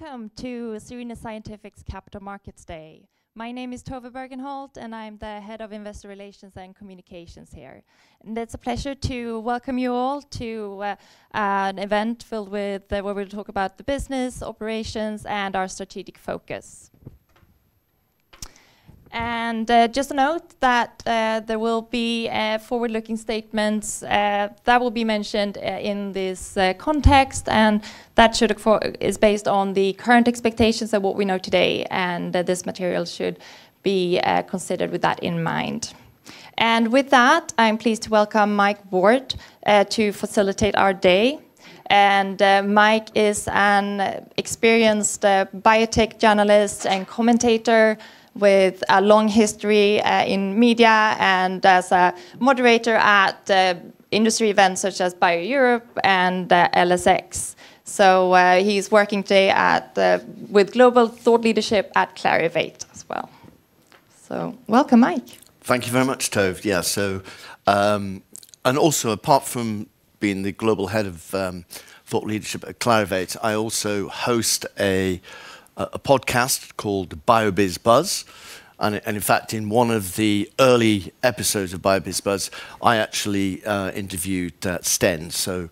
Welcome to Cereno Scientific's Capital Markets Day. My name is Tove Bergenholt, and I'm the Head of Investor Relations and Communications here. It's a pleasure to welcome you all to an event filled with where we'll talk about the business, operations, and our strategic focus. Just a note that there will be forward-looking statements that will be mentioned in this context, and that should be based on the current expectations of what we know today, and this material should be considered with that in mind. With that, I'm pleased to welcome Mike Ward to facilitate our day. Mike is an experienced biotech journalist and commentator with a long history in media and as a moderator at industry events such as BIO-Europe and LSX. He's working today with Global Thought Leadership at Clarivate as well. Welcome, Mike. Thank you very much, Tove. Yeah, so and also apart from being the global head of thought leadership at Clarivate, I also host a podcast called BioBiz Buzz. And in fact, in one of the early episodes of BioBiz Buzz, I actually interviewed Sten. So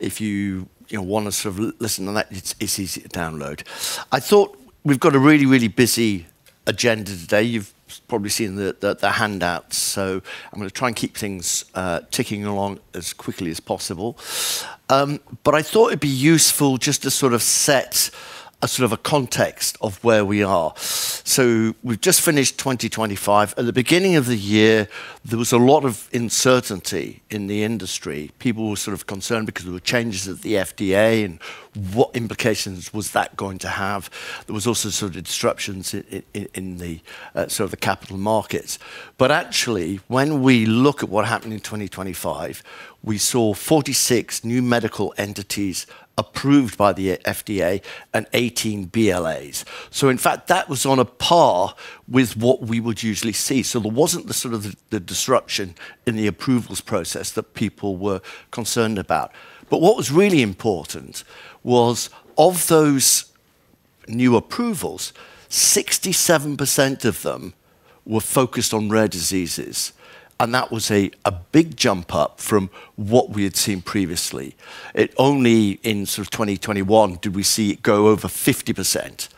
if you want to sort of listen to that, it's easy to download. I thought we've got a really, really busy agenda today. You've probably seen the handouts. So I'm going to try and keep things ticking along as quickly as possible. But I thought it'd be useful just to sort of set a sort of a context of where we are. So we've just finished 2025. At the beginning of the year, there was a lot of uncertainty in the industry. People were sort of concerned because there were changes at the FDA and what implications was that going to have. There was also sort of disruptions in the sort of the capital markets. But actually, when we look at what happened in 2025, we saw 46 new medical entities approved by the FDA and 18 BLAs. So in fact, that was on a par with what we would usually see. So there wasn't the sort of the disruption in the approvals process that people were concerned about. But what was really important was, of those new approvals, 67% of them were focused on rare diseases. And that was a big jump up from what we had seen previously. Only in sort of 2021 did we see it go over 50%.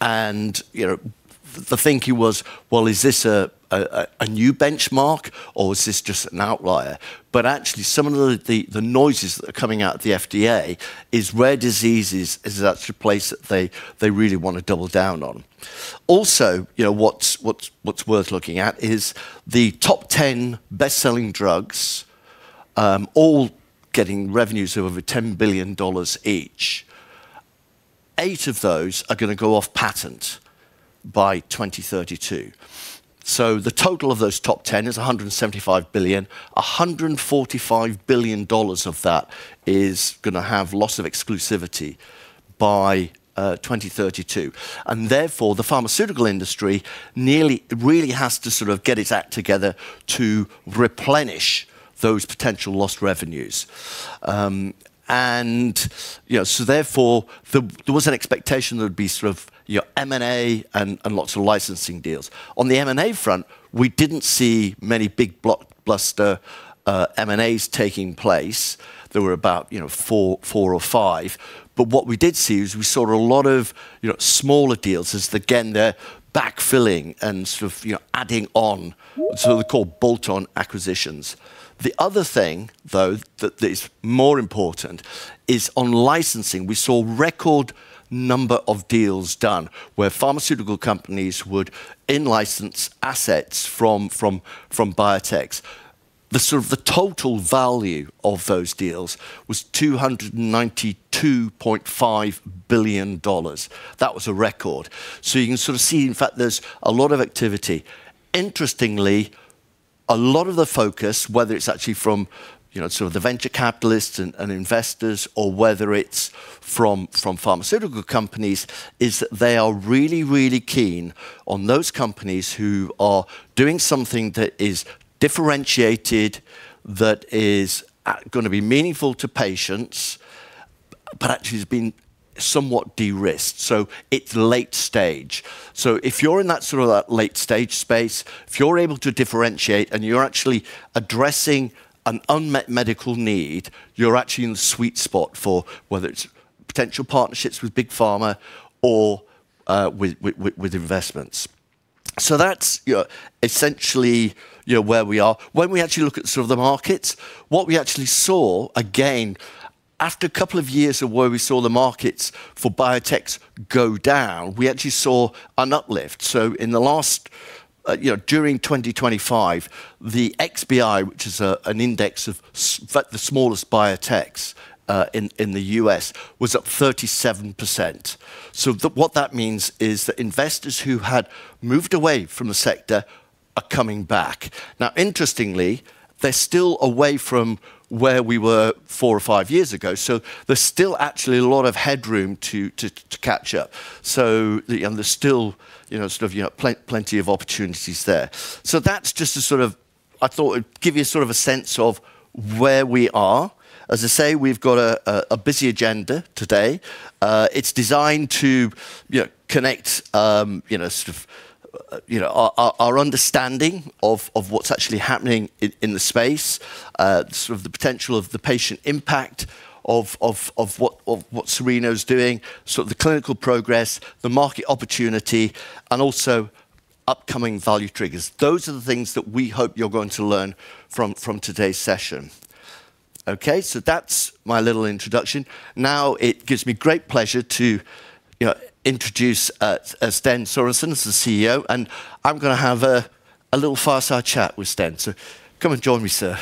And the thinking was, well, is this a new benchmark or is this just an outlier? But actually, some of the noises that are coming out of the FDA is rare diseases is actually a place that they really want to double down on. Also, what's worth looking at is the top 10 best-selling drugs, all getting revenues of over $10 billion each. 8 of those are going to go off patent by 2032. So the total of those top 10 is $175 billion. $145 billion of that is going to have loss of exclusivity by 2032. And therefore, the pharmaceutical industry really has to sort of get its act together to replenish those potential lost revenues. And so therefore, there was an expectation there would be sort of M&A and lots of licensing deals. On the M&A front, we didn't see many big blockbuster M&As taking place. There were about 4 or 5. But what we did see is we saw a lot of smaller deals as, again, they're backfilling and sort of adding on. So they're called bolt-on acquisitions. The other thing, though, that is more important is on licensing, we saw a record number of deals done where pharmaceutical companies would in-license assets from biotechs. The sort of total value of those deals was $292.5 billion. That was a record. So you can sort of see, in fact, there's a lot of activity. Interestingly, a lot of the focus, whether it's actually from sort of the venture capitalists and investors or whether it's from pharmaceutical companies, is that they are really, really keen on those companies who are doing something that is differentiated, that is going to be meaningful to patients, but actually has been somewhat de-risked. So it's late stage. So if you're in that sort of late stage space, if you're able to differentiate and you're actually addressing an unmet medical need, you're actually in the sweet spot for whether it's potential partnerships with big pharma or with investments. So that's essentially where we are. When we actually look at sort of the markets, what we actually saw, again, after a couple of years of where we saw the markets for biotechs go down, we actually saw an uplift. So in the last, during 2025, the XBI, which is an index of the smallest biotechs in the U.S., was up 37%. So what that means is that investors who had moved away from the sector are coming back. Now, interestingly, they're still away from where we were four or five years ago. So there's still actually a lot of headroom to catch up. So there's still sort of plenty of opport.nities there. So that's just sort of—I thought it'd give you sort of a sense of where we are. As I say, we've got a busy agenda today. It's designed to connect sort of our understanding of what's actually happening in the space, sort of the potential of the patient impact of what Cereno is doing, sort of the clinical progress, the market opportunity, and also upcoming value triggers. Those are the things that we hope you're going to learn from today's session. OK, so that's my little introduction. Now it gives me great pleasure to introduce Sten Sörensen, the CEO. And I'm going to have a little fireside chat with Sten. So come and join me, sir.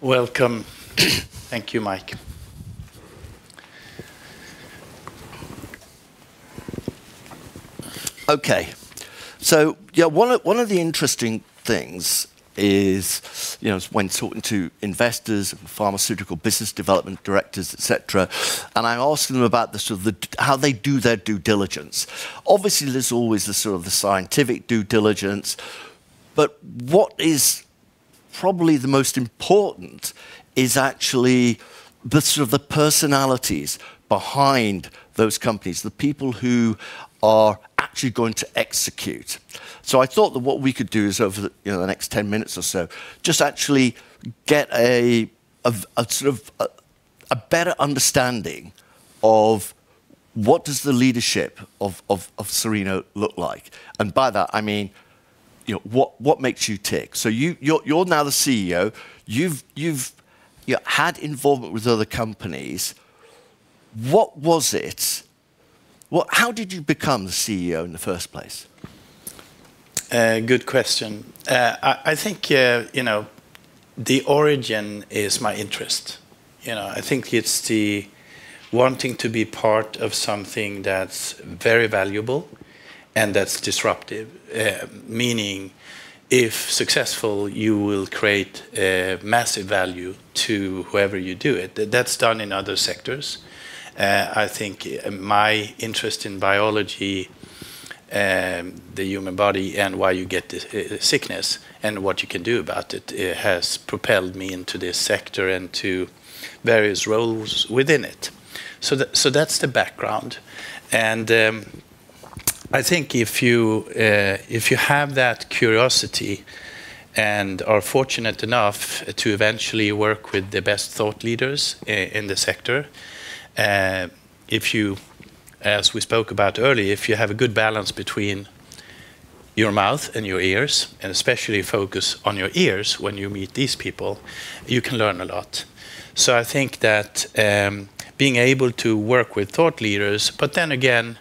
Welcome. Thank you, Mike. OK, so one of the interesting things is when talking to investors and pharmaceutical business development directors, et cetera, and I ask them about how they do their due diligence. Obviously, there's always the sort of the scientific due diligence. But what is probably the most important is actually the sort of the personalities behind those companies, the people who are actually going to execute. So I thought that what we could do is over the next 10 minutes or so just actually get a sort of a better understanding of what does the leadership of Cereno look like? And by that, I mean, what makes you tick? So you're now the CEO. You've had involvement with other companies. What was it? How did you become the CEO in the first place? Good question. I think the origin is my interest. I think it's the wanting to be part of something that's very valuable and that's disruptive, meaning if successful, you will create massive value to whoever you do it. That's done in other sectors. I think my interest in biology, the human body, and why you get sickness and what you can do about it has propelled me into this sector and to various roles within it. So that's the background. And I think if you have that curiosity and are fortunate enough to eventually work with the best thought leaders in the sector, as we spoke about earlier, if you have a good balance between your mouth and your ears and especially focus on your ears when you meet these people, you can learn a lot. So I think that being able to work with thought leaders, but then again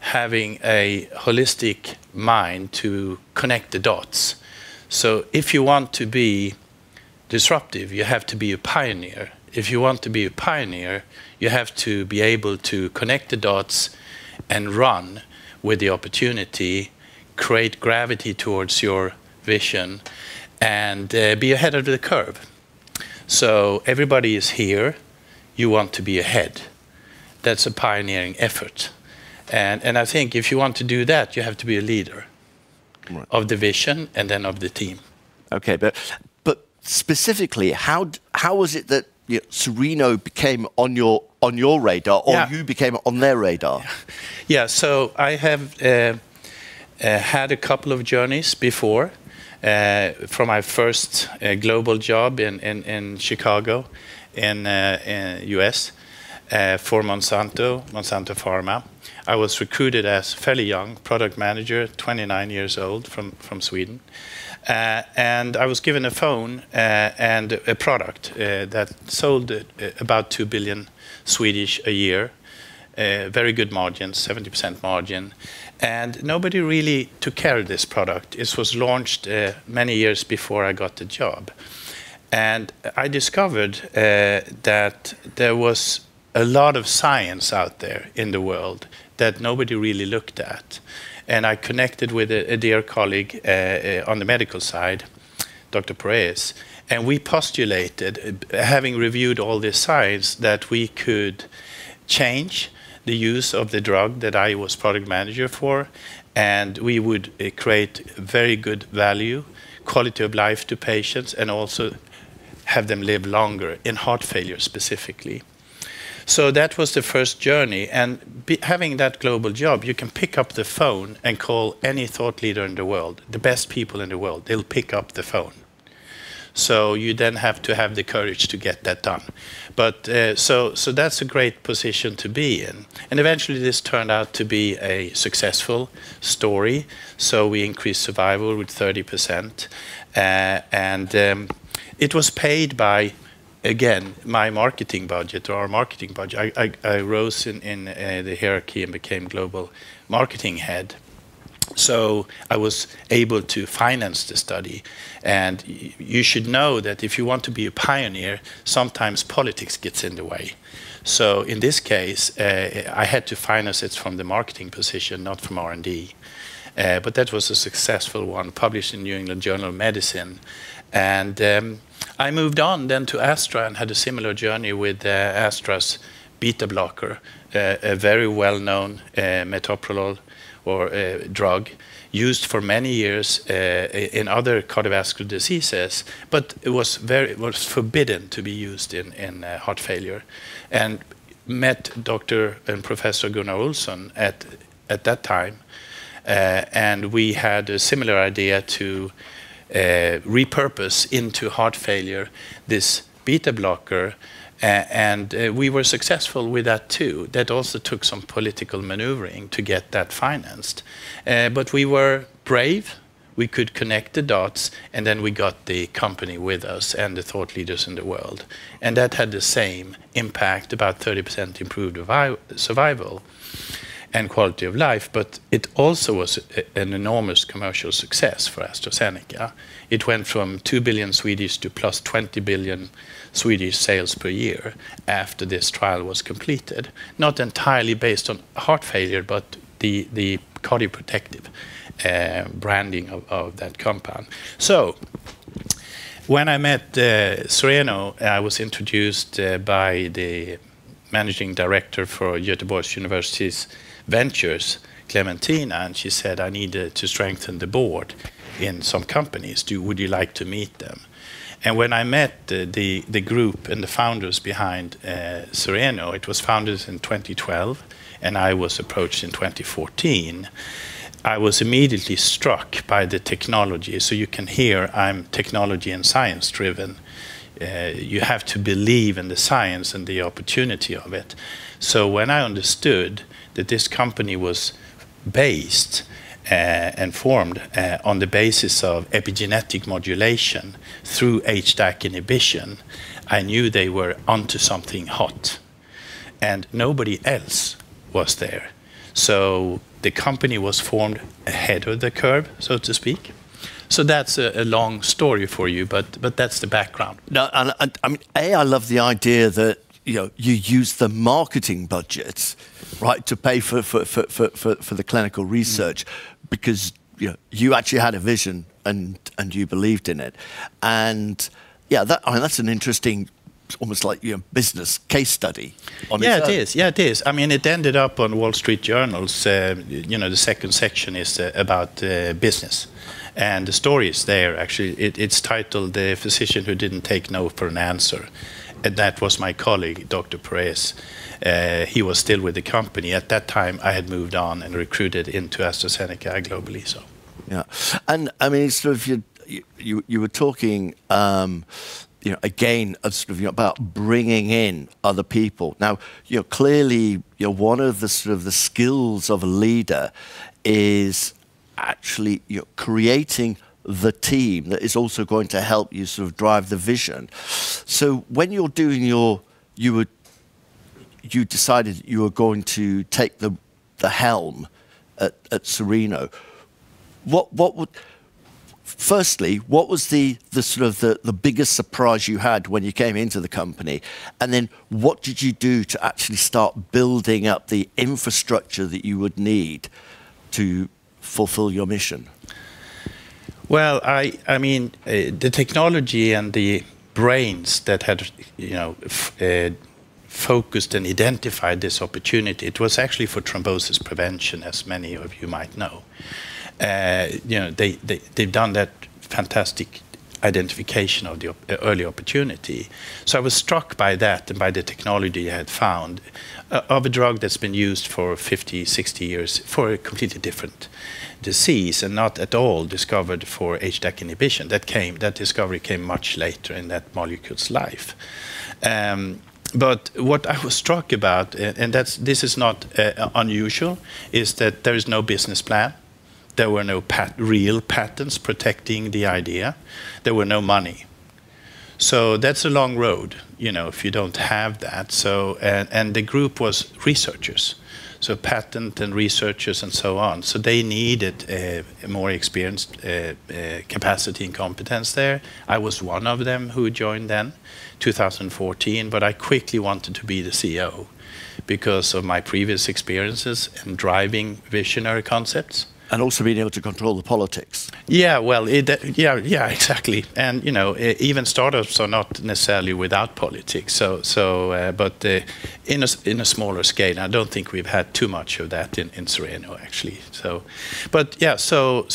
having a holistic mind to connect the dots. So if you want to be disruptive, you have to be a pioneer. If you want to be a pioneer, you have to be able to connect the dots and run with the opportunity, create gravity towards your vision, and be ahead of the curve. So everybody is here. You want to be ahead. That's a pioneering effort. And I think if you want to do that, you have to be a leader of the vision and then of the team. OK, but specifically, how was it that Cereno became on your radar or you became on their radar? Yeah, so I have had a couple of journeys before from my first global job in Chicago in the U.S. for Monsanto, Monsanto Pharma. I was recruited as fairly young, product manager, 29 years old from Sweden. I was given a phone and a product that sold about 2 billion a year, very good margin, 70% margin. Nobody really took care of this product. This was launched many years before I got the job. I discovered that there was a lot of science out there in the world that nobody really looked at. I connected with a dear colleague on the medical side, Dr. Perez. We postulated, having reviewed all this science, that we could change the use of the drug that I was product manager for. We would create very good value, quality of life to patients, and also have them live longer in heart failure specifically. That was the first journey. Having that global job, you can pick up the phone and call any thought leader in the world, the best people in the world. They'll pick up the phone. You then have to have the courage to get that done. That's a great position to be in. Eventually, this turned out to be a successful story. We increased survival with 30%. It was paid by, again, my marketing budget or our marketing budget. I rose in the hierarchy and became global marketing head. I was able to finance the study. You should know that if you want to be a pioneer, sometimes politics gets in the way. So in this case, I had to finance it from the marketing position, not from R&D. But that was a successful one, published in New England Journal of Medicine. And I moved on then to Astra and had a similar journey with Astra's beta blocker, a very well-known metoprolol drug used for many years in other cardiovascular diseases. But it was forbidden to be used in heart failure. And met Dr. and Professor Gunnar Olsson at that time. And we had a similar idea to repurpose into heart failure this beta blocker. And we were successful with that, too. That also took some political maneuvering to get that financed. But we were brave. We could connect the dots. And then we got the company with us and the thought leaders in the world. And that had the same impact, about 30% improved survival and quality of life. But it also was an enormous commercial success for AstraZeneca. It went from 2 billion to plus 20 billion sales per year after this trial was completed, not entirely based on heart failure, but the cardioprotective branding of that compound. So when I met Cereno, I was introduced by the managing director for Gothenburg University's ventures, Clementina. And she said, I need to strengthen the board in some companies. Would you like to meet them? And when I met the group and the founders behind Cereno, it was founded in 2012. And I was approached in 2014. I was immediately struck by the technology. So you can hear I'm technology and science driven. You have to believe in the science and the opportunity of it. So when I understood that this company was based and formed on the basis of epigenetic modulation through HDAC inhibition, I knew they were onto something hot. And nobody else was there. So the company was formed ahead of the curve, so to speak. So that's a long story for you. But that's the background. I love the idea that you use the marketing budget to pay for the clinical research because you actually had a vision and you believed in it. And yeah, that's an interesting, almost like a business case study on its own. Yeah, it is. Yeah, it is. I mean, it ended up on Wall Street Journal's. The second section is about business. The story is there, actually. It's titled "The Physician Who Didn't Take No for an Answer." That was my colleague, Dr. Perez. He was still with the company. At that time, I had moved on and recruited into AstraZeneca globally. Yeah, and I mean, you were talking, again, about bringing in other people. Now, clearly, one of the skills of a leader is actually creating the team that is also going to help you drive the vision. So when you were deciding you were going to take the helm at Cereno, firstly, what was the biggest surprise you had when you came into the company? And then what did you do to actually start building up the infrastructure that you would need to fulfill your mission? Well, I mean, the technology and the brains that had focused and identified this opportunity, it was actually for thrombosis prevention, as many of you might know. They've done that fantastic identification of the early opportunity. So I was struck by that and by the technology I had found of a drug that's been used for 50-60 years for a completely different disease and not at all discovered for HDAC inhibition. That discovery came much later in that molecule's life. But what I was struck about, and this is not unusual, is that there is no business plan. There were no real patents protecting the idea. There were no money. So that's a long road if you don't have that. And the group was researchers, so patent and researchers and so on. So they needed more experience, capacity, and competence there. I was one of them who joined then in 2014. But I quickly wanted to be the CEO because of my previous experiences and driving visionary concepts. Also being able to control the politics. Yeah, well, yeah, exactly. And even startups are not necessarily without politics. But in a smaller scale, I don't think we've had too much of that in Cereno, actually. But yeah, so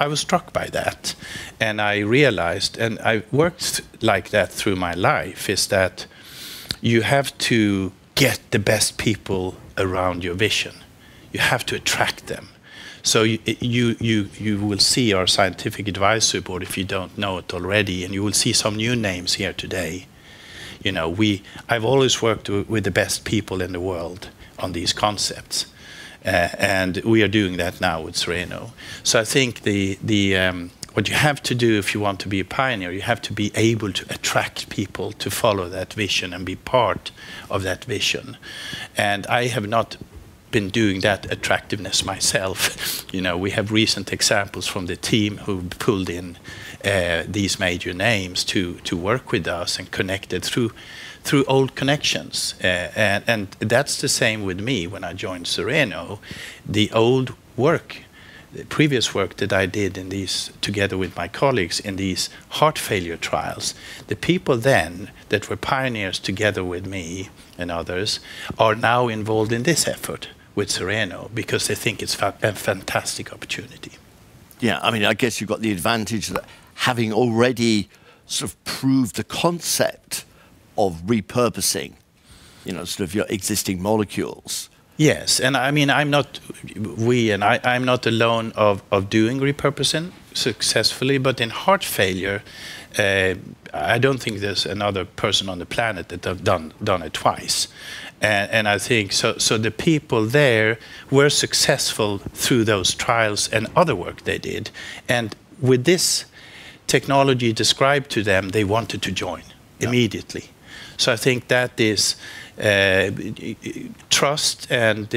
I was struck by that. And I realized, and I worked like that through my life, is that you have to get the best people around your vision. You have to attract them. So you will see our scientific advisory board if you don't know it already. And you will see some new names here today. I've always worked with the best people in the world on these concepts. And we are doing that now with Cereno. So I think what you have to do if you want to be a pioneer, you have to be able to attract people to follow that vision and be part of that vision. I have not been doing that attractiveness myself. We have recent examples from the team who pulled in these major names to work with us and connected through old connections. That's the same with me when I joined Cereno. The old work, the previous work that I did together with my colleagues in these heart failure trials, the people then that were pioneers together with me and others are now involved in this effort with Cereno because they think it's a fantastic opportunity. Yeah, I mean, I guess you've got the advantage of having already proved the concept of repurposing your existing molecules. Yes, and I mean, I'm not we and I'm not alone of doing repurposing successfully. But in heart failure, I don't think there's another person on the planet that have done it twice. And I think so the people there were successful through those trials and other work they did. And with this technology described to them, they wanted to join immediately. So I think that is trust and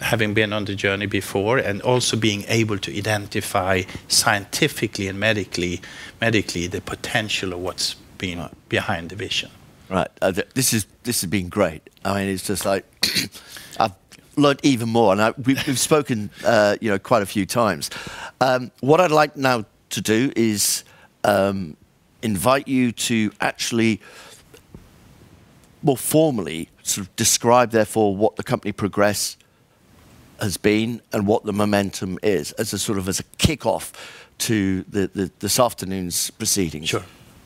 having been on the journey before and also being able to identify scientifically and medically the potential of what's being behind the vision. Right, this has been great. I mean, it's just like I've learned even more. And we've spoken quite a few times. What I'd like now to do is invite you to actually more formally describe, therefore, what the company progress has been and what the momentum is as a kickoff to this afternoon's proceedings.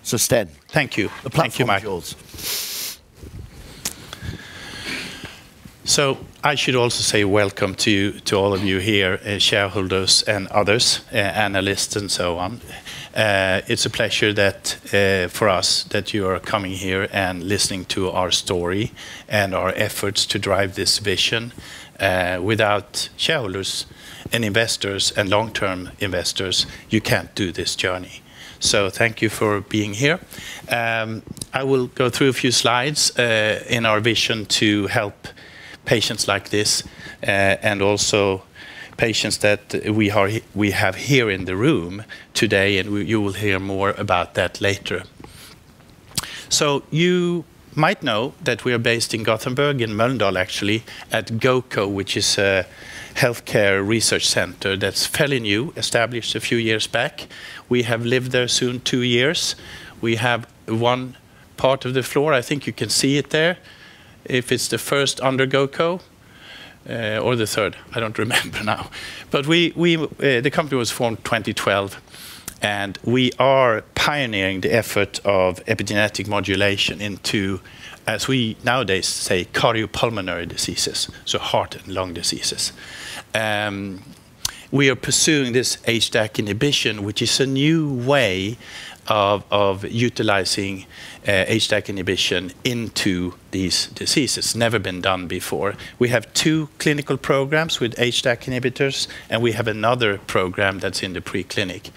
So Sten. The platform is yours. Thank you. The platform is yours. So I should also say welcome to all of you here, shareholders and others, analysts, and so on. It's a pleasure for us that you are coming here and listening to our story and our efforts to drive this vision. Without shareholders and investors and long-term investors, you can't do this journey. So thank you for being here. I will go through a few slides in our vision to help patients like this and also patients that we have here in the room today. And you will hear more about that later. So you might know that we are based in Gothenburg, in Mölndal, actually, at GoCo, which is a health care research center that's fairly new, established a few years back. We have lived there soon two years. We have one part of the floor. I think you can see it there if it's the first under GoCo or the third. I don't remember now. The company was formed in 2012. We are pioneering the effort of epigenetic modulation into, as we nowadays say, cardiopulmonary diseases, so heart and lung diseases. We are pursuing this HDAC inhibition, which is a new way of utilizing HDAC inhibition into these diseases, never been done before. We have two clinical programs with HDAC inhibitors. We have another program that's in the preclinical.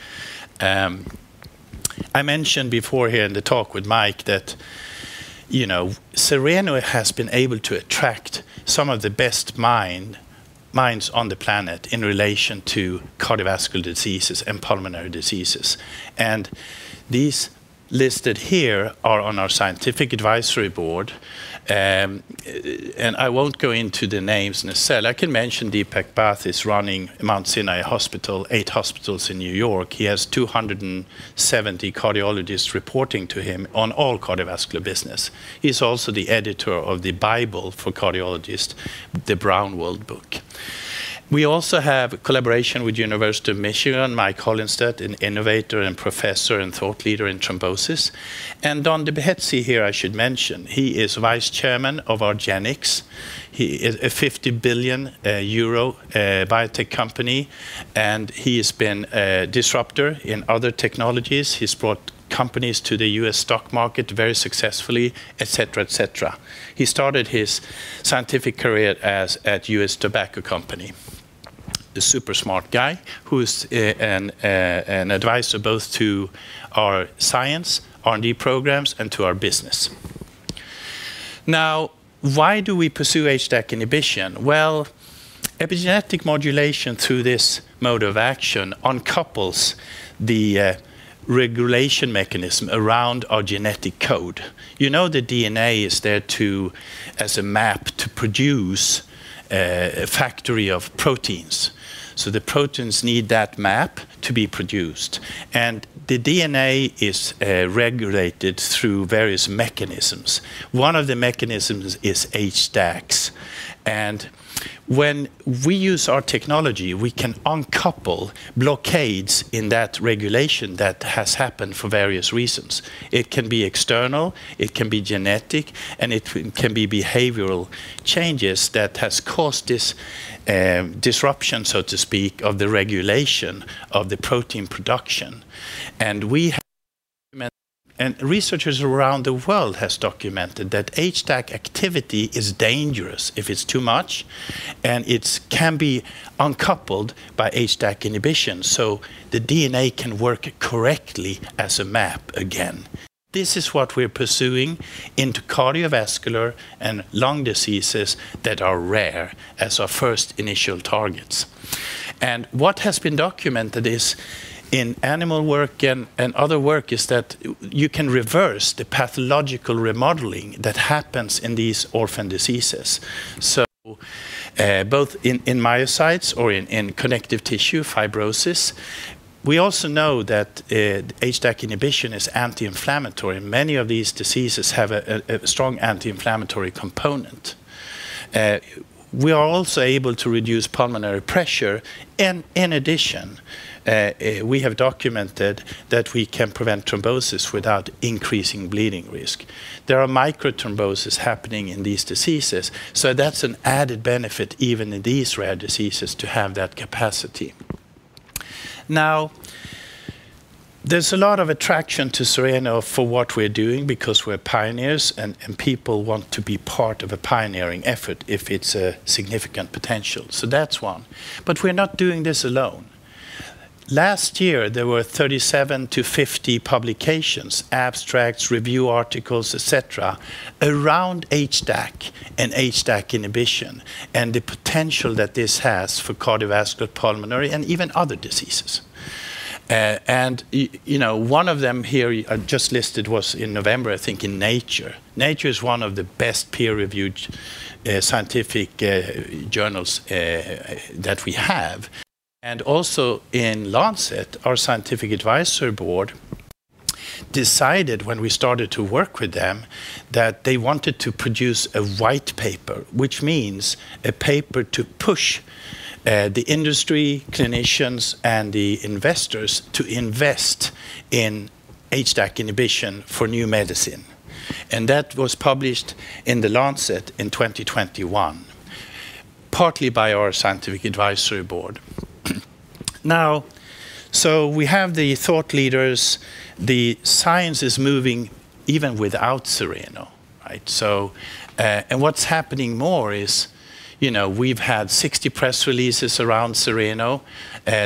I mentioned before here in the talk with Mike that Cereno has been able to attract some of the best minds on the planet in relation to cardiovascular diseases and pulmonary diseases. These listed here are on our scientific advisory board. I won't go into the names in detail. I can mention Deepak L. Bhatt is running Mount Sinai Health System, eight hospitals in New York. He has 270 cardiologists reporting to him on all cardiovascular business. He's also the editor of the Bible for cardiologists, the Braunwald book. We also have a collaboration with the University of Michigan, Michael Holinstat, an innovator and professor and thought leader in thrombosis. And Don deBethizy here, I should mention. He is vice chairman of argenx. It is a 50 billion euro biotech company. And he has been a disruptor in other technologies. He's brought companies to the U.S. stock market very successfully, et cetera, et cetera. He started his scientific career at U.S. Tobacco Company. A super smart guy who is an advisor both to our science, R&D programs, and to our business. Now, why do we pursue HDAC inhibition? Well, epigenetic modulation through this mode of action uncouples the regulation mechanism around our genetic code. You know the DNA is there as a map to produce a factory of proteins. So the proteins need that map to be produced. The DNA is regulated through various mechanisms. One of the mechanisms is HDACs. When we use our technology, we can uncouple blockades in that regulation that has happened for various reasons. It can be external. It can be genetic. It can be behavioral changes that have caused this disruption, so to speak, of the regulation of the protein production. Researchers around the world have documented that HDAC activity is dangerous if it's too much. It can be uncoupled by HDAC inhibition so the DNA can work correctly as a map again. This is what we're pursuing into cardiovascular and lung diseases that are rare as our first initial targets. And what has been documented in animal work and other work is that you can reverse the pathological remodeling that happens in these orphan diseases, both in myocytes or in connective tissue fibrosis. We also know that HDAC inhibition is anti-inflammatory. Many of these diseases have a strong anti-inflammatory component. We are also able to reduce pulmonary pressure. And in addition, we have documented that we can prevent thrombosis without increasing bleeding risk. There are micro thromboses happening in these diseases. So that's an added benefit even in these rare diseases to have that capacity. Now, there's a lot of attraction to Cereno for what we're doing because we're pioneers. And people want to be part of a pioneering effort if it's a significant potential. So that's one. We're not doing this alone. Last year, there were 37-50 publications, abstracts, review articles, et cetera, around HDAC and HDAC inhibition and the potential that this has for cardiovascular, pulmonary, and even other diseases. One of them here I just listed was in November, I think, in Nature. Nature is one of the best peer-reviewed scientific journals that we have. Also in The Lancet, our scientific advisory board decided when we started to work with them that they wanted to produce a white paper, which means a paper to push the industry, clinicians, and the investors to invest in HDAC inhibition for new medicine. That was published in The Lancet in 2021, partly by our scientific advisory board. Now, so we have the thought leaders. The science is moving even without Cereno. What's happening more is we've had 60 press releases around Cereno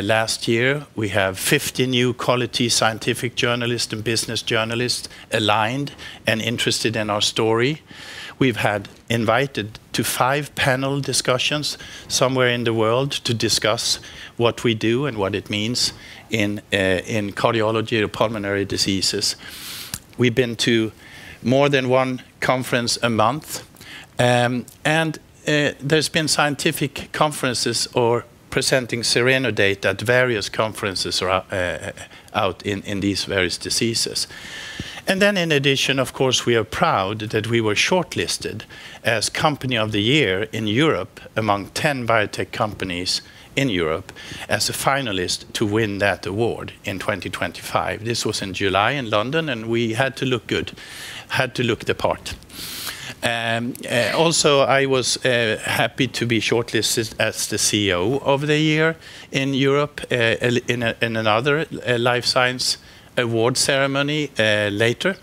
last year. We have 50 new quality scientific journalists and business journalists aligned and interested in our story. We've been invited to five panel discussions somewhere in the world to discuss what we do and what it means in cardiology or pulmonary diseases. We've been to more than one conference a month. There's been scientific conferences presenting Cereno data at various conferences out in these various diseases. In addition, of course, we are proud that we were shortlisted as Company of the Year in Europe among 10 biotech companies in Europe as a finalist to win that award in 2025. This was in July in London. We had to look good, had to look the part. Also, I was happy to be shortlisted as the CEO of the Year in Europe in another life science award ceremony later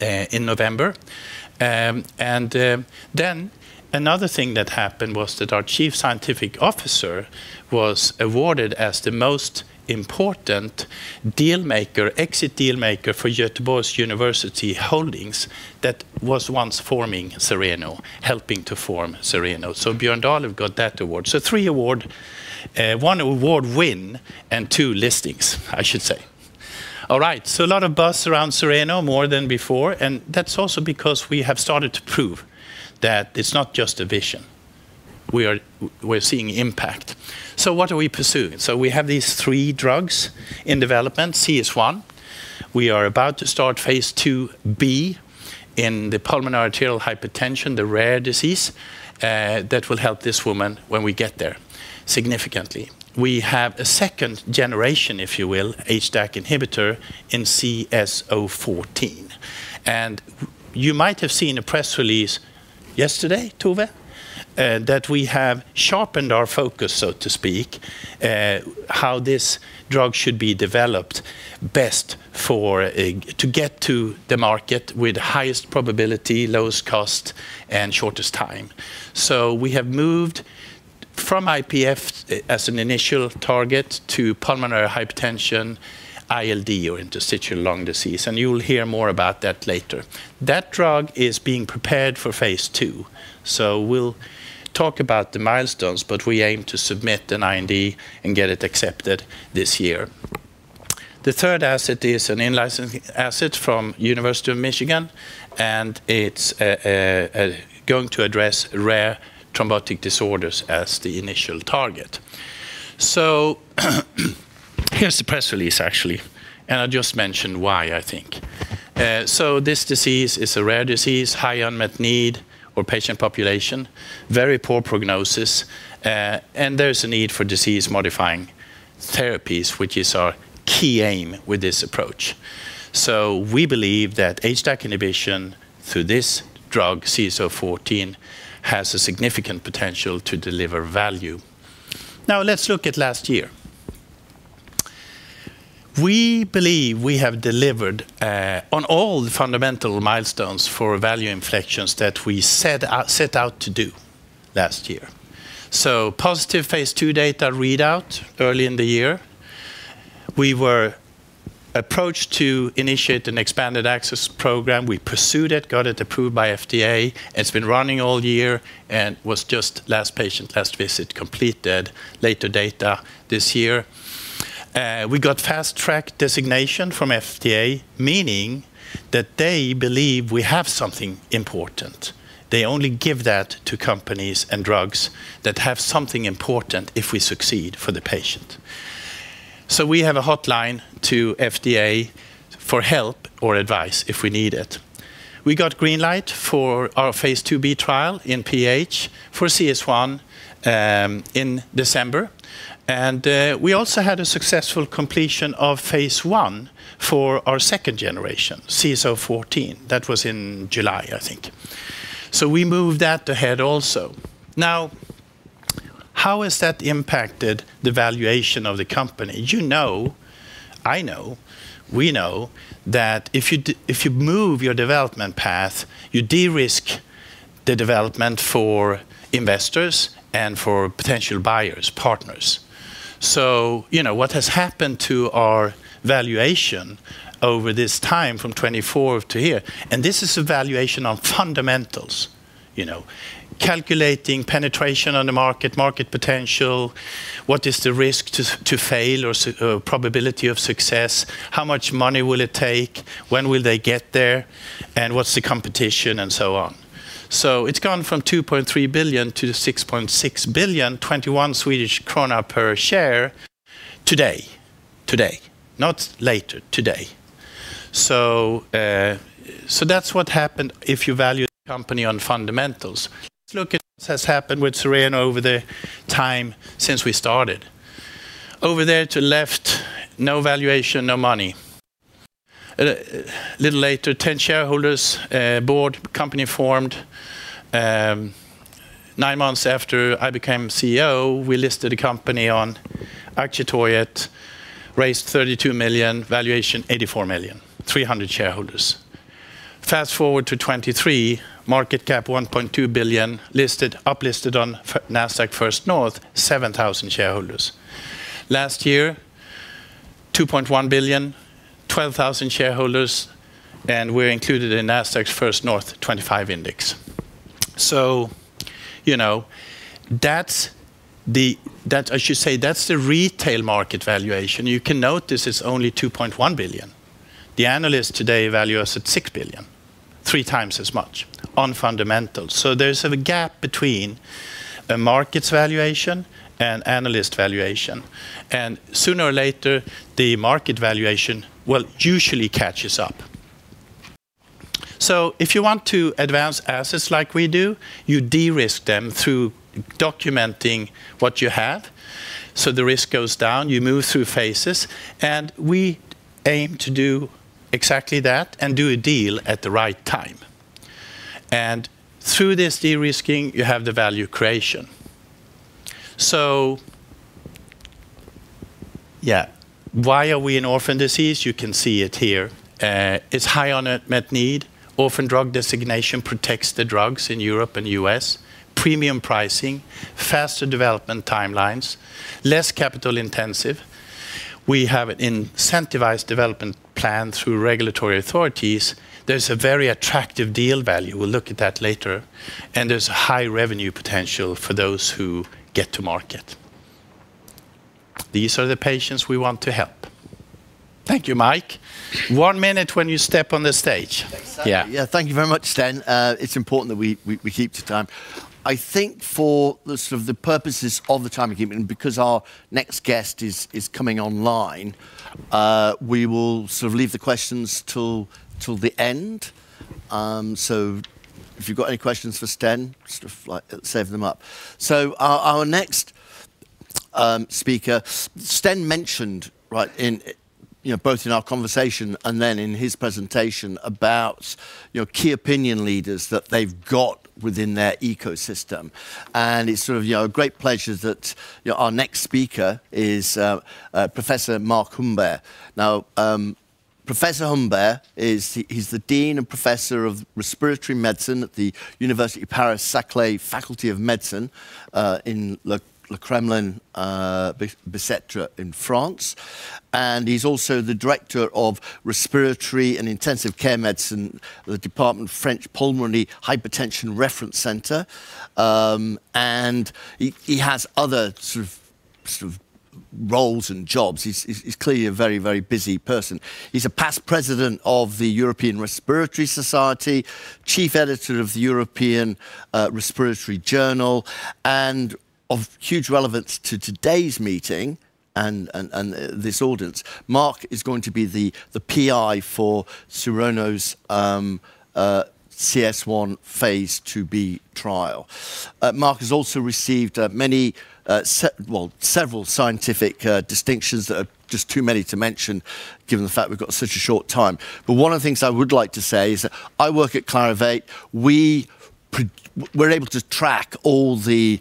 in November. Then another thing that happened was that our chief scientific officer was awarded as the most important exit dealmaker for Gothenburg University Holdings that was once forming Cereno, helping to form Cereno. So Björn Dahlöf got that award. So three awards, one award win and two listings, I should say. All right, so a lot of buzz around Cereno, more than before. And that's also because we have started to prove that it's not just a vision. We're seeing impact. So what are we pursuing? So we have these three drugs in development, CS1. We are about to start phase IIb in the pulmonary arterial hypertension, the rare disease that will help this woman when we get there significantly. We have a second generation, if you will, HDAC inhibitor in CS014. You might have seen a press release yesterday, Tove, that we have sharpened our focus, so to speak, how this drug should be developed best to get to the market with the highest probability, lowest cost, and shortest time. We have moved from IPF as an initial target to pulmonary hypertension, ILD, or interstitial lung disease. You'll hear more about that later. That drug is being prepared for phase II. We'll talk about the milestones. We aim to submit an IND and get it accepted this year. The third asset is an in-licensed asset from the University of Michigan. It's going to address rare thrombotic disorders as the initial target. Here's the press release, actually. I'll just mention why, I think. This disease is a rare disease, high unmet need [in the] patient population, very poor prognosis. There is a need for disease-modifying therapies, which is our key aim with this approach. We believe that HDAC inhibition through this drug, CS014, has a significant potential to deliver value. Now, let's look at last year. We believe we have delivered on all the fundamental milestones for value inflections that we set out to do last year. Positive phase II data readout early in the year. We were approached to initiate an expanded access program. We pursued it, got it approved by FDA. It's been running all year and was just last patient, last visit completed, later data this year. We got fast-track designation from FDA, meaning that they believe we have something important. They only give that to companies and drugs that have something important if we succeed for the patient. So we have a hotline to FDA for help or advice if we need it. We got green light for our phase IIb trial in PH for CS1 in December. And we also had a successful completion of phase I for our second generation, CS014. That was in July, I think. So we moved that ahead also. Now, how has that impacted the valuation of the company? You know, I know, we know that if you move your development path, you de-risk the development for investors and for potential buyers, partners. So what has happened to our valuation over this time from 2024 to here? This is a valuation on fundamentals, you know calculating penetration on the market, market potential, what is the risk to fail or probability of success, how much money will it take, when will they get there, and what's the competition, and so on. So it's gone from 2.3 billion to 6.6 billion, 21 Swedish krona per share today, today, not later, today. So that's what happened if you value the company on fundamentals. Let's look at what has happened with Cereno over the time since we started. Over there to the left, no valuation, no money. A little later, 10 shareholders, board, company formed. Nine months after I became CEO, we listed the company on AktieTorget, raised 32 million, valuation 84 million, 300 shareholders. Fast forward to 2023, market cap 1.2 billion, uplisted on Nasdaq First North, 7,000 shareholders. Last year, 2.1 billion, 12,000 shareholders. We're included in Nasdaq First North 25 index. So you know that's, I should say, that's the retail market valuation. You can note this is only 2.1 billion. The analysts today value us at 6 billion, three times as much on fundamentals. So there's a gap between a market's valuation and analyst valuation. And sooner or later, the market valuation, well, usually catches up. So if you want to advance assets like we do, you de-risk them through documenting what you have. So the risk goes down. You move through phases. And we aim to do exactly that and do a deal at the right time. And through this de-risking, you have the value creation. So yeah, why are we in orphan disease? You can see it here. It's high unmet need. Orphan Drug Designation protects the drugs in Europe and the U.S., premium pricing, faster development timelines, less capital intensive. We have an incentivized development plan through regulatory authorities. There's a very attractive deal value. We'll look at that later. There's a high revenue potential for those who get to market. These are the patients we want to help. Thank you, Mike. One minute when you step on the stage. Thank you very much, Sten. It's important that we keep to time. I think for the purposes of the time we're keeping, because our next guest is coming online, we will leave the questions till the end. So if you've got any questions for Sten, save them up. So our next speaker, Sten mentioned both in our conversation and then in his presentation about key opinion leaders that they've got within their ecosystem. And it's a great pleasure that our next speaker is Professor Marc Humbert. Now, Professor Humbert, he's the Dean and Professor of Respiratory Medicine at the University Paris-Saclay Faculty of Medicine in Le Kremlin-Bicêtre, in France. And he's also the Director of Respiratory and Intensive Care Medicine at the Department of French Pulmonary Hypertension Reference Center. And he has other roles and jobs. He's clearly a very, very busy person. He's a past president of the European Respiratory Society, Chief Editor of the European Respiratory Journal, and of huge relevance to today's meeting and this audience. Marc is going to be the PI for Cereno's CS1 phase IIB trial. Marc has also received many, well, several scientific distinctions that are just too many to mention, given the fact we've got such a short time. But one of the things I would like to say is that I work at Clarivate. We're able to track all the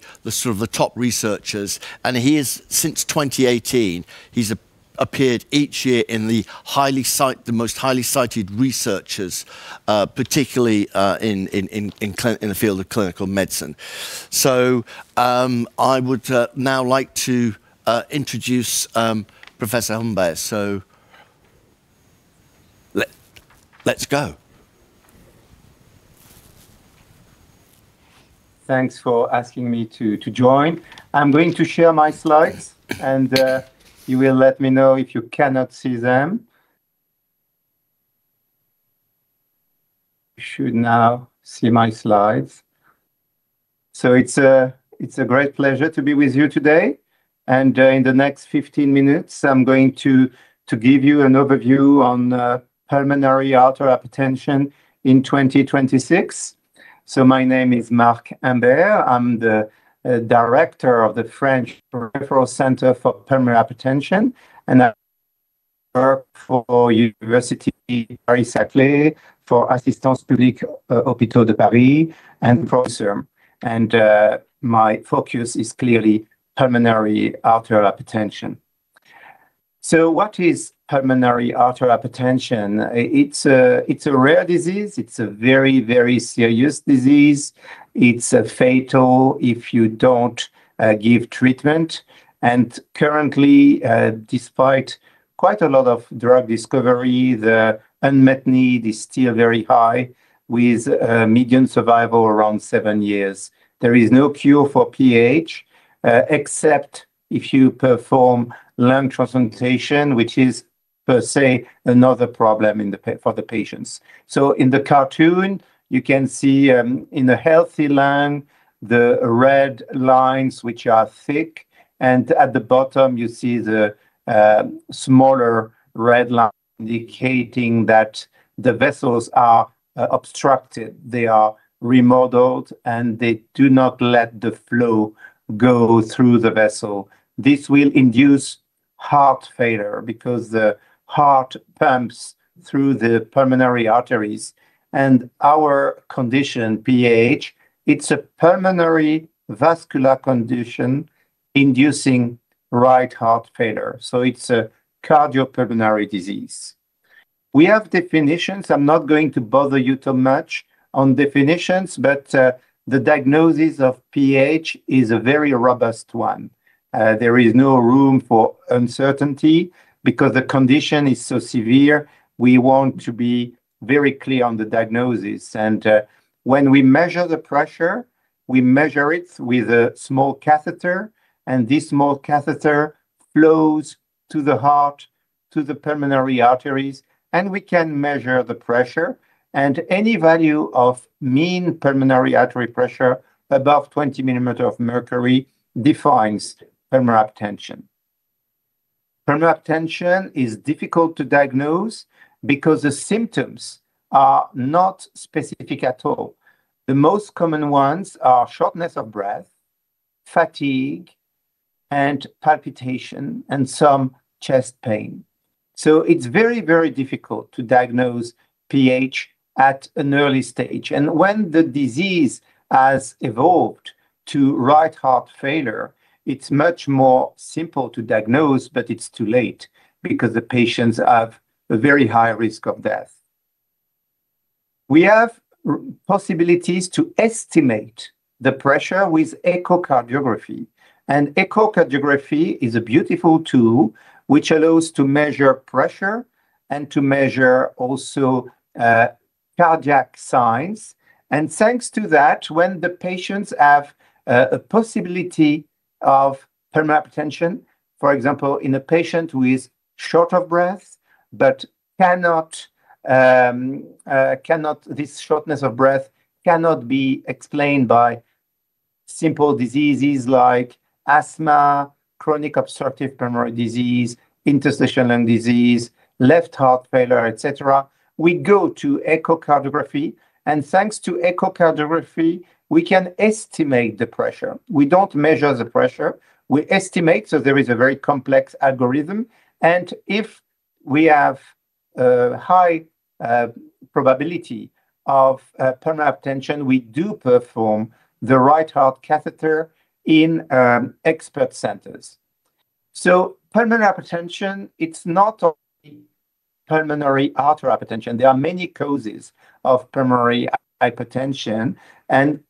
top researchers. And since 2018, he's appeared each year in the most highly cited researchers, particularly in the field of clinical medicine. So I would now like to introduce Professor Humbert. So let's go. Thanks for asking me to join. I'm going to share my slides. You will let me know if you cannot see them. You should now see my slides. It's a great pleasure to be with you today. In the next 15 minutes, I'm going to give you an overview on pulmonary arterial hypertension in 2026. My name is Marc Humbert. I'm the Director of the French Reference Center for Pulmonary Hypertension. I work for the University Paris-Saclay for Assistance Publique-Hôpitaux de Paris and for Inserm. My focus is clearly pulmonary arterial hypertension. What is pulmonary arterial hypertension? It's a rare disease. It's a very, very serious disease. It's fatal if you don't give treatment. Currently, despite quite a lot of drug discovery, the unmet need is still very high, with a median survival around 7 years. There is no cure for PH except if you perform lung transplantation, which is, per se, another problem for the patients. In the cartoon, you can see in a healthy lung the red lines, which are thick. At the bottom, you see the smaller red line indicating that the vessels are obstructed. They are remodeled. They do not let the flow go through the vessel. This will induce heart failure because the heart pumps through the pulmonary arteries. Our condition, PH, it's a pulmonary vascular condition inducing right heart failure. It's a cardiopulmonary disease. We have definitions. I'm not going to bother you too much on definitions. The diagnosis of PH is a very robust one. There is no room for uncertainty because the condition is so severe. We want to be very clear on the diagnosis. When we measure the pressure, we measure it with a small catheter. This small catheter flows to the heart, to the pulmonary arteries. We can measure the pressure. Any value of mean pulmonary artery pressure above 20 mm of mercury defines pulmonary hypertension. Pulmonary hypertension is difficult to diagnose because the symptoms are not specific at all. The most common ones are shortness of breath, fatigue, and palpitations, and some chest pain. It's very, very difficult to diagnose PH at an early stage. When the disease has evolved to right heart failure, it's much more simple to diagnose. But it's too late because the patients have a very high risk of death. We have possibilities to estimate the pressure with echocardiography. Echocardiography is a beautiful tool, which allows us to measure pressure and to measure also cardiac signs. Thanks to that, when the patients have a possibility of pulmonary hypertension, for example, in a patient who is short of breath, but this shortness of breath cannot be explained by simple diseases like asthma, chronic obstructive pulmonary disease, interstitial lung disease, left heart failure, et cetera, we go to echocardiography. Thanks to echocardiography, we can estimate the pressure. We don't measure the pressure. We estimate. There is a very complex algorithm. If we have a high probability of pulmonary hypertension, we do perform the right heart catheter in expert centers. Pulmonary hypertension, it's not only pulmonary artery hypertension. There are many causes of pulmonary hypertension.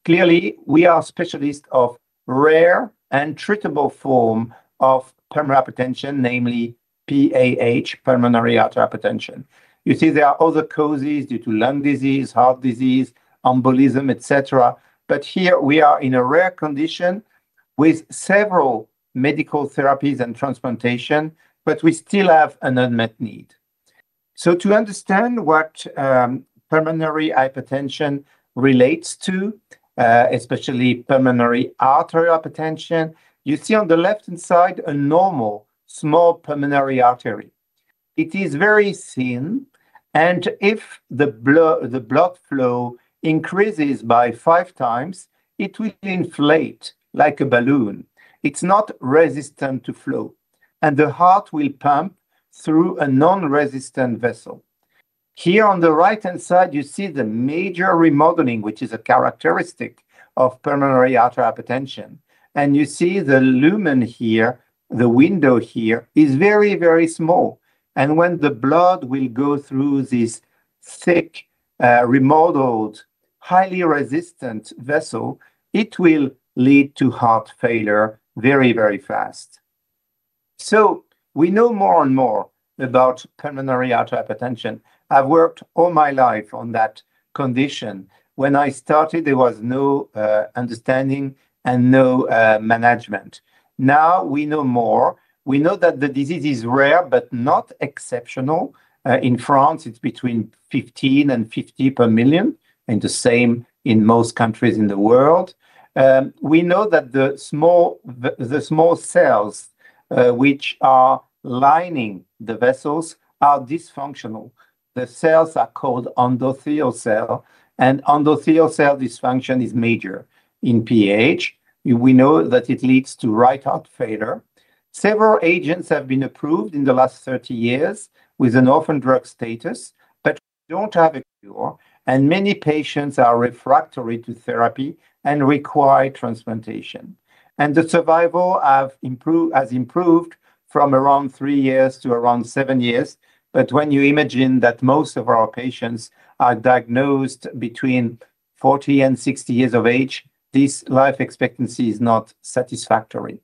Clearly, we are specialists of rare and treatable forms of pulmonary hypertension, namely PAH, pulmonary artery hypertension. You see, there are other causes due to lung disease, heart disease, embolism, et cetera. But here, we are in a rare condition with several medical therapies and transplantations. But we still have an unmet need. So to understand what pulmonary hypertension relates to, especially pulmonary arterial hypertension, you see on the left-hand side a normal small pulmonary artery. It is very thin. And if the blood flow increases by 5x, it will inflate like a balloon. It's not resistant to flow. And the heart will pump through a non-resistant vessel. Here on the right-hand side, you see the major remodeling, which is a characteristic of pulmonary arterial hypertension. And you see the lumen here, the window here, is very, very small. And when the blood will go through this thick, remodeled, highly resistant vessel, it will lead to heart failure very, very fast. So we know more and more about pulmonary arterial hypertension. I've worked all my life on that condition. When I started, there was no understanding and no management. Now we know more. We know that the disease is rare but not exceptional. In France, it's between 15 and 50 per million, and the same in most countries in the world. We know that the small cells, which are lining the vessels, are dysfunctional. The cells are called endothelial cells. Endothelial cell dysfunction is major in PH. We know that it leads to right heart failure. Several agents have been approved in the last 30 years with an orphan drug status. We don't have a cure. Many patients are refractory to therapy and require transplantation. The survival has improved from around 3 years to around 7 years. When you imagine that most of our patients are diagnosed between 40 and 60 years of age, this life expectancy is not satisfactory.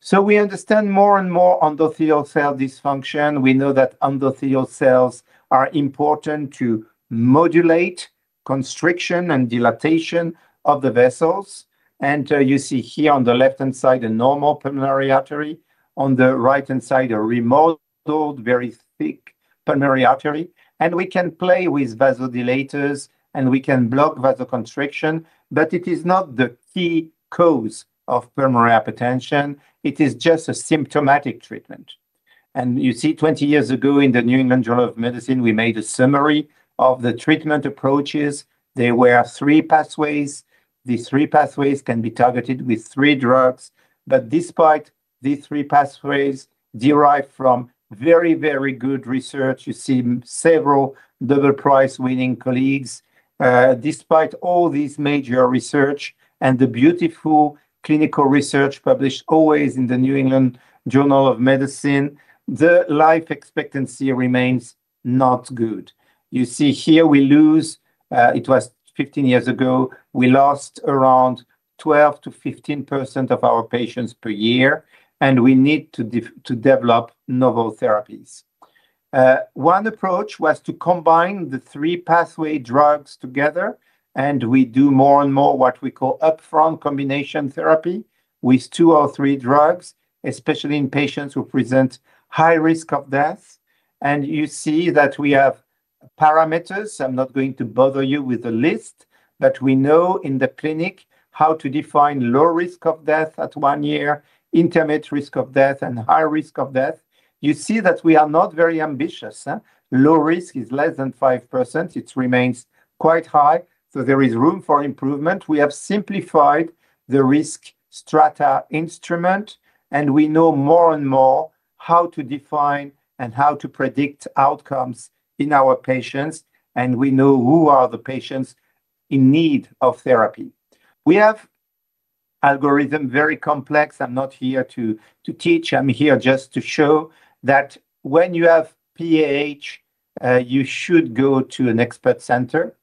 So we understand more and more endothelial cell dysfunction. We know that endothelial cells are important to modulate constriction and dilatation of the vessels. And you see here on the left-hand side a normal pulmonary artery. On the right-hand side, a remodeled, very thick pulmonary artery. And we can play with vasodilators. And we can block vasoconstriction. But it is not the key cause of pulmonary hypertension. It is just a symptomatic treatment. And you see, 20 years ago, in the New England Journal of Medicine, we made a summary of the treatment approaches. There were three pathways. These three pathways can be targeted with three drugs. But despite these three pathways derived from very, very good research, you see several Nobel Prize-winning colleagues. Despite all this major research and the beautiful clinical research published always in the New England Journal of Medicine, the life expectancy remains not good. You see, here we lost it was 15 years ago. We lost around 12%-15% of our patients per year. We need to develop novel therapies. One approach was to combine the three pathway drugs together. We do more and more what we call upfront combination therapy with two or three drugs, especially in patients who present high risk of death. You see that we have parameters. I'm not going to bother you with the list. We know in the clinic how to define low risk of death at one year, intermediate risk of death, and high risk of death. You see that we are not very ambitious. Low risk is less than 5%. It remains quite high. There is room for improvement. We have simplified the risk strata instrument. We know more and more how to define and how to predict outcomes in our patients. We know who are the patients in need of therapy. We have an algorithm, very complex. I'm not here to teach. I'm here just to show that when you have PAH, you should go to an expert center.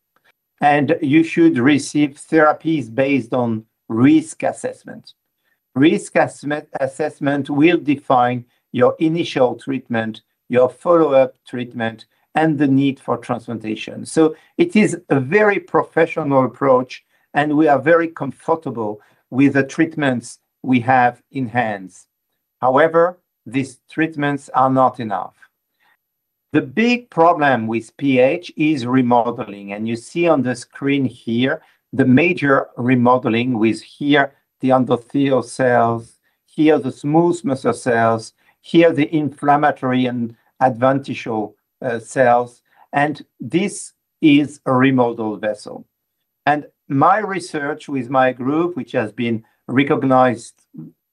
You should receive therapies based on risk assessment. Risk assessment will define your initial treatment, your follow-up treatment, and the need for transplantation. It is a very professional approach. We are very comfortable with the treatments we have in hand. However, these treatments are not enough. The big problem with PH is remodeling. You see on the screen here the major remodeling with here the endothelial cells, here the smooth muscle cells, here the inflammatory and adventitial cells. This is a remodeled vessel. My research with my group, which has been recognized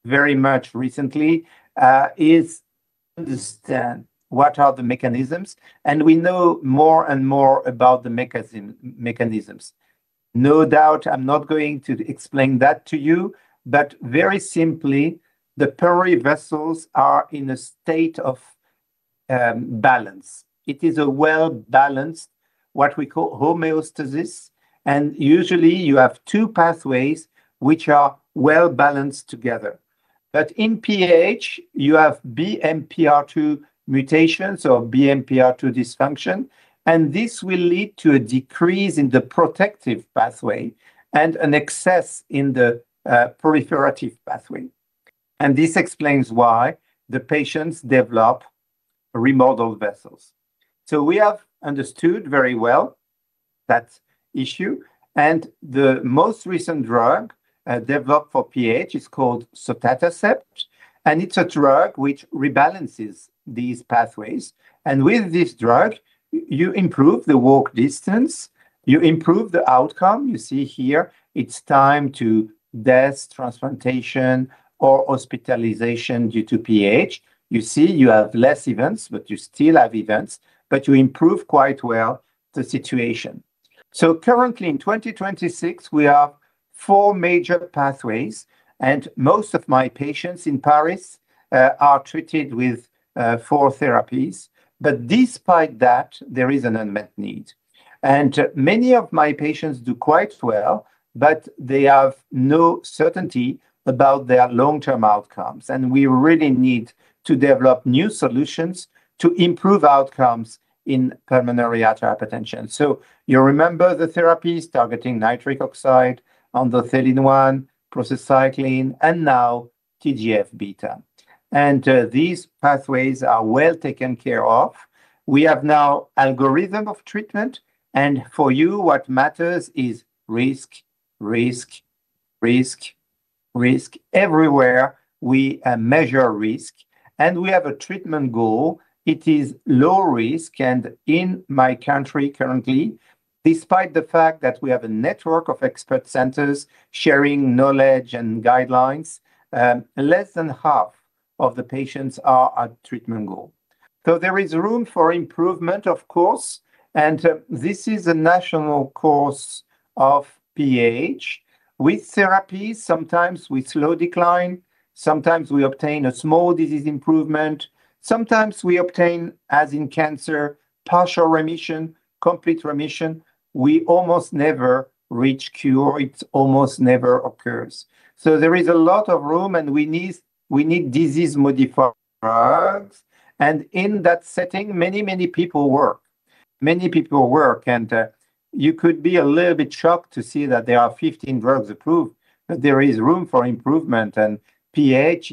very much recently, is to understand what are the mechanisms. We know more and more about the mechanisms. No doubt, I'm not going to explain that to you. But very simply, the pulmonary vessels are in a state of balance. It is a well-balanced, what we call homeostasis. Usually, you have two pathways which are well-balanced together. But in PH, you have BMPR2 mutations or BMPR2 dysfunction. This will lead to a decrease in the protective pathway and an excess in the proliferative pathway. This explains why the patients develop remodeled vessels. We have understood very well that issue. The most recent drug developed for PH is called sotatercept. It's a drug which rebalances these pathways. With this drug, you improve the walk distance. You improve the outcome. You see here, it's time to death, transplantation, or hospitalization due to PH. You see, you have less events, but you still have events. But you improve quite well the situation. So currently, in 2026, we have four major pathways. And most of my patients in Paris are treated with four therapies. But despite that, there is an unmet need. And many of my patients do quite well. But they have no certainty about their long-term outcomes. And we really need to develop new solutions to improve outcomes in pulmonary arterial hypertension. So you remember the therapies targeting nitric oxide, endothelin-1, prostacyclin, and now TGF-beta. And these pathways are well taken care of. We have now an algorithm of treatment. And for you, what matters is risk, risk, risk, risk everywhere. We measure risk. And we have a treatment goal. It is low risk. In my country currently, despite the fact that we have a network of expert centers sharing knowledge and guidelines, less than half of the patients are at treatment goal. So there is room for improvement, of course. This is the natural course of PH. With therapies, sometimes we slow decline. Sometimes we obtain a small disease improvement. Sometimes we obtain, as in cancer, partial remission, complete remission. We almost never reach cure. It almost never occurs. So there is a lot of room. We need disease-modifying drugs. In that setting, many, many people work. Many people work. You could be a little bit shocked to see that there are 15 drugs approved. But there is room for improvement. PH,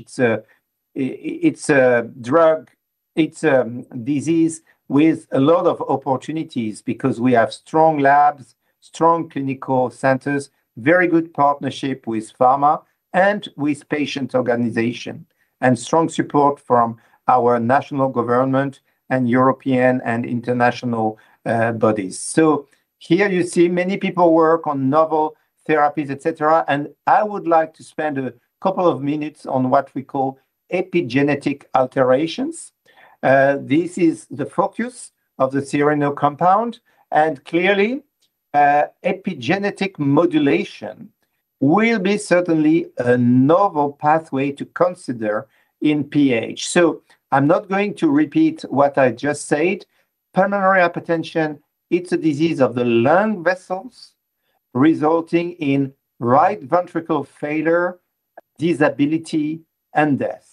it's a drug, it's a disease with a lot of opportunities because we have strong labs, strong clinical centers, very good partnership with pharma and with patient organizations, and strong support from our national government and European and international bodies. So here you see many people work on novel therapies, et cetera. I would like to spend a couple of minutes on what we call epigenetic alterations. This is the focus of the Cereno compound. Clearly, epigenetic modulation will be certainly a novel pathway to consider in PH. So I'm not going to repeat what I just said. Pulmonary hypertension, it's a disease of the lung vessels resulting in right ventricle failure, disability, and death.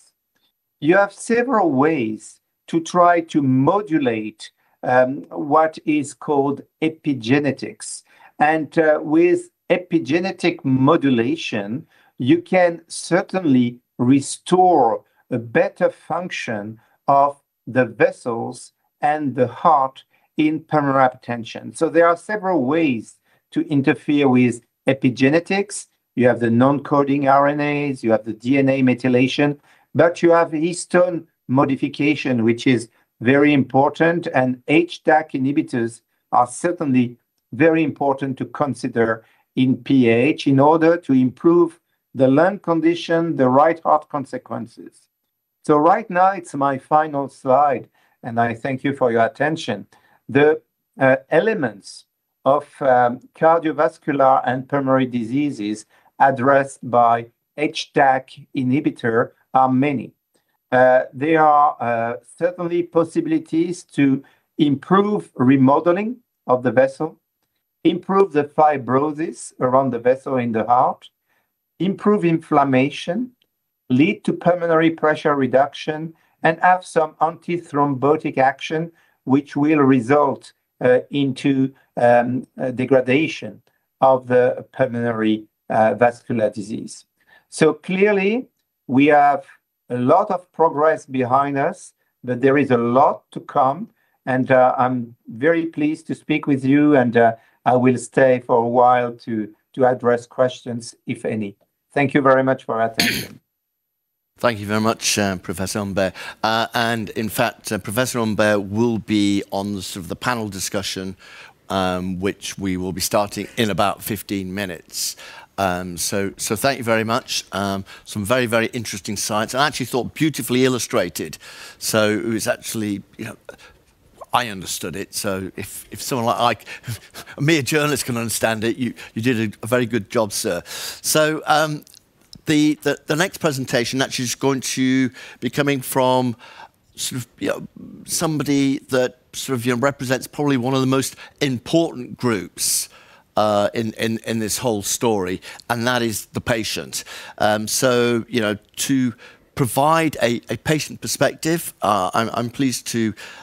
You have several ways to try to modulate what is called epigenetics. And with epigenetic modulation, you can certainly restore a better function of the vessels and the heart in pulmonary hypertension. So there are several ways to interfere with epigenetics. You have the non-coding RNAs. You have the DNA methylation. But you have histone modification, which is very important. And HDAC inhibitors are certainly very important to consider in PH in order to improve the lung condition, the right heart consequences. So right now, it's my final slide. And I thank you for your attention. The elements of cardiovascular and pulmonary diseases addressed by HDAC inhibitor are many. There are certainly possibilities to improve remodeling of the vessel, improve the fibrosis around the vessel in the heart, improve inflammation, lead to pulmonary pressure reduction, and have some anti-thrombotic action, which will result into degradation of the pulmonary vascular disease. So clearly, we have a lot of progress behind us. There is a lot to come. I'm very pleased to speak with you. I will stay for a while to address questions, if any. Thank you very much for your attention. Thank you very much, Professor Humbert. And in fact, Professor Humbert will be on sort of the panel discussion, which we will be starting in about 15 minutes. So thank you very much. Some very, very interesting slides. And actually thought beautifully illustrated. So it was actually I understood it. So if someone like I, a mere journalist, can understand it, you did a very good job, sir. So the next presentation actually is going to be coming from sort of somebody that sort of represents probably one of the most important groups in this whole story. And that is the patient. So to provide a patient perspective, I'm pleased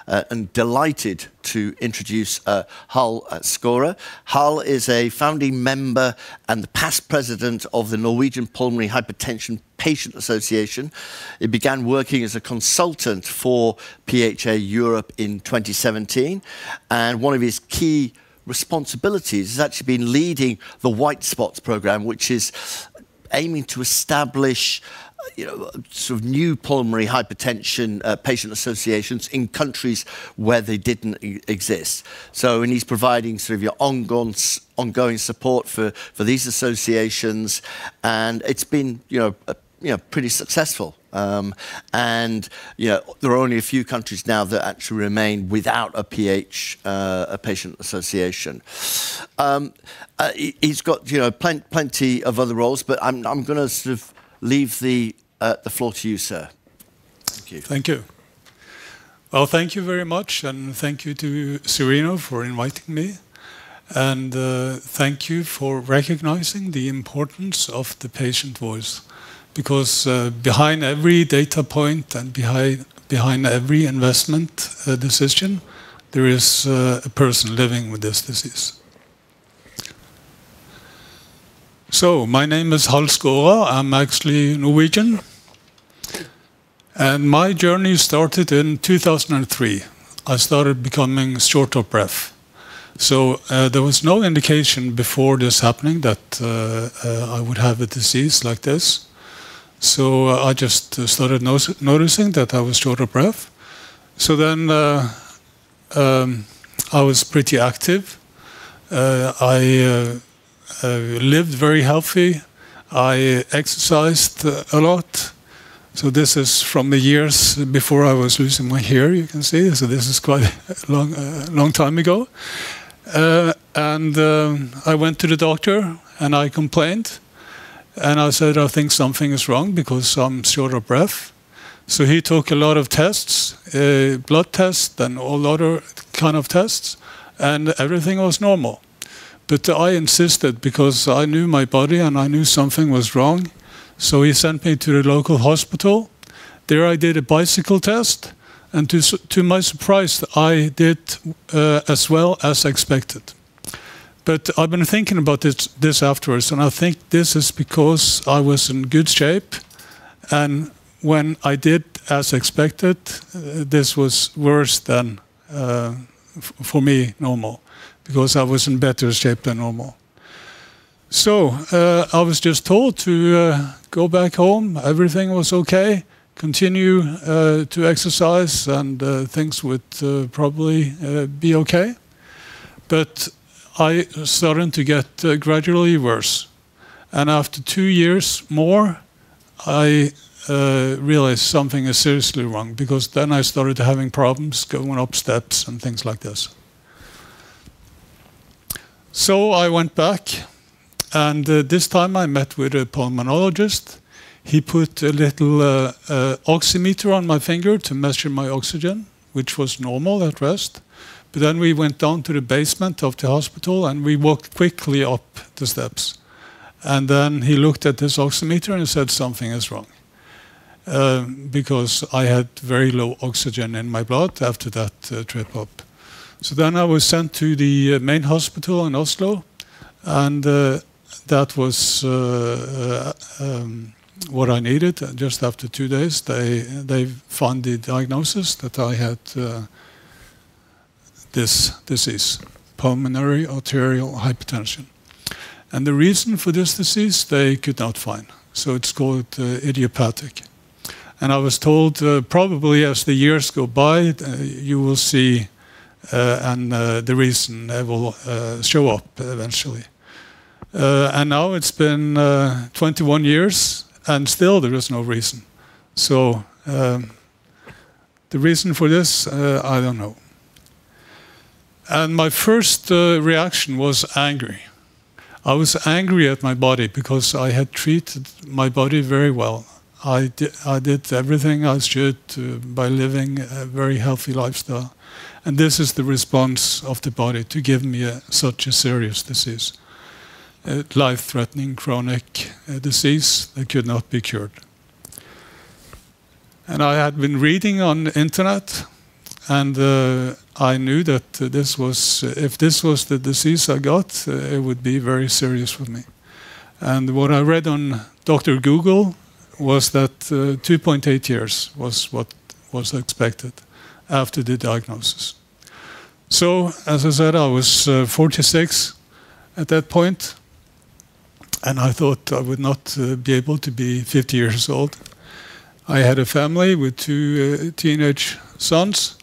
and delighted to introduce Hall Skåra. Hall is a Founding Member and the Past President of the Norwegian Pulmonary Hypertension Patient Association. It began working as a consultant for PHA Europe in 2017. One of his key responsibilities has actually been leading the White Spots Program, which is aiming to establish sort of new pulmonary hypertension patient associations in countries where they didn't exist. He's providing sort of your ongoing support for these associations. It's been pretty successful. There are only a few countries now that actually remain without a PH patient association. He's got plenty of other roles. I'm going to sort of leave the floor to you, sir. Thank you. Thank you. Well, thank you very much. Thank you to Cereno for inviting me. Thank you for recognizing the importance of the patient voice. Because behind every data point and behind every investment decision, there is a person living with this disease. My name is Hall Skåra. I'm actually Norwegian. My journey started in 2003. I started becoming short of breath. There was no indication before this happening that I would have a disease like this. I just started noticing that I was short of breath. Then I was pretty active. I lived very healthy. I exercised a lot. This is from the years before I was losing my hair. You can see. This is quite a long time ago. I went to the doctor. I complained. I said, I think something is wrong because I'm short of breath. So he took a lot of tests, blood tests, and all other kind of tests. Everything was normal. But I insisted because I knew my body. I knew something was wrong. So he sent me to the local hospital. There I did a bicycle test. To my surprise, I did as well as expected. But I've been thinking about this afterwards. I think this is because I was in good shape. When I did as expected, this was worse than, for me, normal because I was in better shape than normal. So I was just told to go back home. Everything was OK. Continue to exercise. Things would probably be OK. But I started to get gradually worse. After two years more, I realized something is seriously wrong because then I started having problems going up steps and things like this. So I went back. This time, I met with a pulmonologist. He put a little oximeter on my finger to measure my oxygen, which was normal at rest. But then we went down to the basement of the hospital. We walked quickly up the steps. Then he looked at this oximeter. He said something is wrong because I had very low oxygen in my blood after that trip up. So then I was sent to the main hospital in Oslo. That was what I needed. Just after two days, they found the diagnosis that I had this disease, pulmonary arterial hypertension. The reason for this disease, they could not find. So it's called idiopathic. I was told, probably as the years go by, you will see and the reason will show up eventually. Now it's been 21 years. Still, there is no reason. So the reason for this, I don't know. My first reaction was angry. I was angry at my body because I had treated my body very well. I did everything I should by living a very healthy lifestyle. And this is the response of the body to give me such a serious disease, life-threatening chronic disease that could not be cured. I had been reading on the internet. I knew that if this was the disease I got, it would be very serious for me. What I read on Dr. Google was that 2.8 years was what was expected after the diagnosis. So as I said, I was 46 at that point. I thought I would not be able to be 50 years old. I had a family with two teenage sons.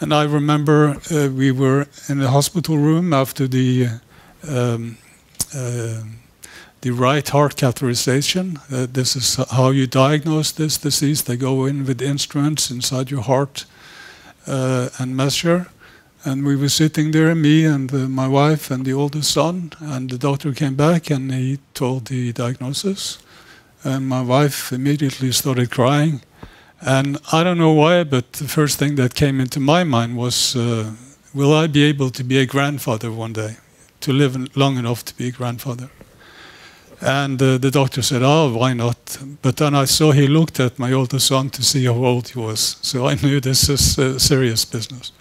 I remember we were in a hospital room after the right heart catheterization. This is how you diagnose this disease. They go in with instruments inside your heart and measure. We were sitting there, me and my wife and the oldest son. The doctor came back. He told the diagnosis. My wife immediately started crying. I don't know why. But the first thing that came into my mind was, "Will I be able to be a grandfather one day, to live long enough to be a grandfather?" The doctor said, "Why not?" But then I saw he looked at my oldest son to see how old he was. So I knew this is serious business.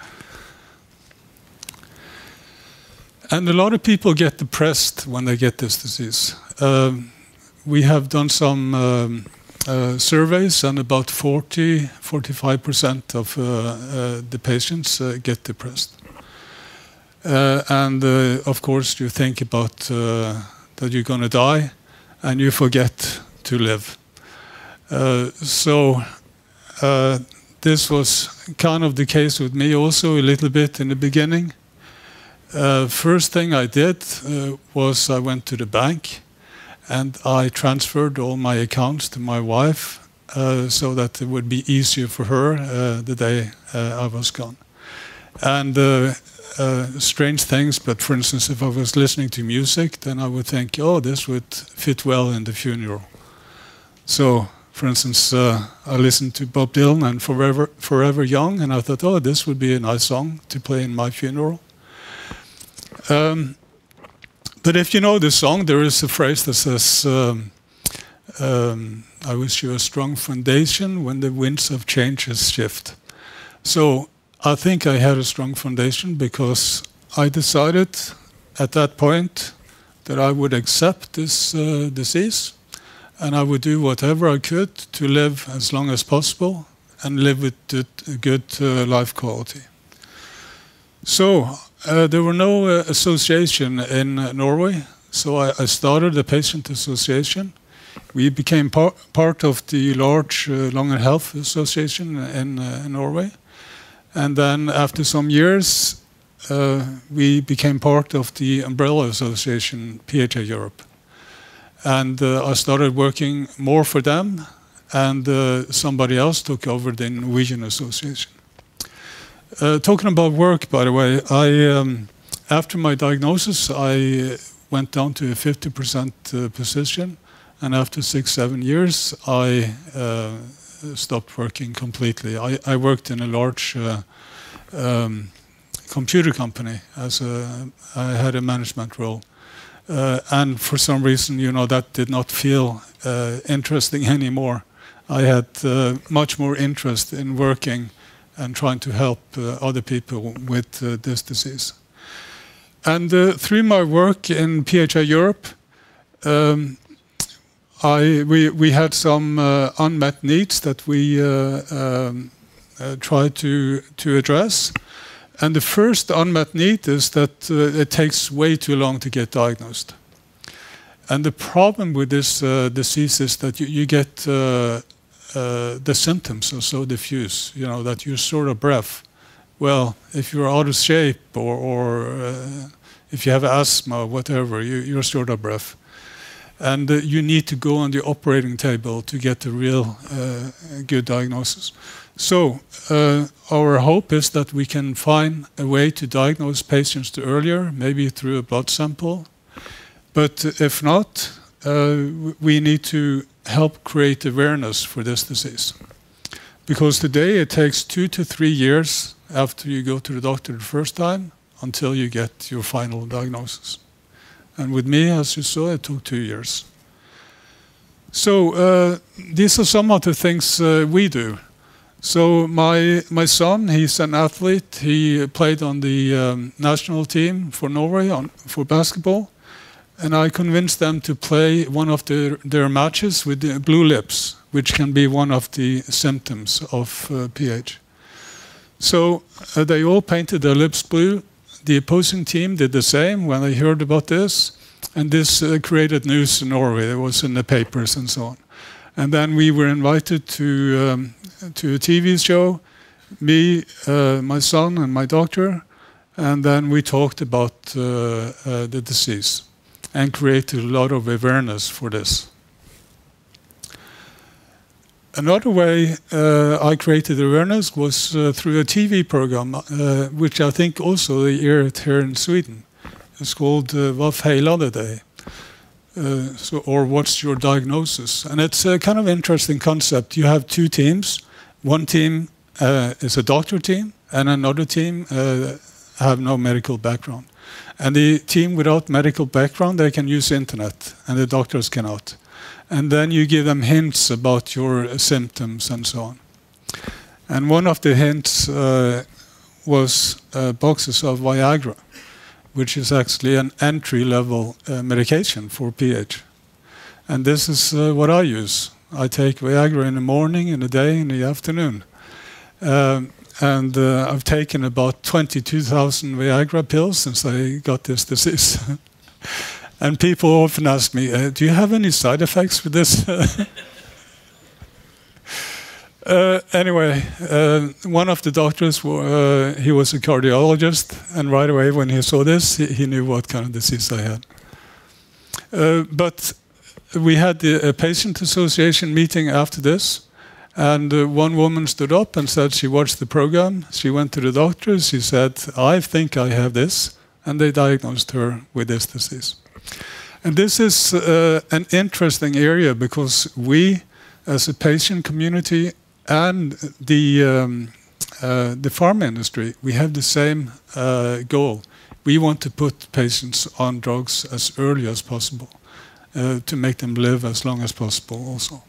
A lot of people get depressed when they get this disease. We have done some surveys. About 40%-45% of the patients get depressed. Of course, you think about that you're going to die. You forget to live. This was kind of the case with me also a little bit in the beginning. First thing I did was I went to the bank. I transferred all my accounts to my wife so that it would be easier for her the day I was gone. Strange things. But for instance, if I was listening to music, then I would think, oh, this would fit well in the funeral. For instance, I listened to Bob Dylan and Forever Young. I thought, oh, this would be a nice song to play in my funeral. If you know this song, there is a phrase that says, "I wish you a strong foundation when the winds of changes shift." I think I had a strong foundation because I decided at that point that I would accept this disease. I would do whatever I could to live as long as possible and live with good life quality. There were no associations in Norway. I started the Patient Association. We became part of the large Lung and Health Association in Norway. Then after some years, we became part of the Umbrella Association, PHA Europe. I started working more for them. Somebody else took over the Norwegian Association. Talking about work, by the way, after my diagnosis, I went down to a 50% position. After six, seven years, I stopped working completely. I worked in a large computer company. I had a management role. For some reason, that did not feel interesting anymore. I had much more interest in working and trying to help other people with this disease. Through my work in PHA Europe, we had some unmet needs that we tried to address. The first unmet need is that it takes way too long to get diagnosed. The problem with this disease is that you get the symptoms are so diffuse that you're short of breath. Well, if you're out of shape or if you have asthma or whatever, you're short of breath. You need to go on the operating table to get a real good diagnosis. So our hope is that we can find a way to diagnose patients earlier, maybe through a blood sample. But if not, we need to help create awareness for this disease because today, it takes 2-3 years after you go to the doctor the first time until you get your final diagnosis. And with me, as you saw, it took 2 years. So these are some of the things we do. So my son, he's an athlete. He played on the national team for Norway for basketball. And I convinced them to play one of their matches with blue lips, which can be one of the symptoms of PH. So they all painted their lips blue. The opposing team did the same when they heard about this. And this created news in Norway. It was in the papers and so on. And then we were invited to a TV show, me, my son, and my doctor. We talked about the disease and created a lot of awareness for this. Another way I created awareness was through a TV program, which I think also you hear here in Sweden. It's called Hva feiler det deg? Or What's Your Diagnosis? And it's a kind of interesting concept. You have two teams. One team is a doctor team. Another team has no medical background. The team without medical background, they can use the internet. The doctors cannot. You give them hints about your symptoms and so on. One of the hints was boxes of Viagra, which is actually an entry-level medication for PH. This is what I use. I take Viagra in the morning, in the day, in the afternoon. I've taken about 22,000 Viagra pills since I got this disease. People often ask me, do you have any side effects with this? Anyway, one of the doctors, he was a cardiologist. Right away when he saw this, he knew what kind of disease I had. We had a Patient Association meeting after this. One woman stood up and said she watched the program. She went to the doctors. She said, I think I have this. They diagnosed her with this disease. This is an interesting area because we, as a patient community and the pharma industry, we have the same goal. We want to put patients on drugs as early as possible to make them live as long as possible also.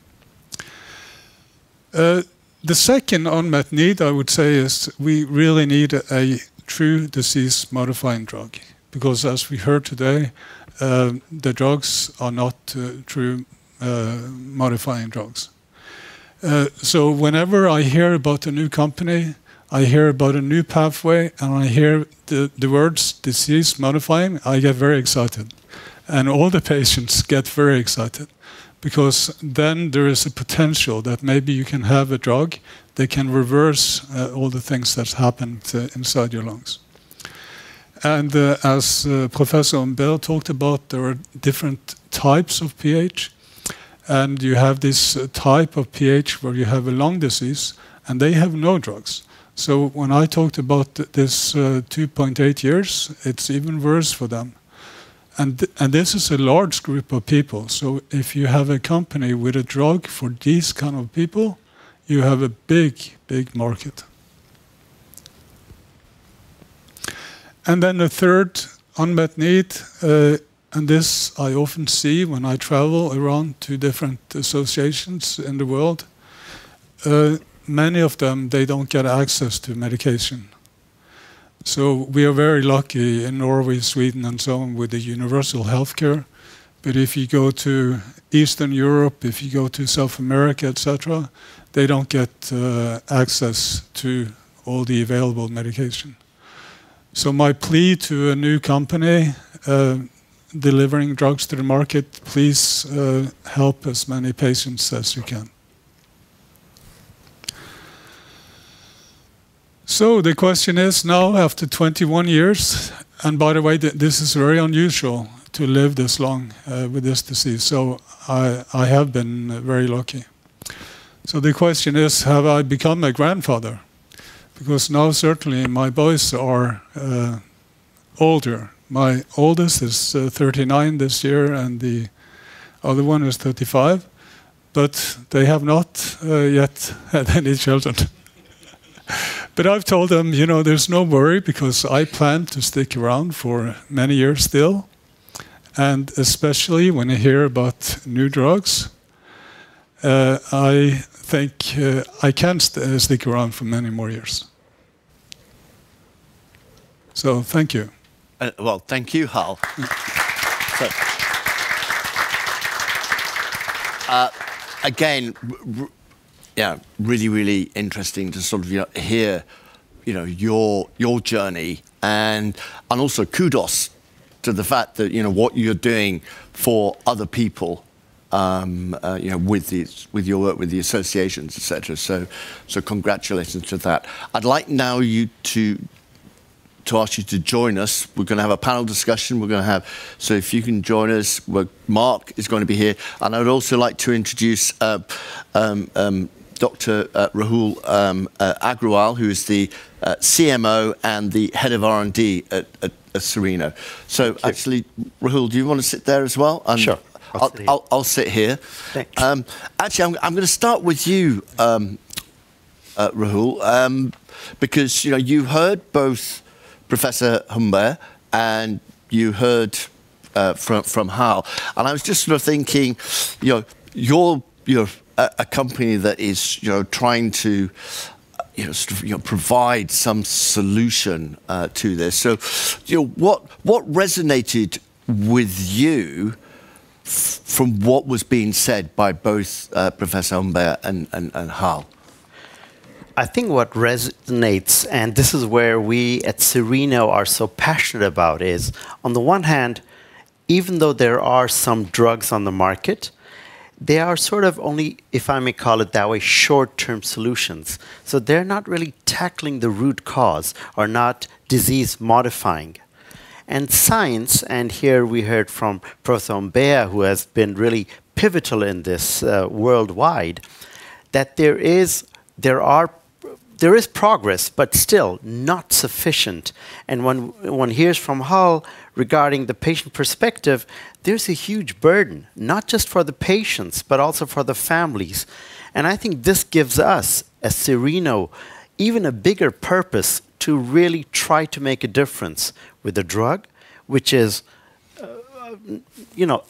The second unmet need, I would say, is we really need a true disease-modifying drug because, as we heard today, the drugs are not true modifying drugs. So whenever I hear about a new company, I hear about a new pathway. And I hear the words disease-modifying, I get very excited. And all the patients get very excited because then there is a potential that maybe you can have a drug that can reverse all the things that happen inside your lungs. And as Professor Humbert talked about, there are different types of PH. And you have this type of PH where you have a lung disease. And they have no drugs. So when I talked about this 2.8 years, it's even worse for them. And this is a large group of people. So if you have a company with a drug for these kind of people, you have a big, big market. And then the third unmet need, and this I often see when I travel around to different associations in the world, many of them, they don't get access to medication. So we are very lucky in Norway, Sweden, and so on with the universal health care. But if you go to Eastern Europe, if you go to South America, et cetera, they don't get access to all the available medication. So my plea to a new company delivering drugs to the market, please help as many patients as you can. So the question is now, after 21 years and by the way, this is very unusual to live this long with this disease. So I have been very lucky. So the question is, have I become a grandfather? Because now, certainly, my boys are older. My oldest is 39 this year. And the other one is 35. But they have not yet had any children. But I've told them, you know there's no worry because I plan to stick around for many years still. And especially when I hear about new drugs, I think I can stick around for many more years. So thank you. Well, thank you, Hall. Again, yeah, really, really interesting to sort of hear your journey. And also, kudos to the fact that what you're doing for other people with your work, with the associations, et cetera. So congratulations to that. I'd like now to ask you to join us. We're going to have a panel discussion. We're going to have so if you can join us, Marc is going to be here. And I'd also like to introduce Dr. Rahul Agrawal, who is the CMO and the head of R&D at Cereno. So actually, Rahul, do you want to sit there as well? Sure. I'll sit here. Actually, I'm going to start with you, Rahul, because you heard both Professor Humbert and you heard from Hall. And I was just sort of thinking, you're a company that is trying to provide some solution to this. So what resonated with you from what was being said by both Professor Humbert and Hall? I think what resonates and this is where we at Cereno are so passionate about is, on the one hand, even though there are some drugs on the market, they are sort of only, if I may call it that way, short-term solutions. So they're not really tackling the root cause or not disease-modifying. And science and here, we heard from Professor Humbert, who has been really pivotal in this worldwide, that there is progress, but still not sufficient. And when one hears from Hall regarding the patient perspective, there's a huge burden, not just for the patients, but also for the families. And I think this gives us at Cereno even a bigger purpose to really try to make a difference with a drug, which is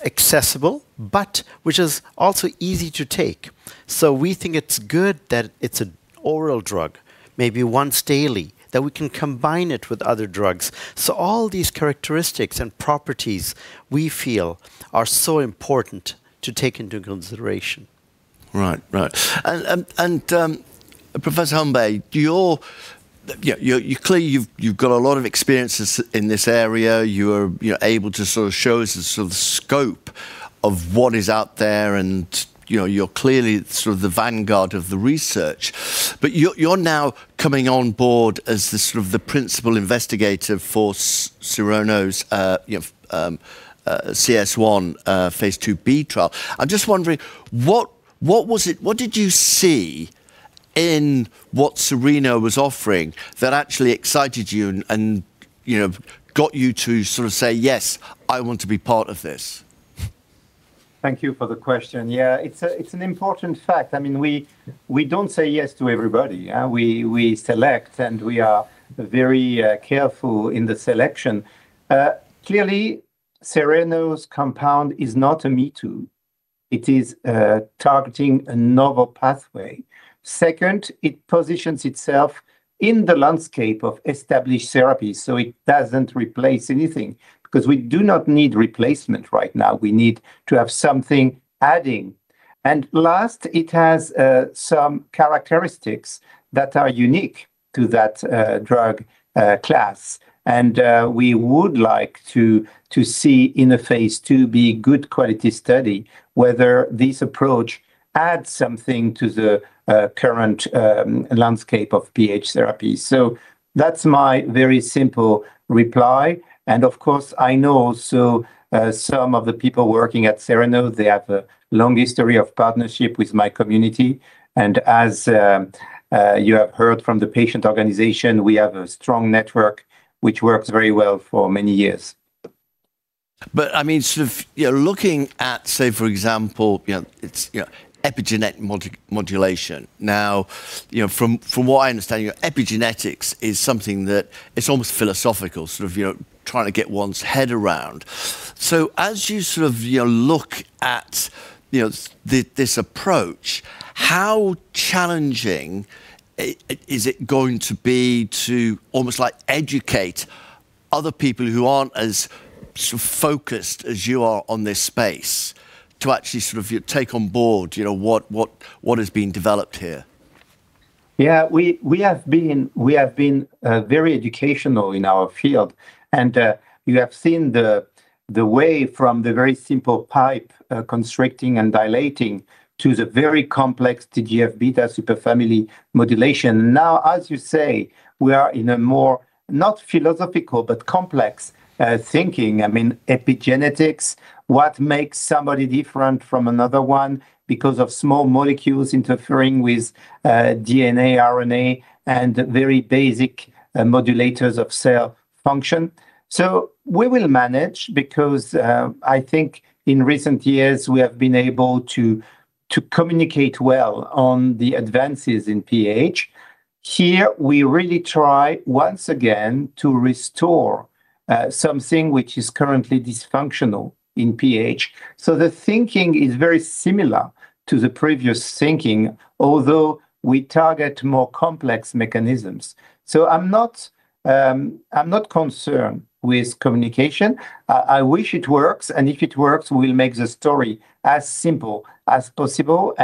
accessible, but which is also easy to take. So we think it's good that it's an oral drug, maybe once daily, that we can combine it with other drugs. So all these characteristics and properties, we feel, are so important to take into consideration. Right, right. And Professor Humbert, you're clearly you've got a lot of experience in this area. You are able to sort of show us the scope of what is out there. And you're clearly sort of the vanguard of the research. But you're now coming on board as sort of the principal investigator for Cereno's CS1 phase IIb trial. I'm just wondering, what did you see in what Cereno was offering that actually excited you and got you to sort of say, yes, I want to be part of this? Thank you for the question. Yeah, it's an important fact. I mean, we don't say yes to everybody. We select. And we are very careful in the selection. Clearly, Cereno's compound is not a me-too. It is targeting a novel pathway. Second, it positions itself in the landscape of established therapies. So it doesn't replace anything because we do not need replacement right now. We need to have something adding. And last, it has some characteristics that are unique to that drug class. And we would like to see in a phase IIb good quality study whether this approach adds something to the current landscape of PH therapies. So that's my very simple reply. And of course, I know also some of the people working at Cereno, they have a long history of partnership with my community. As you have heard from the patient organization, we have a strong network, which works very well for many years. But I mean, sort of looking at, say, for example, epigenetic modulation. Now, from what I understand, epigenetics is something that it's almost philosophical, sort of trying to get one's head around. So as you sort of look at this approach, how challenging is it going to be to almost like educate other people who aren't as focused as you are on this space to actually sort of take on board what has been developed here? Yeah, we have been very educational in our field. And you have seen the way from the very simple pipe constricting and dilating to the very complex TGF-beta superfamily modulation. Now, as you say, we are in a more not philosophical, but complex thinking. I mean, epigenetics, what makes somebody different from another one because of small molecules interfering with DNA, RNA, and very basic modulators of cell function. So we will manage because I think in recent years, we have been able to communicate well on the advances in PH. Here, we really try once again to restore something which is currently dysfunctional in PH. So the thinking is very similar to the previous thinking, although we target more complex mechanisms. So I'm not concerned with communication. I wish it works. And if it works, we'll make the story as simple as possible.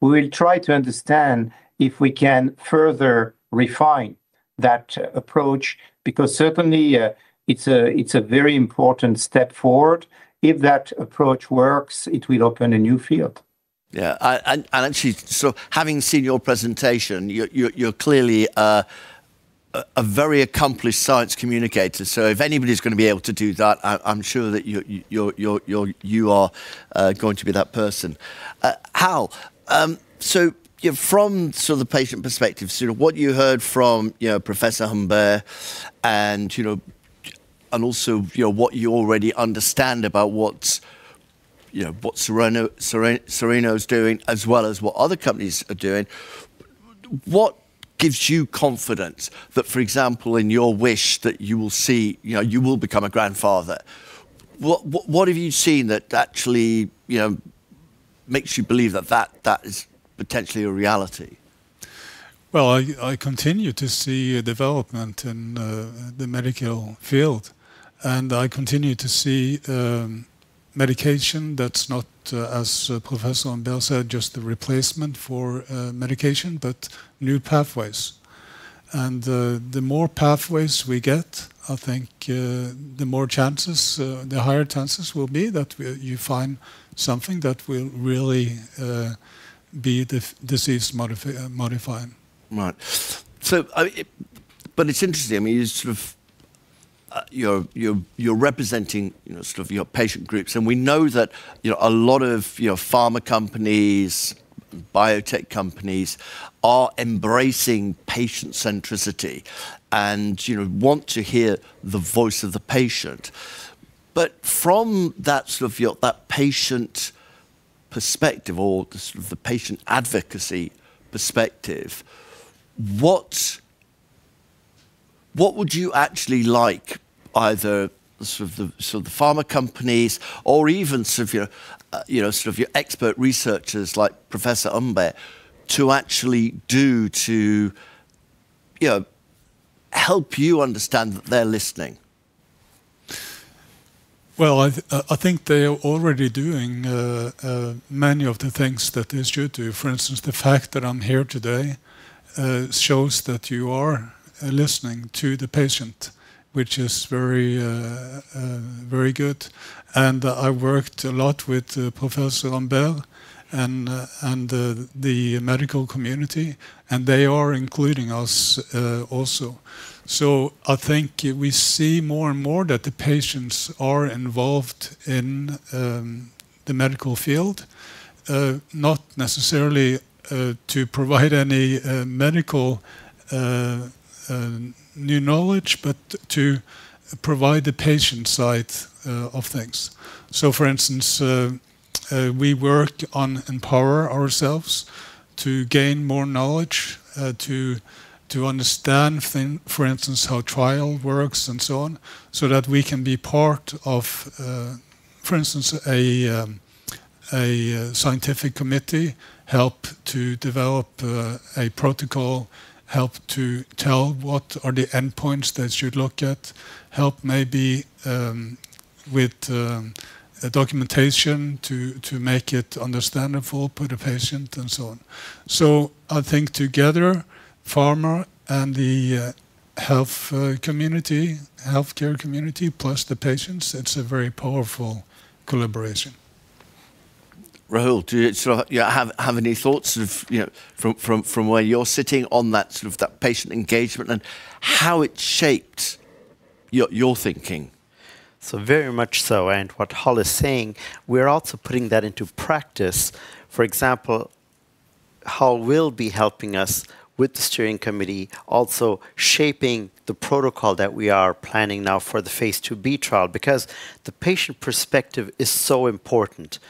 We will try to understand if we can further refine that approach because certainly, it's a very important step forward. If that approach works, it will open a new field. Yeah. And actually, so having seen your presentation, you're clearly a very accomplished science communicator. So if anybody's going to be able to do that, I'm sure that you are going to be that person. Hall, so from sort of the patient perspective, sort of what you heard from Professor Humbert and also what you already understand about what Cereno is doing, as well as what other companies are doing, what gives you confidence that, for example, in your wish that you will see you will become a grandfather? What have you seen that actually makes you believe that that is potentially a reality? Well, I continue to see development in the medical field. I continue to see medication that's not, as Professor Humbert said, just the replacement for medication, but new pathways. The more pathways we get, I think the higher chances will be that you find something that will really be disease-modifying. Right. But it's interesting. I mean, you're representing sort of your patient groups. And we know that a lot of pharma companies, biotech companies are embracing patient centricity and want to hear the voice of the patient. But from that sort of patient perspective or the patient advocacy perspective, what would you actually like either sort of the pharma companies or even sort of your expert researchers like Professor Humbert to actually do to help you understand that they're listening? Well, I think they are already doing many of the things that they should do. For instance, the fact that I'm here today shows that you are listening to the patient, which is very good. And I worked a lot with Professor Humbert and the medical community. And they are including us also. So I think we see more and more that the patients are involved in the medical field, not necessarily to provide any medical new knowledge, but to provide the patient side of things. So for instance, we work on empowering ourselves to gain more knowledge, to understand, for instance, how trial works and so on, so that we can be part of, for instance, a scientific committee, help to develop a protocol, help to tell what are the endpoints that you'd look at, help maybe with documentation to make it understandable for the patient, and so on. I think together, pharma and the health care community, plus the patients, it's a very powerful collaboration. Rahul, do you have any thoughts from where you're sitting on that patient engagement and how it shaped your thinking? So very much so. What Hall is saying, we're also putting that into practice. For example, Hall will be helping us with the steering committee, also shaping the protocol that we are planning now for the phase IIb trial because the patient perspective is so important.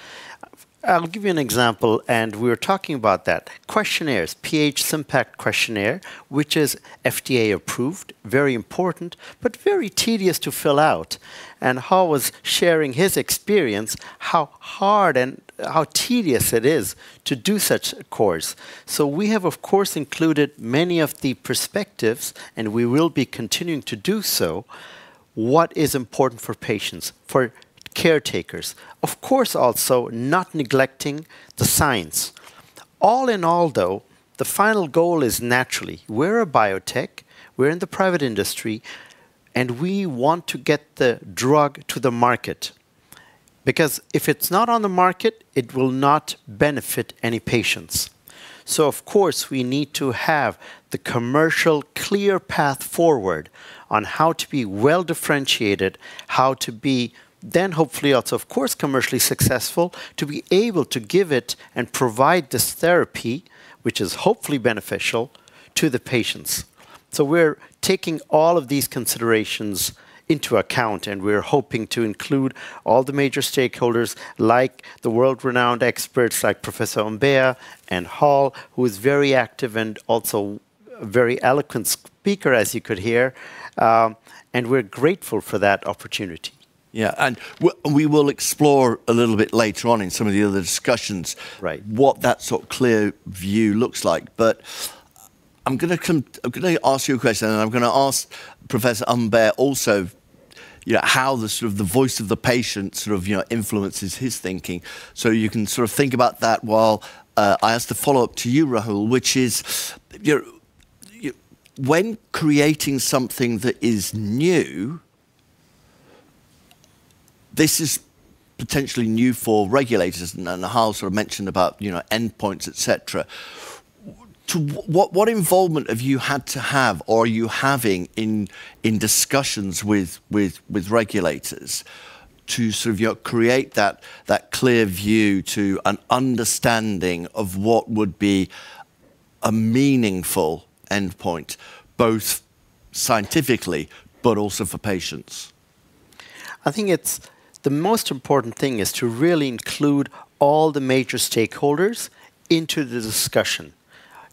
I'll give you an example. We were talking about that questionnaires, PH-SYMPACT Questionnaire, which is FDA approved, very important, but very tedious to fill out. Hall was sharing his experience, how hard and how tedious it is to do such a course. So we have, of course, included many of the perspectives. We will be continuing to do so. What is important for patients, for caretakers, of course, also not neglecting the science. All in all, though, the final goal is naturally, we're a biotech. We're in the private industry. We want to get the drug to the market because if it's not on the market, it will not benefit any patients. So of course, we need to have the commercial clear path forward on how to be well differentiated, how to be then hopefully also, of course, commercially successful, to be able to give it and provide this therapy, which is hopefully beneficial, to the patients. So we're taking all of these considerations into account. We're hoping to include all the major stakeholders, like the world-renowned experts, like Professor Humbert and Hall Skåra, who is very active and also a very eloquent speaker, as you could hear. We're grateful for that opportunity. Yeah. And we will explore a little bit later on in some of the other discussions what that sort of clear view looks like. But I'm going to ask you a question. And I'm going to ask Professor Humbert also how the voice of the patient sort of influences his thinking. So you can sort of think about that while I ask the follow-up to you, Rahul, which is when creating something that is new, this is potentially new for regulators. And Hall sort of mentioned about endpoints, et cetera. What involvement have you had to have or are you having in discussions with regulators to sort of create that clear view to an understanding of what would be a meaningful endpoint, both scientifically, but also for patients? I think the most important thing is to really include all the major stakeholders into the discussion.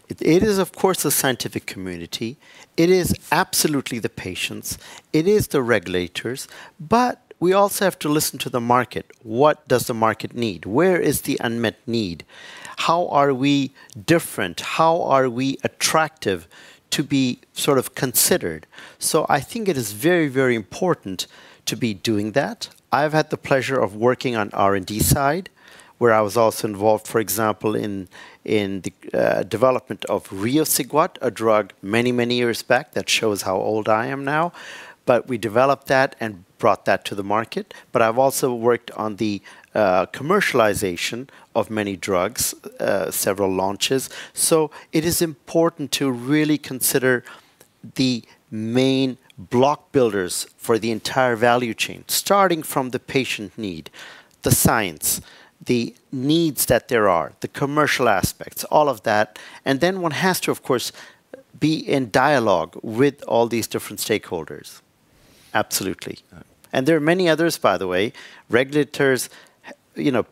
It is, of course, the scientific community. It is absolutely the patients. It is the regulators. But we also have to listen to the market. What does the market need? Where is the unmet need? How are we different? How are we attractive to be sort of considered? So I think it is very, very important to be doing that. I've had the pleasure of working on the R&D side, where I was also involved, for example, in the development of riociguat, a drug many, many years back that shows how old I am now. But we developed that and brought that to the market. But I've also worked on the commercialization of many drugs, several launches. It is important to really consider the main block builders for the entire value chain, starting from the patient need, the science, the needs that there are, the commercial aspects, all of that. Then one has to, of course, be in dialogue with all these different stakeholders. Absolutely. There are many others, by the way, regulators,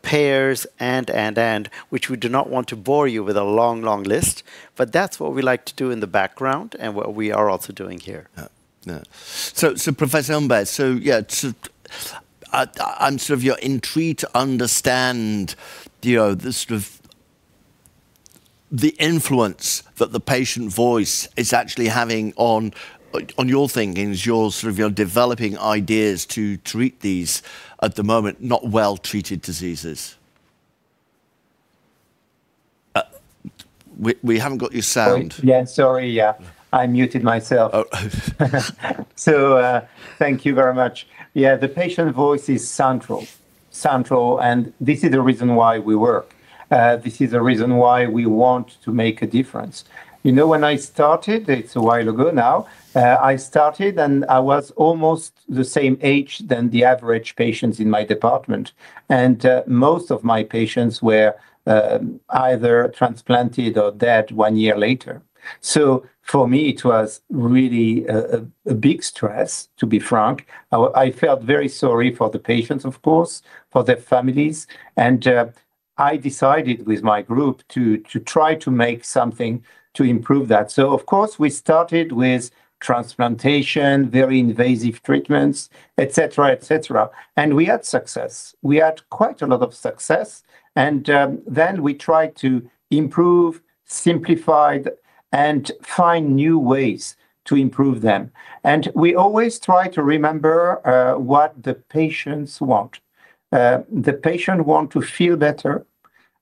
payers, and which we do not want to bore you with a long, long list. But that's what we like to do in the background and what we are also doing here. Yeah. So Professor Humbert, so yeah, I'm sort of intrigued to understand the sort of influence that the patient voice is actually having on your thinking, sort of your developing ideas to treat these at the moment not well-treated diseases. We haven't got your sound. Yeah, sorry. Yeah, I muted myself. So thank you very much. Yeah, the patient voice is central. Central. And this is the reason why we work. This is the reason why we want to make a difference. You know, when I started, it's a while ago now, I started. And I was almost the same age than the average patients in my department. And most of my patients were either transplanted or dead one year later. So for me, it was really a big stress, to be frank. I felt very sorry for the patients, of course, for their families. And I decided with my group to try to make something to improve that. So of course, we started with transplantation, very invasive treatments, et cetera, et cetera. And we had success. We had quite a lot of success. And then we tried to improve, simplify, and find new ways to improve them. And we always try to remember what the patients want. The patient wants to feel better.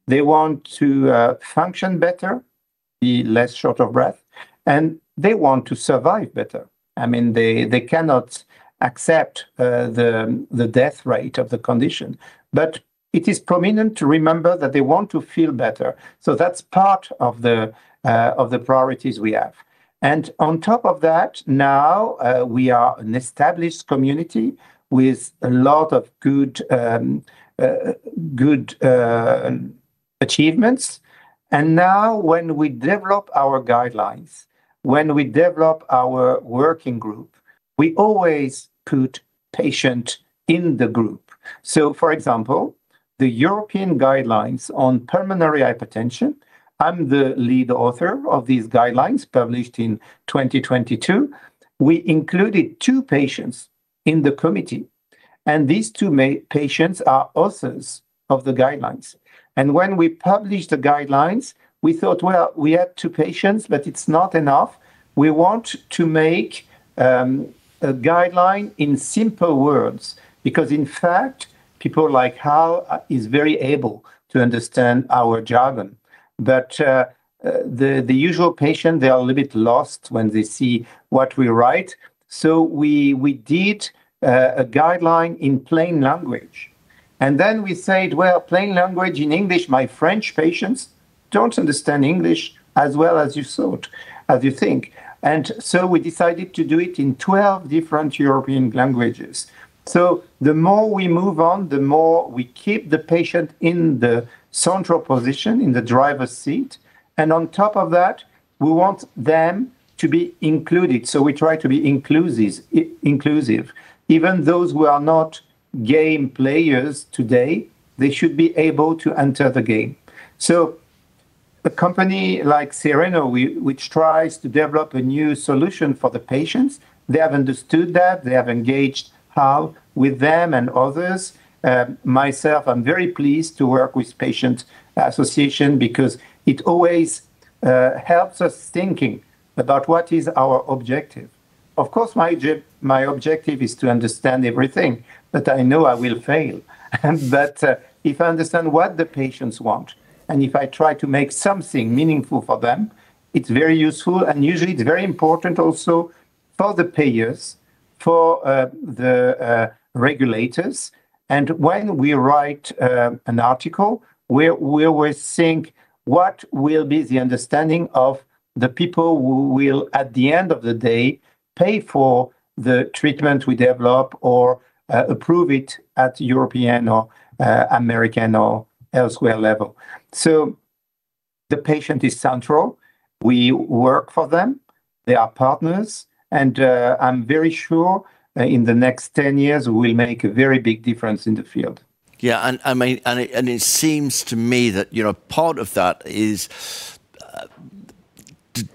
They want to function better, be less short of breath. And they want to survive better. I mean, they cannot accept the death rate of the condition. But it is important to remember that they want to feel better. So that's part of the priorities we have. And on top of that, now we are an established community with a lot of good achievements. And now when we develop our guidelines, when we develop our working group, we always put patients in the group. So for example, the European Guidelines on Pulmonary Hypertension, I'm the lead author of these guidelines published in 2022. We included two patients in the committee. And these two patients are authors of the guidelines. When we published the guidelines, we thought, well, we had two patients, but it's not enough. We want to make a guideline in simple words because in fact, people like Hal are very able to understand our jargon. But the usual patients, they are a little bit lost when they see what we write. So we did a guideline in plain language. And then we said, well, plain language in English, my French patients don't understand English as well as you think. And so we decided to do it in 12 different European languages. So the more we move on, the more we keep the patient in the central position, in the driver's seat. And on top of that, we want them to be included. So we try to be inclusive, even those who are not game players today. They should be able to enter the game. So a company like Cereno, which tries to develop a new solution for the patients, they have understood that. They have engaged Hall with them and others. Myself, I'm very pleased to work with the Patient Association because it always helps us think about what is our objective. Of course, my objective is to understand everything. But I know I will fail. But if I understand what the patients want and if I try to make something meaningful for them, it's very useful. And usually, it's very important also for the payers, for the regulators. And when we write an article, we always think, what will be the understanding of the people who will, at the end of the day, pay for the treatment we develop or approve it at the European or American or elsewhere level? So the patient is central. We work for them. They are partners. I'm very sure in the next 10 years, we will make a very big difference in the field. Yeah. It seems to me that part of that is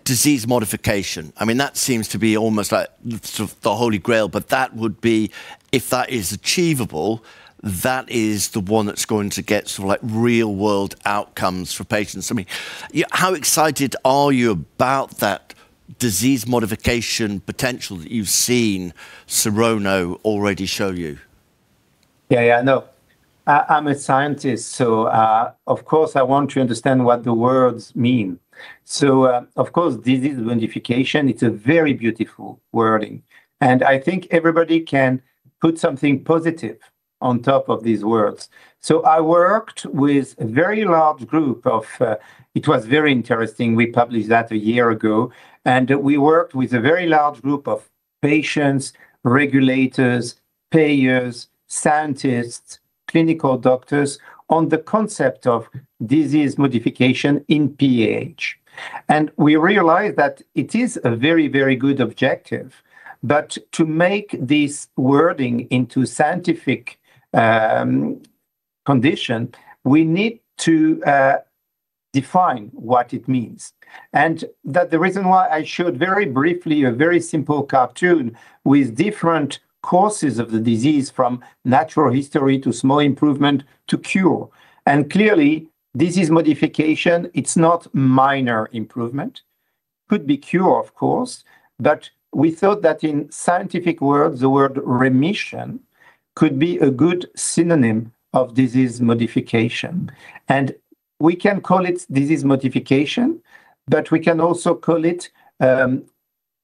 disease modification. I mean, that seems to be almost like the Holy Grail. That would be, if that is achievable, that is the one that's going to get sort of real-world outcomes for patients. I mean, how excited are you about that disease modification potential that you've seen Cereno already show you? Yeah, yeah. No, I'm a scientist. So of course, I want to understand what the words mean. So of course, disease modification, it's a very beautiful wording. And I think everybody can put something positive on top of these words. So I worked with a very large group. It was very interesting. We published that a year ago. And we worked with a very large group of patients, regulators, payers, scientists, clinical doctors on the concept of disease modification in PH. And we realized that it is a very, very good objective. But to make this wording into a scientific condition, we need to define what it means. And that's the reason why I showed very briefly a very simple cartoon with different courses of the disease, from natural history to small improvement to cure. And clearly, disease modification, it's not minor improvement. It could be cure, of course. But we thought that in scientific words, the word remission could be a good synonym of disease modification. And we can call it disease modification. But we can also call it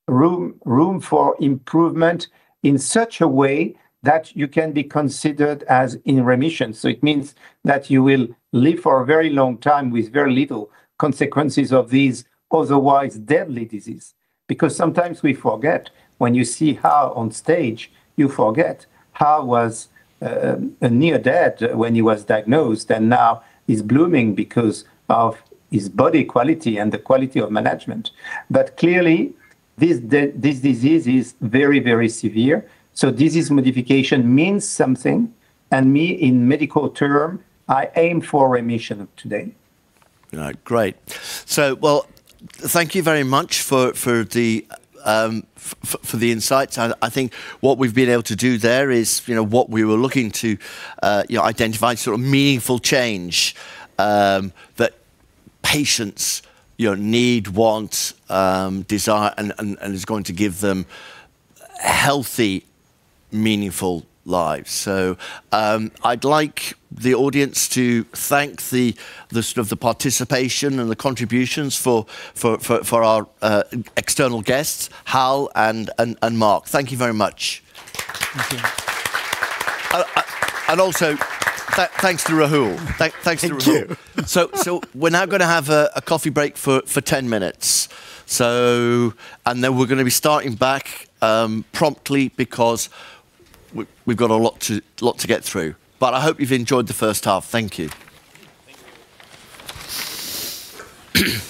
room for improvement in such a way that you can be considered as in remission. So it means that you will live for a very long time with very little consequences of these otherwise deadly diseases because sometimes we forget. When you see Hal on stage, you forget Hal was near death when he was diagnosed. And now he's blooming because of his body quality and the quality of management. But clearly, this disease is very, very severe. So disease modification means something. And me, in medical terms, I aim for remission today. Great. So well, thank you very much for the insights. I think what we've been able to do there is what we were looking to identify, sort of meaningful change that patients need, want, desire, and is going to give them healthy, meaningful lives. So I'd like the audience to thank the sort of participation and the contributions for our external guests, Hall and Marc. Thank you very much. And also, thanks to Rahul. Thanks to Rahul. Thank you. We're now going to have a coffee break for 10 minutes. Then we're going to be starting back promptly because we've got a lot to get through. I hope you've enjoyed the first half. Thank you. Thank you.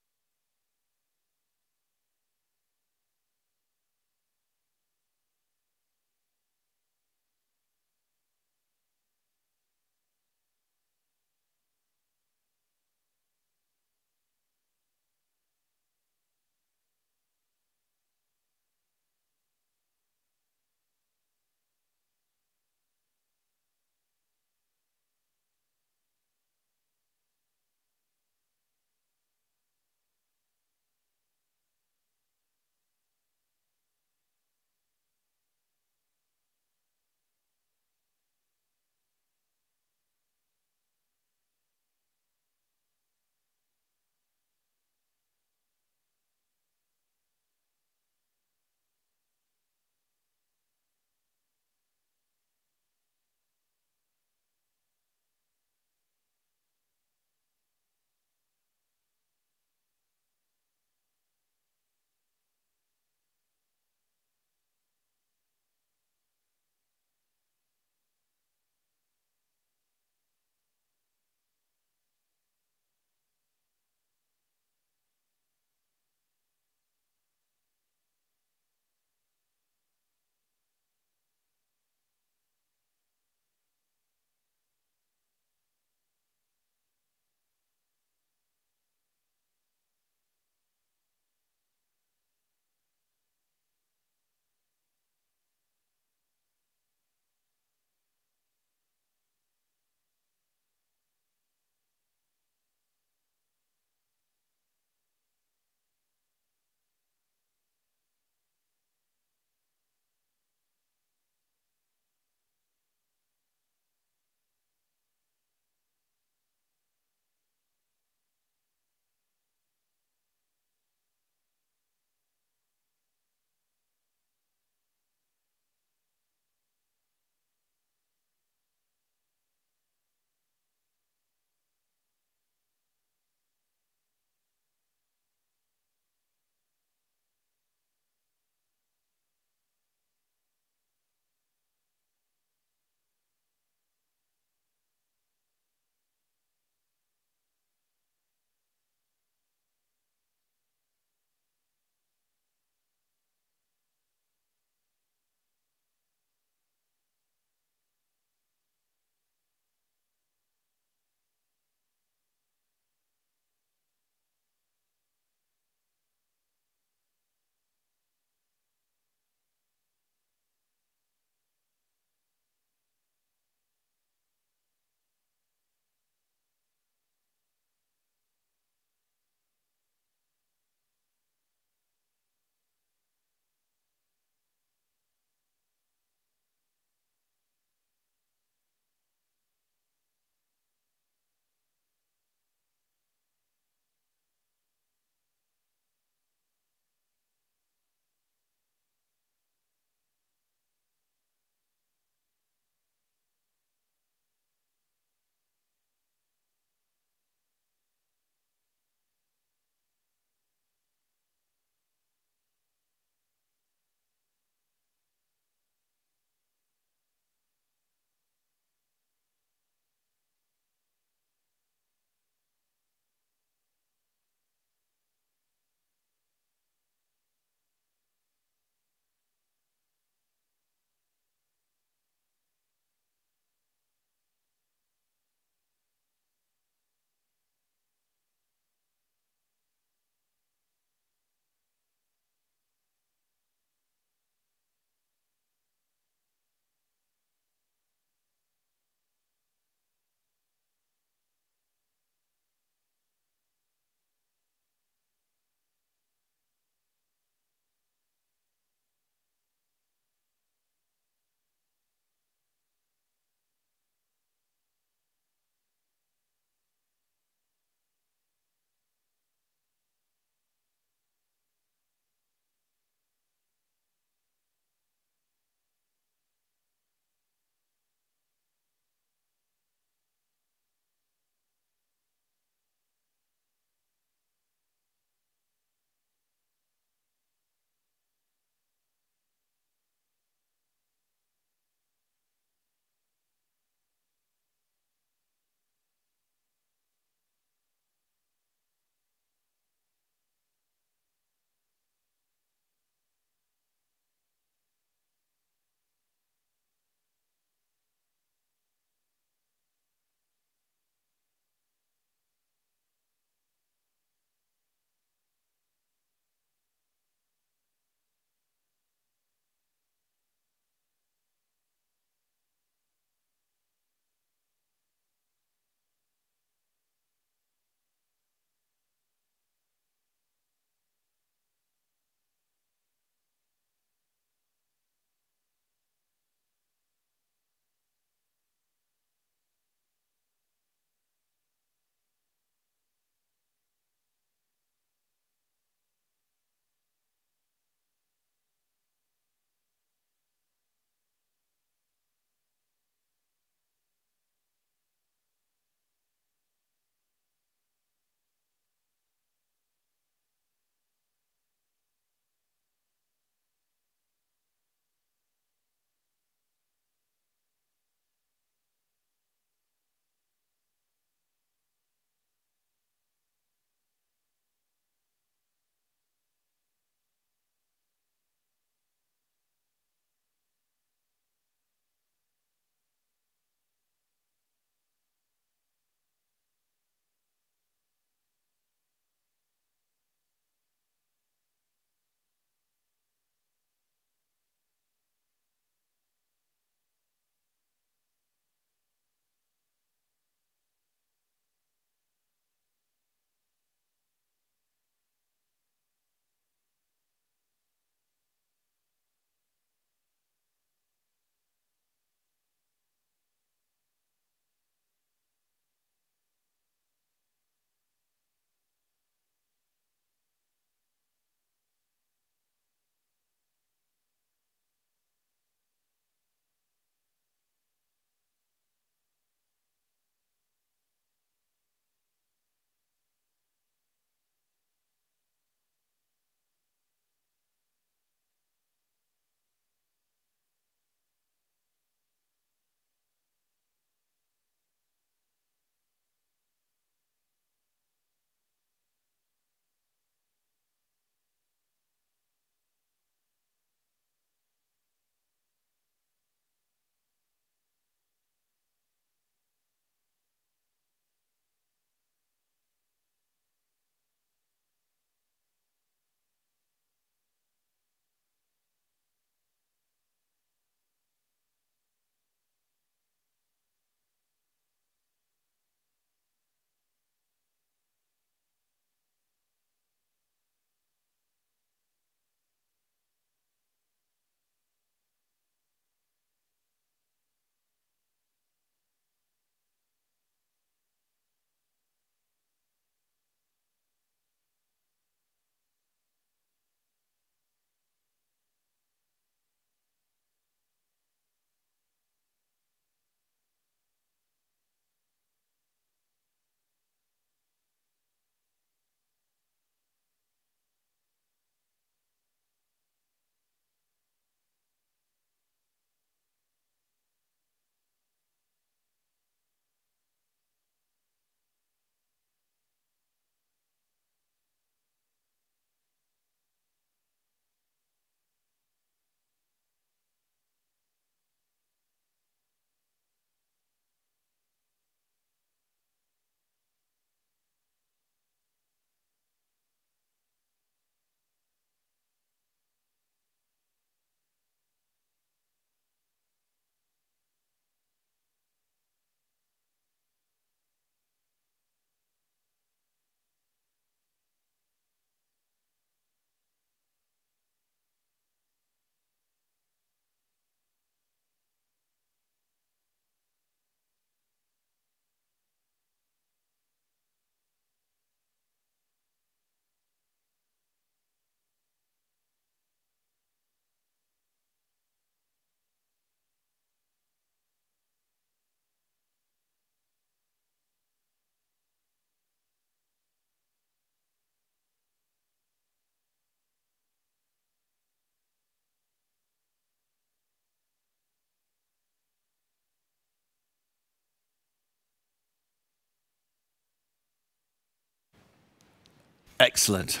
Excellent.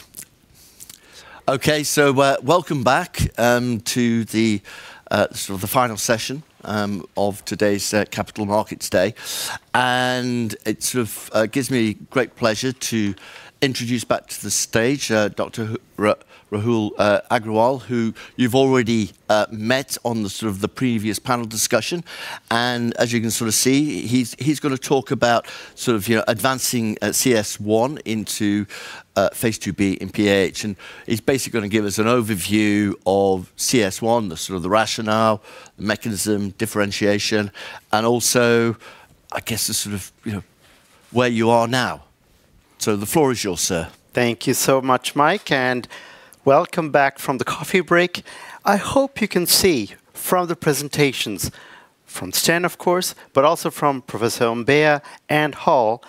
Okay, so welcome back to the sort of the final session of today's Capital Markets Day. It sort of gives me great pleasure to introduce back to the stage Dr. Rahul Agrawal, who you've already met on the sort of the previous panel discussion. As you can sort of see, he's going to talk about sort of advancing CS1 into Phase 2b in PAH. He's basically going to give us an overview of CS1, the sort of the rationale, the mechanism, differentiation, and also, I guess, the sort of where you are now. The floor is yours, sir. Thank you so much, Mike, and welcome back from the coffee break. I hope you can see from the presentations, from Cereno, of course, but also from Professor Humbert and Hall,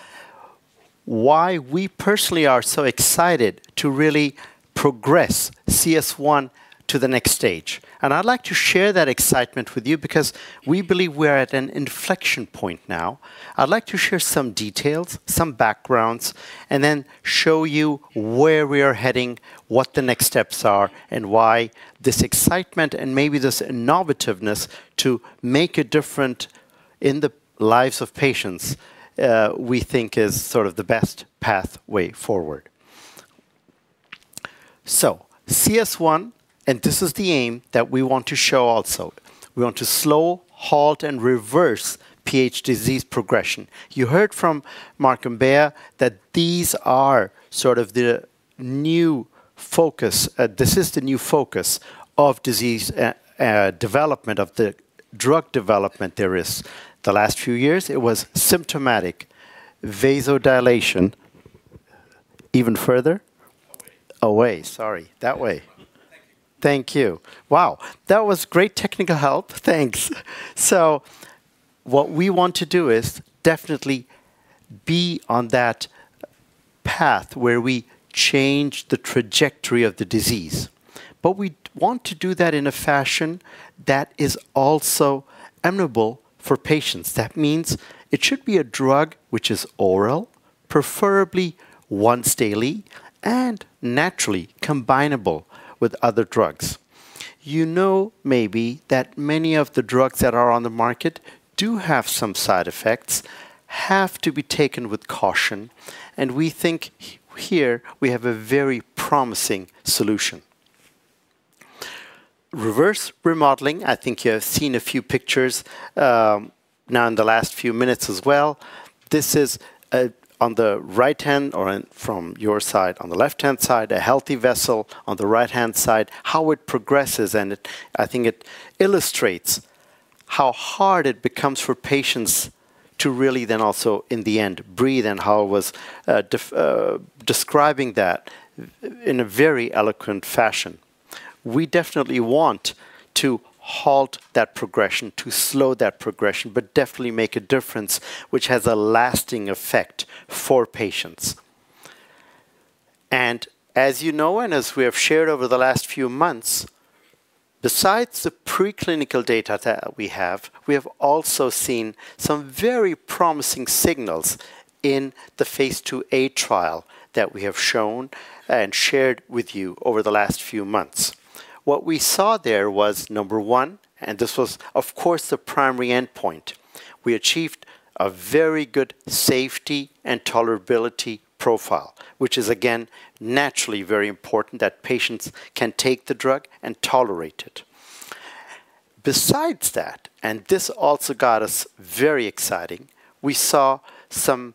why we personally are so excited to really progress CS1 to the next stage. I'd like to share that excitement with you because we believe we're at an inflection point now. I'd like to share some details, some backgrounds, and then show you where we are heading, what the next steps are, and why this excitement and maybe this innovativeness to make a difference in the lives of patients we think is sort of the best pathway forward. So, CS1, and this is the aim that we want to show also: we want to slow, halt, and reverse PH disease progression. You heard from Marc Humbert that these are sort of the new focus, this is the new focus of disease development, of the drug development there is the last few years. It was symptomatic vasodilation even further? Away. Away, sorry. That way. Thank you. Thank you. Wow, that was great technical help, thanks. What we want to do is definitely be on that path where we change the trajectory of the disease. We want to do that in a fashion that is also amenable for patients. That means it should be a drug which is oral, preferably once daily, and naturally combinable with other drugs. You know, maybe that many of the drugs that are on the market do have some side effects, have to be taken with caution, and we think here we have a very promising solution. Reverse remodeling. I think you have seen a few pictures now in the last few minutes as well. This is on the right hand, or from your side on the left-hand side, a healthy vessel on the right-hand side, how it progresses, and I think it illustrates how hard it becomes for patients to really then also, in the end, breathe, and how I was describing that in a very eloquent fashion. We definitely want to halt that progression, to slow that progression, but definitely make a difference which has a lasting effect for patients. As you know, and as we have shared over the last few months, besides the preclinical data that we have, we have also seen some very promising signals in the phase IIa trial that we have shown and shared with you over the last few months. What we saw there was, number one, and this was, of course, the primary endpoint, we achieved a very good safety and tolerability profile, which is, again, naturally very important that patients can take the drug and tolerate it. Besides that, and this also got us very exciting, we saw some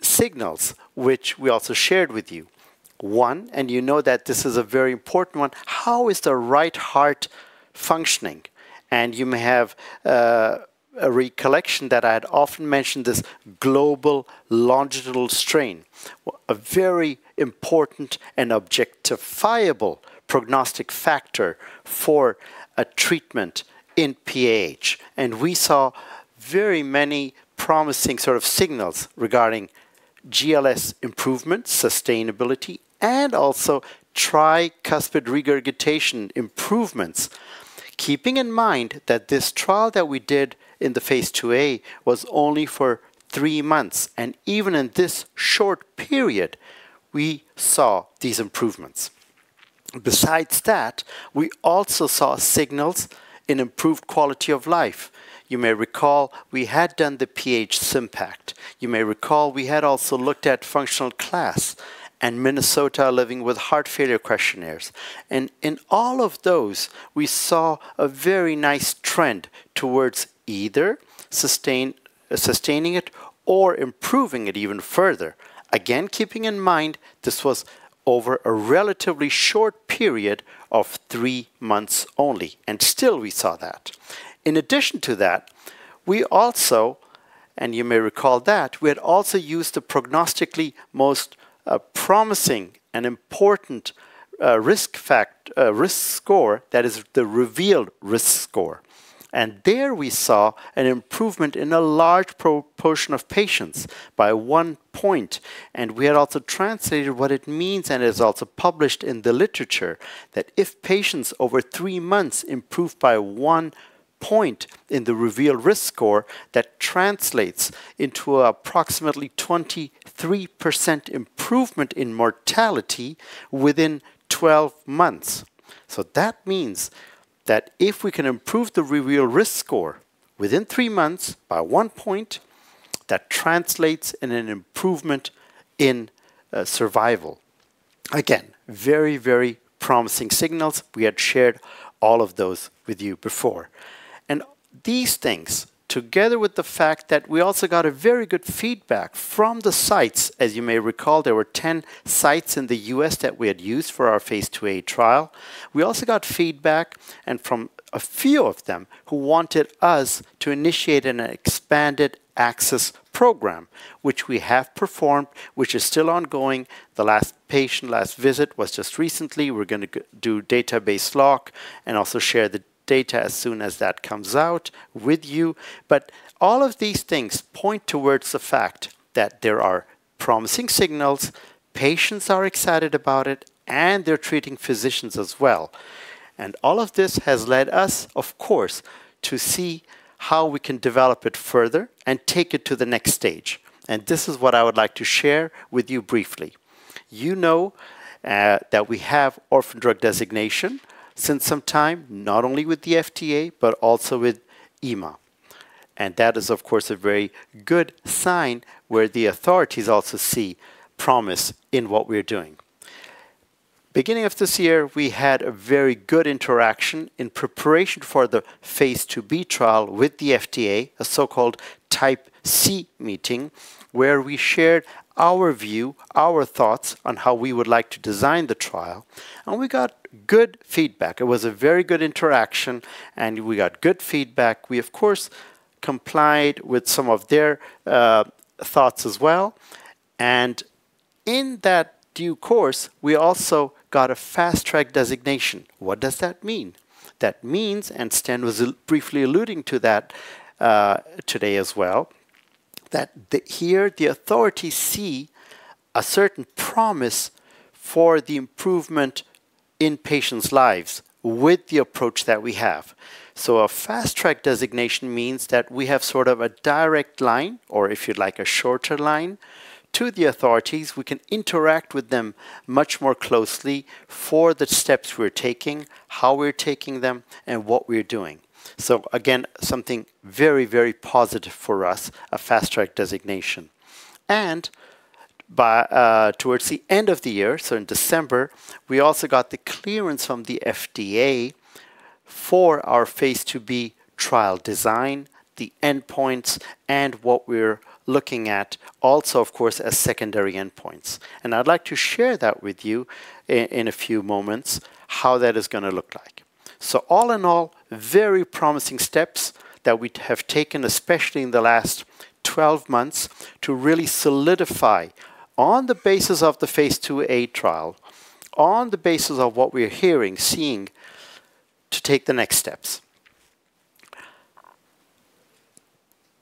signals which we also shared with you. One, and you know that this is a very important one: how is the right heart functioning? And you may have a recollection that I had often mentioned this global longitudinal strain, a very important and objectifiable prognostic factor for a treatment in PAH. And we saw very many promising sort of signals regarding GLS improvements, sustainability, and also tricuspid regurgitation improvements, keeping in mind that this trial that we did in the phase IIa was only for three months, and even in this short period we saw these improvements. Besides that, we also saw signals in improved quality of life. You may recall we had done the PH-SYMPACT. You may recall we had also looked at functional class and Minnesota Living with Heart Failure questionnaires. And in all of those, we saw a very nice trend towards either sustaining it or improving it even further, again keeping in mind this was over a relatively short period of three months only, and still we saw that. In addition to that, we also, and you may recall that, we had also used the prognostically most promising and important risk score, that is, the REVEAL Risk Score. There we saw an improvement in a large proportion of patients by one point, and we had also translated what it means, and it is also published in the literature, that if patients over three months improve by one point in the REVEAL Risk Score, that translates into an approximately 23% improvement in mortality within 12 months. So that means that if we can improve the REVEAL Risk Score within three months by one point, that translates in an improvement in survival. Again, very, very promising signals. We had shared all of those with you before. These things, together with the fact that we also got very good feedback from the sites, as you may recall, there were 10 sites in the U.S. that we had used for our phase IIa trial, we also got feedback from a few of them who wanted us to initiate an expanded access program, which we have performed, which is still ongoing. The last patient's last visit was just recently. We're going to do database lock and also share the data as soon as that comes out with you. All of these things point towards the fact that there are promising signals, patients are excited about it, and they're treating physicians as well. All of this has led us, of course, to see how we can develop it further and take it to the next stage. This is what I would like to share with you briefly. You know that we have orphan drug designation since some time, not only with the FDA but also with EMA. That is, of course, a very good sign where the authorities also see promise in what we're doing. Beginning of this year, we had a very good interaction in preparation for the phase IIb trial with the FDA, a so-called Type C meeting, where we shared our view, our thoughts on how we would like to design the trial, and we got good feedback. It was a very good interaction, and we got good feedback. We, of course, complied with some of their thoughts as well. In that due course, we also got a fast-track designation. What does that mean? That means, and Cereno was briefly alluding to that today as well, that here the authorities see a certain promise for the improvement in patients' lives with the approach that we have. So a fast-track designation means that we have sort of a direct line, or if you'd like a shorter line, to the authorities. We can interact with them much more closely for the steps we're taking, how we're taking them, and what we're doing. So again, something very, very positive for us: a fast-track designation. And towards the end of the year, so in December, we also got the clearance from the FDA for our phase IIb trial design, the endpoints, and what we're looking at also, of course, as secondary endpoints. And I'd like to share that with you in a few moments, how that is going to look like. So all in all, very promising steps that we have taken, especially in the last 12 months, to really solidify, on the basis of the phase IIa trial, on the basis of what we're hearing, seeing, to take the next steps.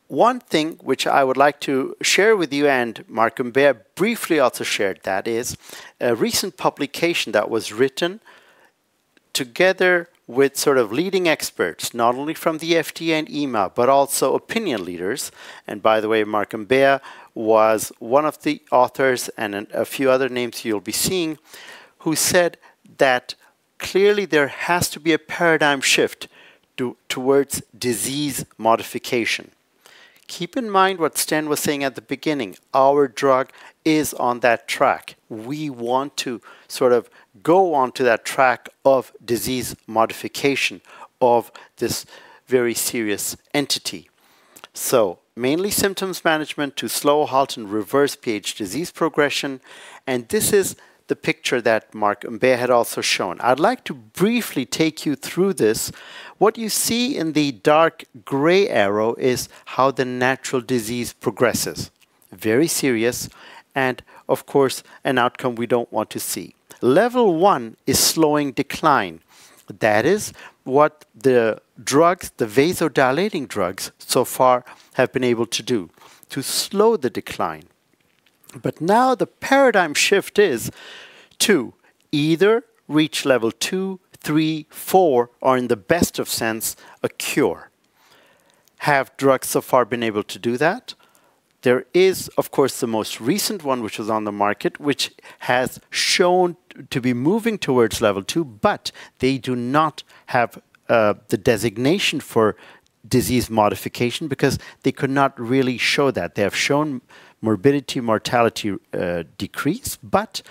One thing which I would like to share with you, and Marc Humbert briefly also shared, that is a recent publication that was written together with sort of leading experts, not only from the FDA and EMA, but also opinion leaders - and by the way, Marc Humbert was one of the authors, and a few other names you'll be seeing - who said that clearly there has to be a paradigm shift towards disease modification. Keep in mind what Cereno was saying at the beginning: our drug is on that track. We want to sort of go onto that track of disease modification of this very serious entity. Mainly symptoms management to slow, halt, and reverse PH disease progression, and this is the picture that Marc Humbert had also shown. I'd like to briefly take you through this. What you see in the dark gray arrow is how the natural disease progresses: very serious and, of course, an outcome we don't want to see. Level one is slowing decline. That is what the drugs, the vasodilating drugs, so far have been able to do: to slow the decline. But now the paradigm shift is to either reach Level 2, 3, 4, or, in the best of sense, a cure. Have drugs so far been able to do that? There is, of course, the most recent one which was on the market, which has shown to be moving towards Level 2, but they do not have the designation for disease modification because they could not really show that. They have shown morbidity, mortality decrease, but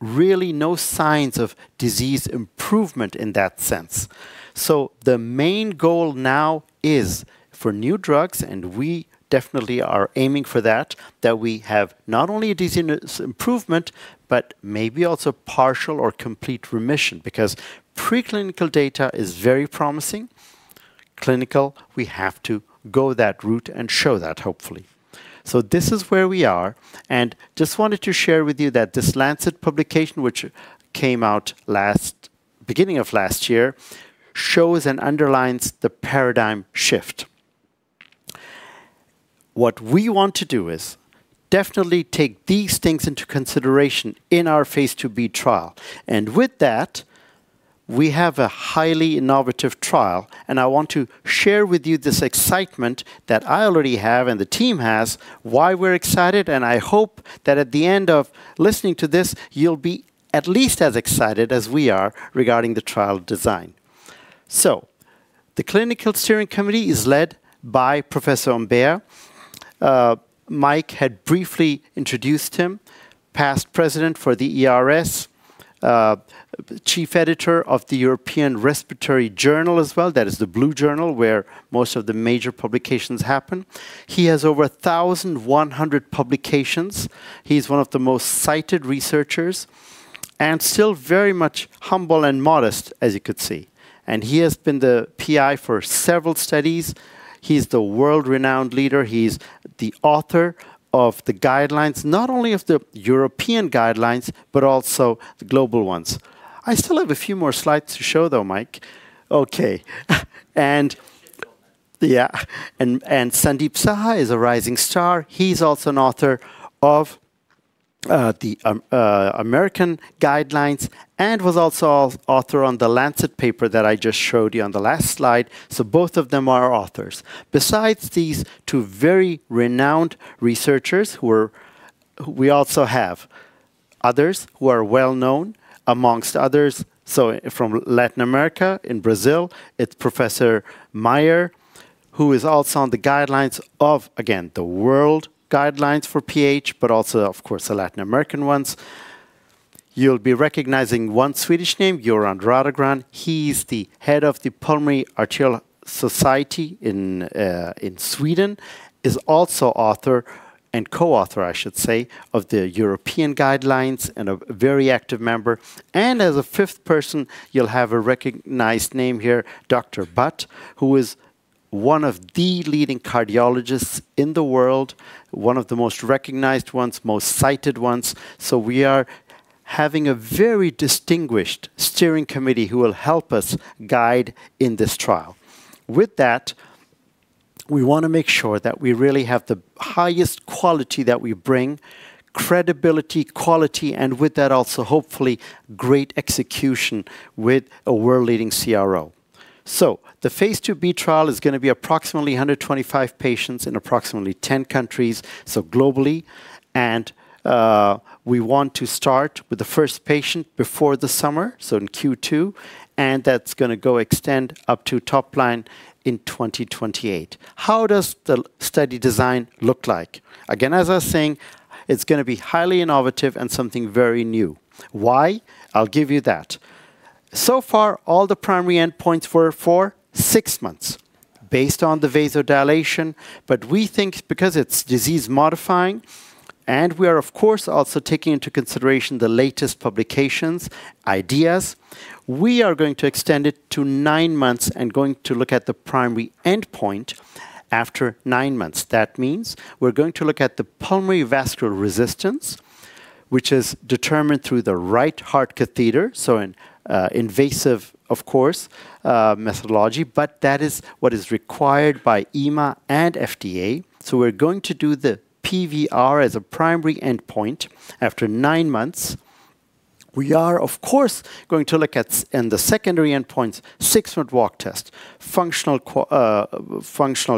really no signs of disease improvement in that sense. So the main goal now is, for new drugs - and we definitely are aiming for that - that we have not only a disease improvement but maybe also partial or complete remission, because preclinical data is very promising. Clinical, we have to go that route and show that, hopefully. So this is where we are, and just wanted to share with you that this Lancet publication, which came out beginning of last year, shows and underlines the paradigm shift. What we want to do is definitely take these things into consideration in our phase IIb trial. And with that, we have a highly innovative trial, and I want to share with you this excitement that I already have and the team has, why we're excited, and I hope that at the end of listening to this, you'll be at least as excited as we are regarding the trial design. So, the Clinical Steering Committee is led by Professor Humbert. Mike had briefly introduced him, past President for the ERS, Chief Editor of the European Respiratory Journal as well—that is, the Blue Journal, where most of the major publications happen. He has over 1,100 publications. He is one of the most cited researchers, and still very much humble and modest, as you could see. And he has been the PI for several studies. He is the world-renowned leader. He is the author of the guidelines, not only of the European guidelines but also the global ones. I still have a few more slides to show, though, Mike. OK. And yeah, and Sandeep Sahay is a rising star. He is also an author of the American guidelines and was also an author on the Lancet paper that I just showed you on the last slide. So both of them are authors. Besides these two very renowned researchers, we also have others who are well-known, among others, so from Latin America, in Brazil, it's Professor Meyer, who is also on the guidelines of, again, the World Guidelines for pH, but also, of course, the Latin American ones. You'll be recognizing one Swedish name: Göran Rådegran. He is the head of the Pulmonary Arterial Society in Sweden. He is also an author and co-author, I should say, of the European guidelines and a very active member. As a fifth person, you'll have a recognized name here: Dr. Bhatt, who is one of the leading cardiologists in the world, one of the most recognized ones, most cited ones. So we are having a very distinguished steering committee who will help us guide in this trial. With that, we want to make sure that we really have the highest quality that we bring: credibility, quality, and with that also, hopefully, great execution with a world-leading CRO. So, the phase IIb trial is going to be approximately 125 patients in approximately 10 countries, so globally. We want to start with the first patient before the summer, so in Q2, and that's going to go extend up to top line in 2028. How does the study design look like? Again, as I was saying, it's going to be highly innovative and something very new. Why? I'll give you that. So far, all the primary endpoints were for 6 months, based on the vasodilation, but we think, because it's disease modifying, and we are, of course, also taking into consideration the latest publications' ideas, we are going to extend it to 9 months and going to look at the primary endpoint after 9 months. That means we're going to look at the pulmonary vascular resistance, which is determined through the right heart catheter, so an invasive, of course, methodology, but that is what is required by EMA and FDA. So we're going to do the PVR as a primary endpoint after 9 months. We are, of course, going to look at, in the secondary endpoints, 6-minute walk test, functional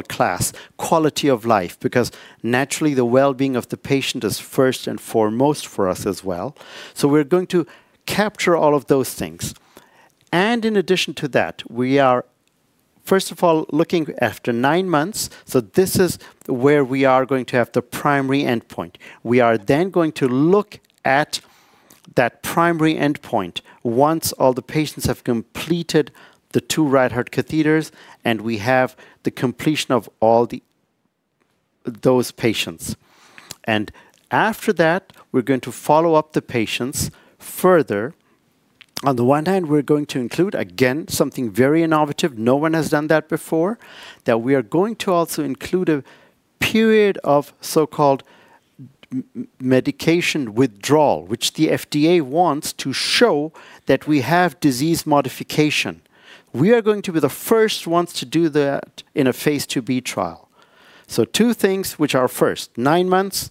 class, quality of life, because naturally the well-being of the patient is first and foremost for us as well. So we're going to capture all of those things. In addition to that, we are, first of all, looking after nine months (so this is where we are going to have the primary endpoint) we are then going to look at that primary endpoint once all the patients have completed the two right heart catheters and we have the completion of all those patients. After that, we're going to follow up the patients further. On the one hand, we're going to include, again, something very innovative (no one has done that before) that we are going to also include a period of so-called medication withdrawal, which the FDA wants to show that we have disease modification. We are going to be the first ones to do that in a Phase 2B trial. So, two things which are first: 9 months,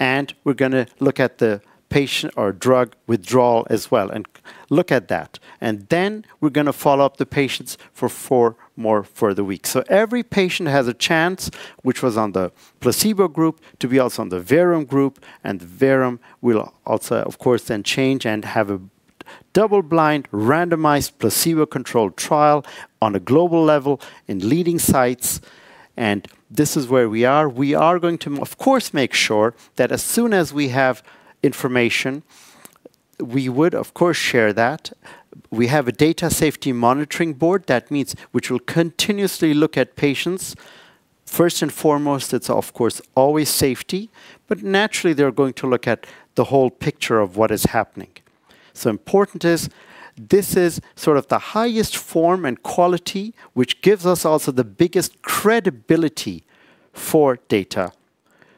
and we're going to look at the patient or drug withdrawal as well and look at that. Then we're going to follow up the patients for 4 more further weeks. Every patient has a chance, which was on the placebo group, to be also on the verum group, and the verum will also, of course, then change and have a double-blind, randomized, placebo-controlled trial on a global level in leading sites. This is where we are. We are going to, of course, make sure that as soon as we have information, we would, of course, share that. We have a Data Safety Monitoring Board, that means, which will continuously look at patients. First and foremost, it's, of course, always safety, but naturally they're going to look at the whole picture of what is happening. So important is: this is sort of the highest form and quality, which gives us also the biggest credibility for data.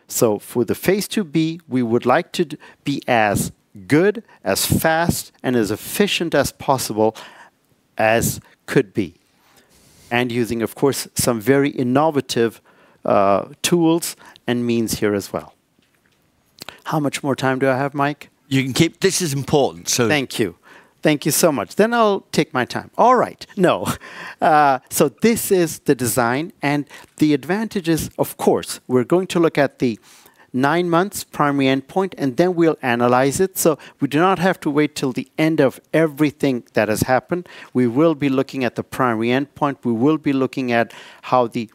So, for the phase IIb, we would like to be as good, as fast, and as efficient as possible as could be. And using, of course, some very innovative tools and means here as well. How much more time do I have, Mike? You can keep - this is important, so. Thank you. Thank you so much. Then I'll take my time. All right. No. So this is the design, and the advantages - of course, we're going to look at the 9-month primary endpoint, and then we'll analyze it. So we do not have to wait till the end of everything that has happened. We will be looking at the primary endpoint. We will be looking at how the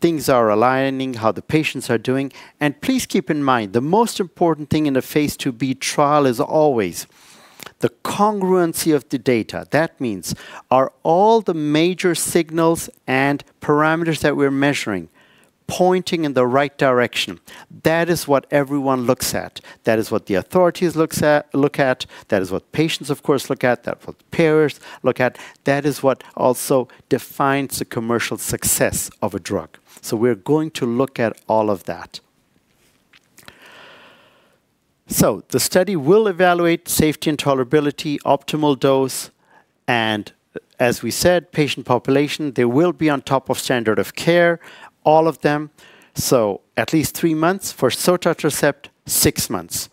things are aligning, how the patients are doing. Please keep in mind: the most important thing in a phase IIb trial is always the congruency of the data. That means: are all the major signals and parameters that we're measuring pointing in the right direction? That is what everyone looks at. That is what the authorities look at. That is what patients, of course, look at. That's what payers look at. That is what also defines the commercial success of a drug. So we're going to look at all of that. So, the study will evaluate safety and tolerability, optimal dose, and, as we said, patient population. They will be on top of standard of care, all of them. So, at least 3 months for sotatercept, 6 months.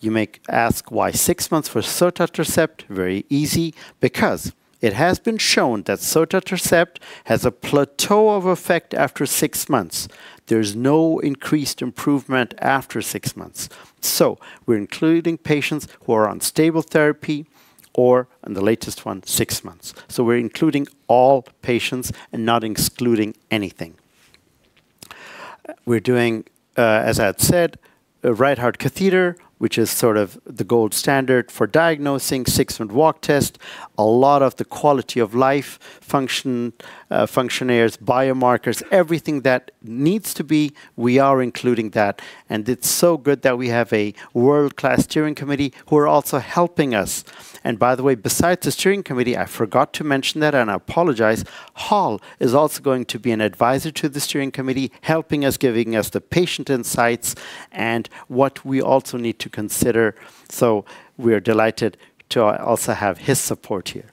You may ask why 6 months for sotatercept? Very easy: because it has been shown that sotatercept has a plateau of effect after 6 months. There's no increased improvement after 6 months. So, we're including patients who are on stable therapy or, in the latest one, 6 months. So we're including all patients and not excluding anything. We're doing, as I had said, a right heart catheter, which is sort of the gold standard for diagnosing, 6-minute walk test, a lot of the quality of life, functional assessments, biomarkers, everything that needs to be. We are including that. And it's so good that we have a world-class steering committee who are also helping us. And, by the way, besides the steering committee, I forgot to mention that and I apologize, Hall is also going to be an advisor to the steering committee, helping us, giving us the patient insights and what we also need to consider. So we are delighted to also have his support here.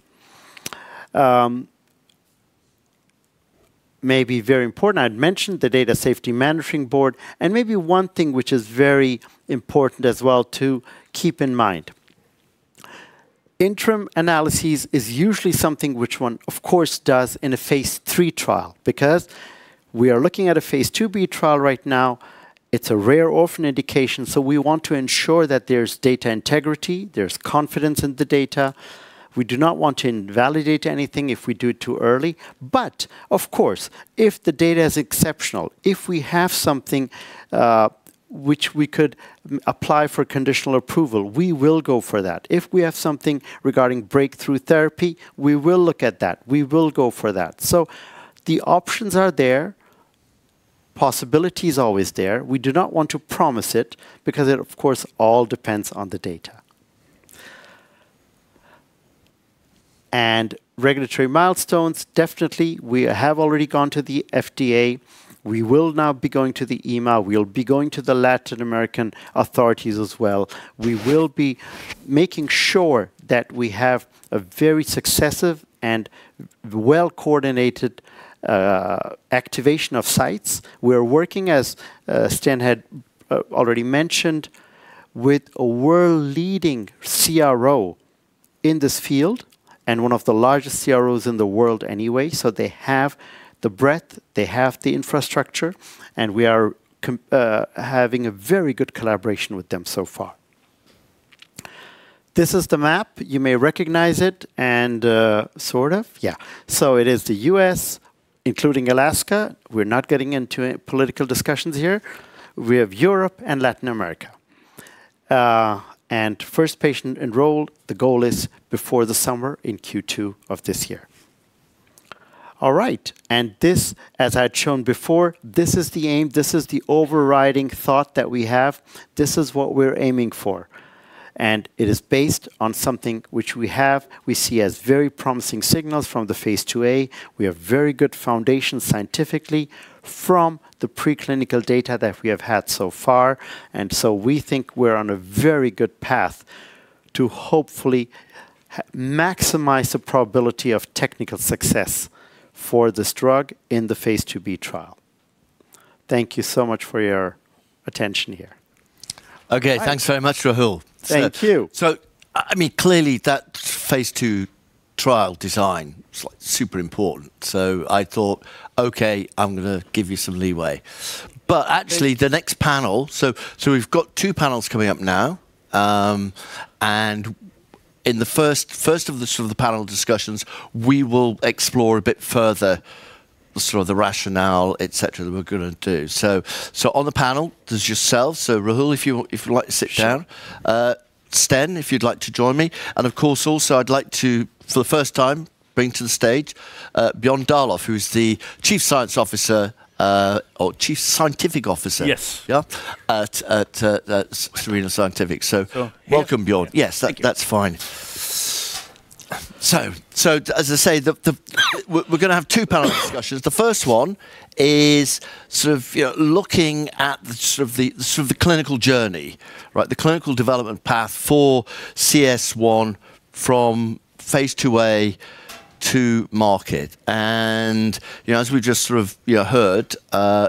Maybe very important: I had mentioned the Data Safety Monitoring Board. And maybe one thing which is very important as well to keep in mind: interim analyses is usually something which one, of course, does in a phase III trial. Because we are looking at a phase IIb trial right now. It's a rare, orphaned indication. So we want to ensure that there's data integrity, there's confidence in the data. We do not want to invalidate anything if we do it too early. But, of course, if the data is exceptional, if we have something which we could apply for conditional approval, we will go for that. If we have something regarding breakthrough therapy, we will look at that. We will go for that. So the options are there. Possibility is always there. We do not want to promise it because it, of course, all depends on the data. And regulatory milestones: definitely, we have already gone to the FDA. We will now be going to the EMA. We'll be going to the Latin American authorities as well. We will be making sure that we have a very successful and well-coordinated activation of sites. We are working, as Sten had already mentioned, with a world-leading CRO in this field and one of the largest CROs in the world anyway. So they have the breadth, they have the infrastructure, and we are having a very good collaboration with them so far. This is the map. You may recognize it and, sort of, yeah. So it is the U.S., including Alaska, we're not getting into political discussions here, we have Europe and Latin America. First patient enrolled: the goal is before the summer in Q2 of this year. All right. This, as I had shown before, this is the aim. This is the overriding thought that we have. This is what we're aiming for. It is based on something which we have—we see as very promising signals from the phase IIa. We have very good foundations scientifically from the preclinical data that we have had so far. So we think we're on a very good path to, hopefully, maximize the probability of technical success for this drug in the phase IIb trial. Thank you so much for your attention here. OK. Thanks very much, Rahul. Thank you. So, I mean, clearly that phase II trial design is like super important. So I thought, OK, I'm going to give you some leeway. But actually, the next panel—so we've got two panels coming up now. And in the first, first of the sort of the panel discussions, we will explore a bit further the sort of the rationale, etc., that we're going to do. So, on the panel there's yourself. So, Rahul, if you want—if you'd like to sit down. Sten, if you'd like to join me. And, of course, also I'd like to, for the first time, bring to the stage, Björn Dahlöf, who is the Chief Science Officer, or Chief Scientific Officer at Cereno Scientific. So welcome, Björn. Yes, that's fine. So, as I say, we're going to have two panel discussions. The first one is sort of, you know, looking at the sort of clinical journey, right? The clinical development path for CS1 from Phase 2A to market. And, you know, as we just sort of, you know, heard,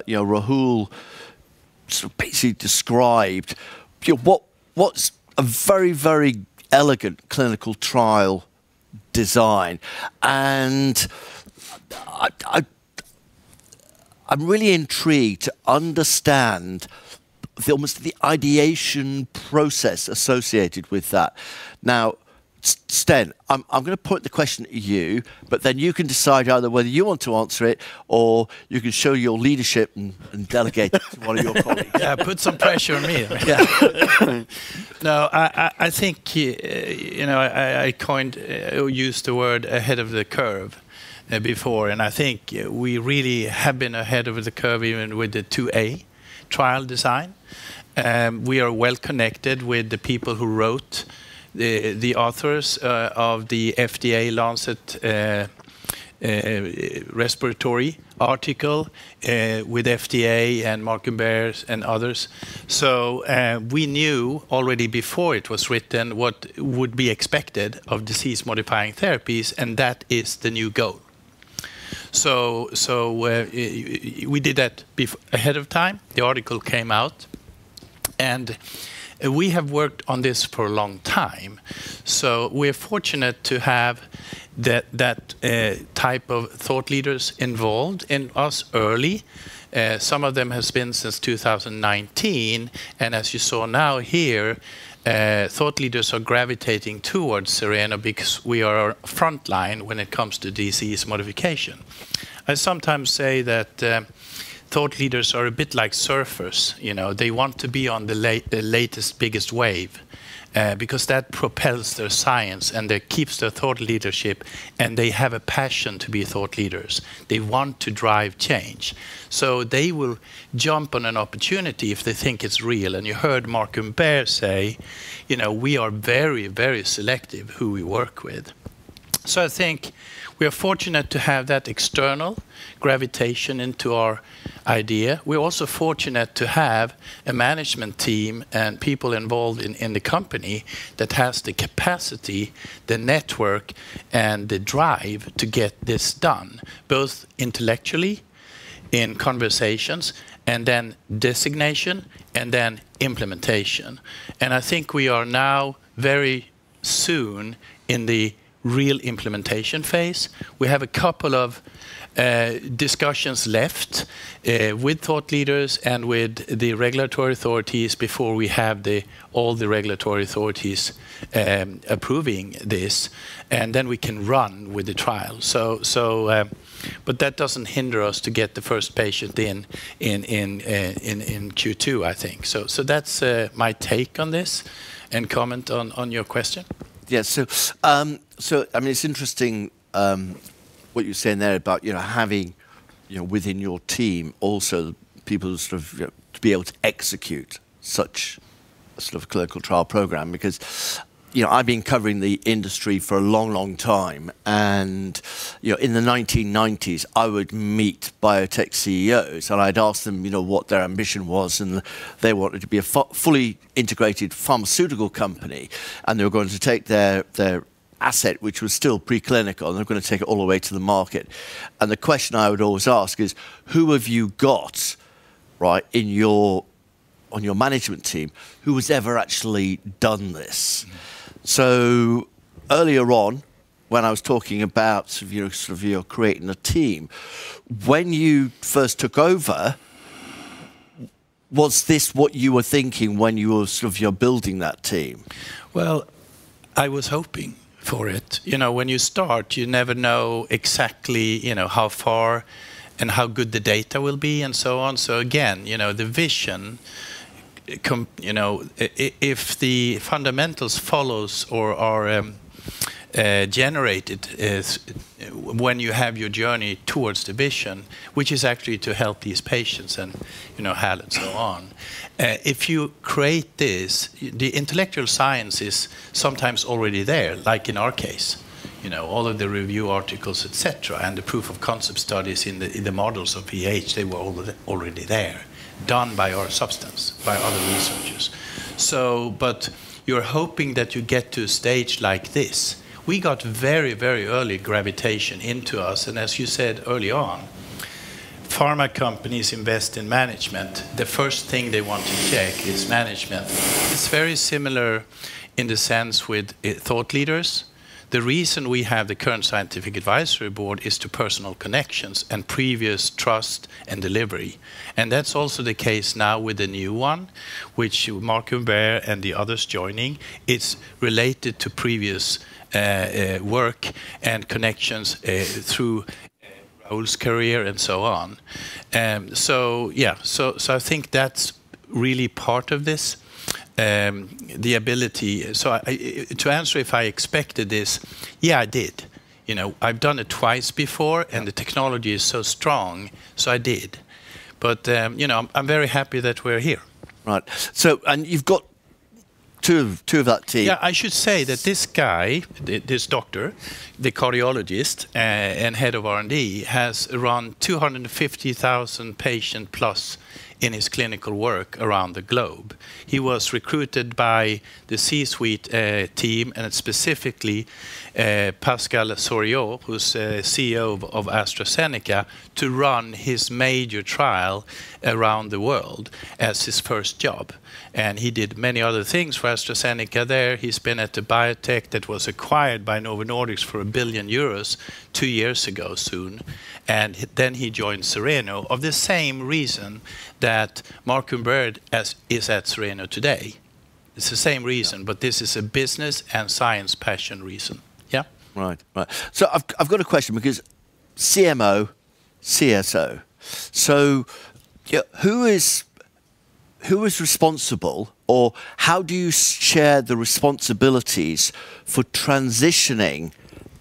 you know, Rahul sort of basically described, you know, what's a very, very elegant clinical trial design. And I'm really intrigued to understand almost the ideation process associated with that. Now, Sten, I'm going to point the question at you, but then you can decide either whether you want to answer it or you can show your leadership and delegate it to one of your colleagues. Yeah, put some pressure on me. Yeah. No, I think, you know, I coined or used the word "ahead of the curve" before. And I think we really have been ahead of the curve even with the 2A trial design. And we are well connected with the people who wrote the authors of the FDA-launched respiratory article with FDA and Mark Baers and others. So we knew already before it was written what would be expected of disease-modifying therapies, and that is the new goal. So we did that ahead of time. The article came out. And we have worked on this for a long time. So we are fortunate to have that type of thought leaders involved in us early. Some of them have been since 2019. And as you saw now here, thought leaders are gravitating towards Cereno because we are a frontline when it comes to disease modification. I sometimes say that, thought leaders are a bit like surfers, you know? They want to be on the latest, biggest wave, because that propels their science and that keeps their thought leadership. And they have a passion to be thought leaders. They want to drive change. So they will jump on an opportunity if they think it's real. And you heard Marc Humbert say, you know, we are very, very selective who we work with. So I think we are fortunate to have that external gravitation into our idea. We're also fortunate to have a management team and people involved in the company that has the capacity, the network, and the drive to get this done, both intellectually in conversations, and then designation, and then implementation. I think we are now very soon in the real implementation phase. We have a couple of discussions left, with thought leaders and with the regulatory authorities before we have all the regulatory authorities approving this. Then we can run with the trial. But that doesn't hinder us to get the first patient in Q2, I think. So that's my take on your question. Yes. So, I mean, it's interesting what you're saying there about, you know, having, you know, within your team also people who sort of, you know, to be able to execute such a sort of clinical trial program. Because, you know, I've been covering the industry for a long, long time. And, you know, in the 1990s, I would meet biotech CEOs and I'd ask them, you know, what their ambition was. And they wanted to be a fully integrated pharmaceutical company. And they were going to take their asset, which was still preclinical, and they were going to take it all the way to the market. And the question I would always ask is: who have you got, right, in your management team who has ever actually done this? Mm-hmm. So earlier on, when I was talking about sort of, you know, sort of you're creating a team, when you first took over, was this what you were thinking when you were sort of you're building that team? Well, I was hoping for it. You know, when you start, you never know exactly, you know, how far and how good the data will be and so on. So again, you know, the vision, you know, if the fundamentals follow or are generated when you have your journey towards the vision, which is actually to help these patients and, you know, Hall and so on, if you create this, the intellectual science is sometimes already there, like in our case, you know, all of the review articles, etc., and the proof of concept studies in the models of PH, they were all already there, done by our substance by other researchers. So, but you're hoping that you get to a stage like this. We got very, very early gravitation into us. And as you said early on, pharma companies invest in management. The first thing they want to check is management. It's very similar in the sense with thought leaders. The reason we have the current Scientific Advisory Board is to personal connections and previous trust and delivery. That's also the case now with the new one, which Mark Baers and the others joining. It's related to previous work and connections through Rahul's career and so on. Yeah. So I think that's really part of this, the ability. To answer if I expected this: yeah, I did. You know, I've done it twice before, and the technology is so strong, so I did. But you know, I'm very happy that we're here. Right. So and you've got two of two of that team. Yeah. I should say that this guy, this doctor, the cardiologist and head of R&D, has around 250,000 patient-plus in his clinical work around the globe. He was recruited by the C-suite team, and it's specifically Pascal Soriot, who's CEO of AstraZeneca, to run his major trial around the world as his first job. He did many other things for AstraZeneca there. He's been at a biotech that was acquired by Novo Nordisk for 1 billion euros two years ago soon. Then he joined Cereno for the same reason that Marc Humbert is at Cereno today. It's the same reason, but this is a business and science passion reason. Yeah? Right, right. So I've got a question because CMO, CSO. So, yeah, who is responsible or how do you share the responsibilities for transitioning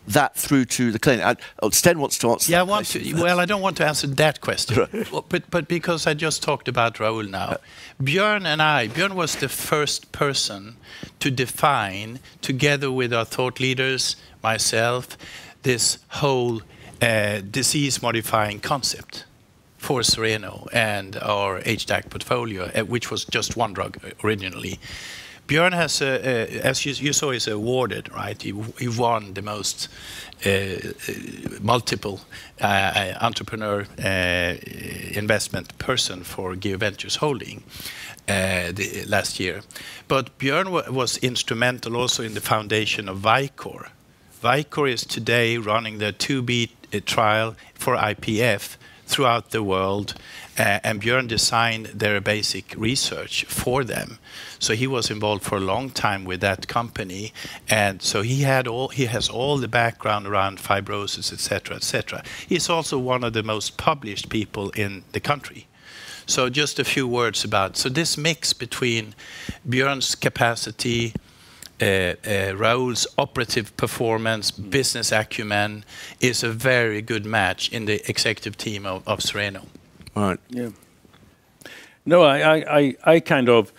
that through to the clinic? Sten wants to answer that question. Yeah, I want to. Well, I don't want to answer that question. But because I just talked about Rahul now, Björn and I—Björn was the first person to define, together with our thought leaders, myself, this whole, disease-modifying concept for Cereno and our HDAC portfolio, which was just one drug originally. Björn has, as you saw, he's awarded, right? He won the most, multiple, entrepreneur, investment person for GU Ventures, last year. But Björn was instrumental also in the foundation of Vicore. Vicore is today running their 2B trial for IPF throughout the world. And Björn designed their basic research for them. So he was involved for a long time with that company. And so he had all—he has all the background around fibrosis, etc., etc. He's also one of the most published people in the country. Just a few words about this mix between Björn's capacity, Rahul's operative performance, business acumen is a very good match in the executive team of Cereno. All right. Yeah. No, I kind of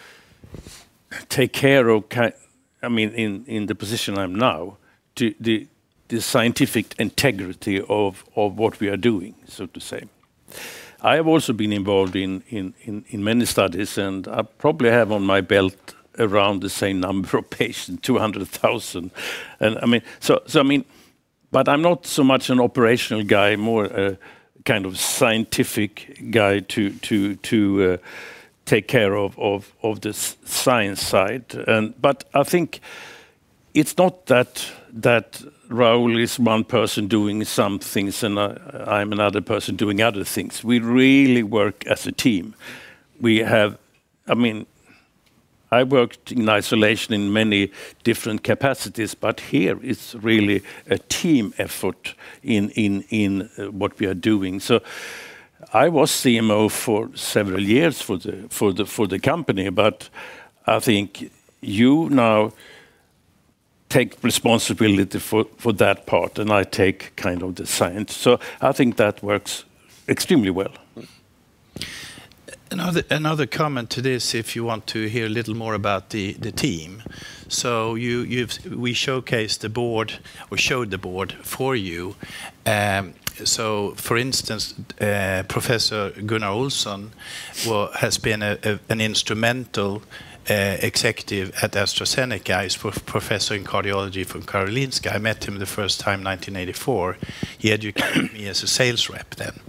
take care of, I mean, in the position I'm now, the scientific integrity of what we are doing, so to say. I have also been involved in many studies. And I probably have on my belt around the same number of patients: 200,000. And, I mean, so, I mean, but I'm not so much an operational guy, more a kind of scientific guy to take care of the science side. But I think it's not that Rahul is one person doing some things and I'm another person doing other things. We really work as a team. We have, I mean, I worked in isolation in many different capacities, but here it's really a team effort in what we are doing. So I was CMO for several years for the company. But I think you now take responsibility for that part, and I take kind of the science. So I think that works extremely well. Another comment to this, if you want to hear a little more about the team. So you've, we showcased the board or showed the board for you. So for instance, Professor Gunnar Olsson has been an instrumental executive at AstraZeneca. He's a professor in cardiology from Karolinska. I met him the first time in 1984. He educated me as a sales rep then.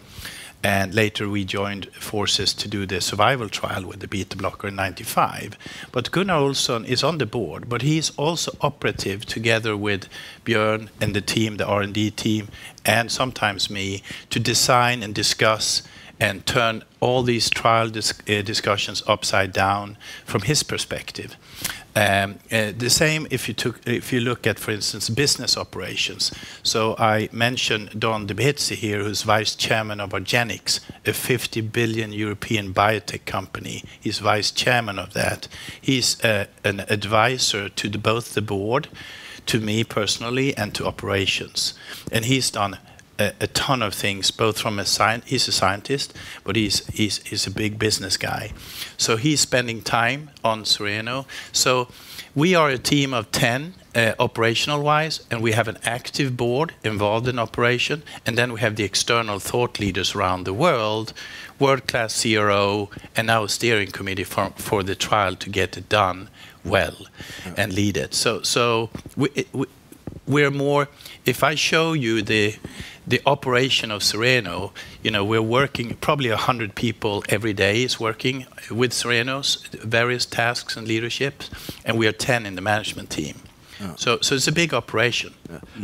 And later we joined forces to do the survival trial with the beta blocker in 1995. But Gunnar Olsson is on the board. But he's also operating together with Björn and the team, the R&D team, and sometimes me to design and discuss and turn all these trial discussions upside down from his perspective. The same if you took, if you look at, for instance, business operations. So I mentioned Don deBethizy here, who's vice chairman of argenx, a $50 billion European biotech company. He's vice chairman of that. He's an advisor to both the board, to me personally, and to operations. And he's done a ton of things, both from a science, he's a scientist, but he's a big business guy. So he's spending time on Cereno. So we are a team of 10 operational-wise. And we have an active board involved in operation. And then we have the external thought leaders around the world, world-class CRO, and now a steering committee for the trial to get it done well and lead it. So we're more—if I show you the operation of Cereno, you know, we're working probably 100 people every day is working with Cereno's various tasks and leadership. And we are 10 in the management team. So it's a big operation.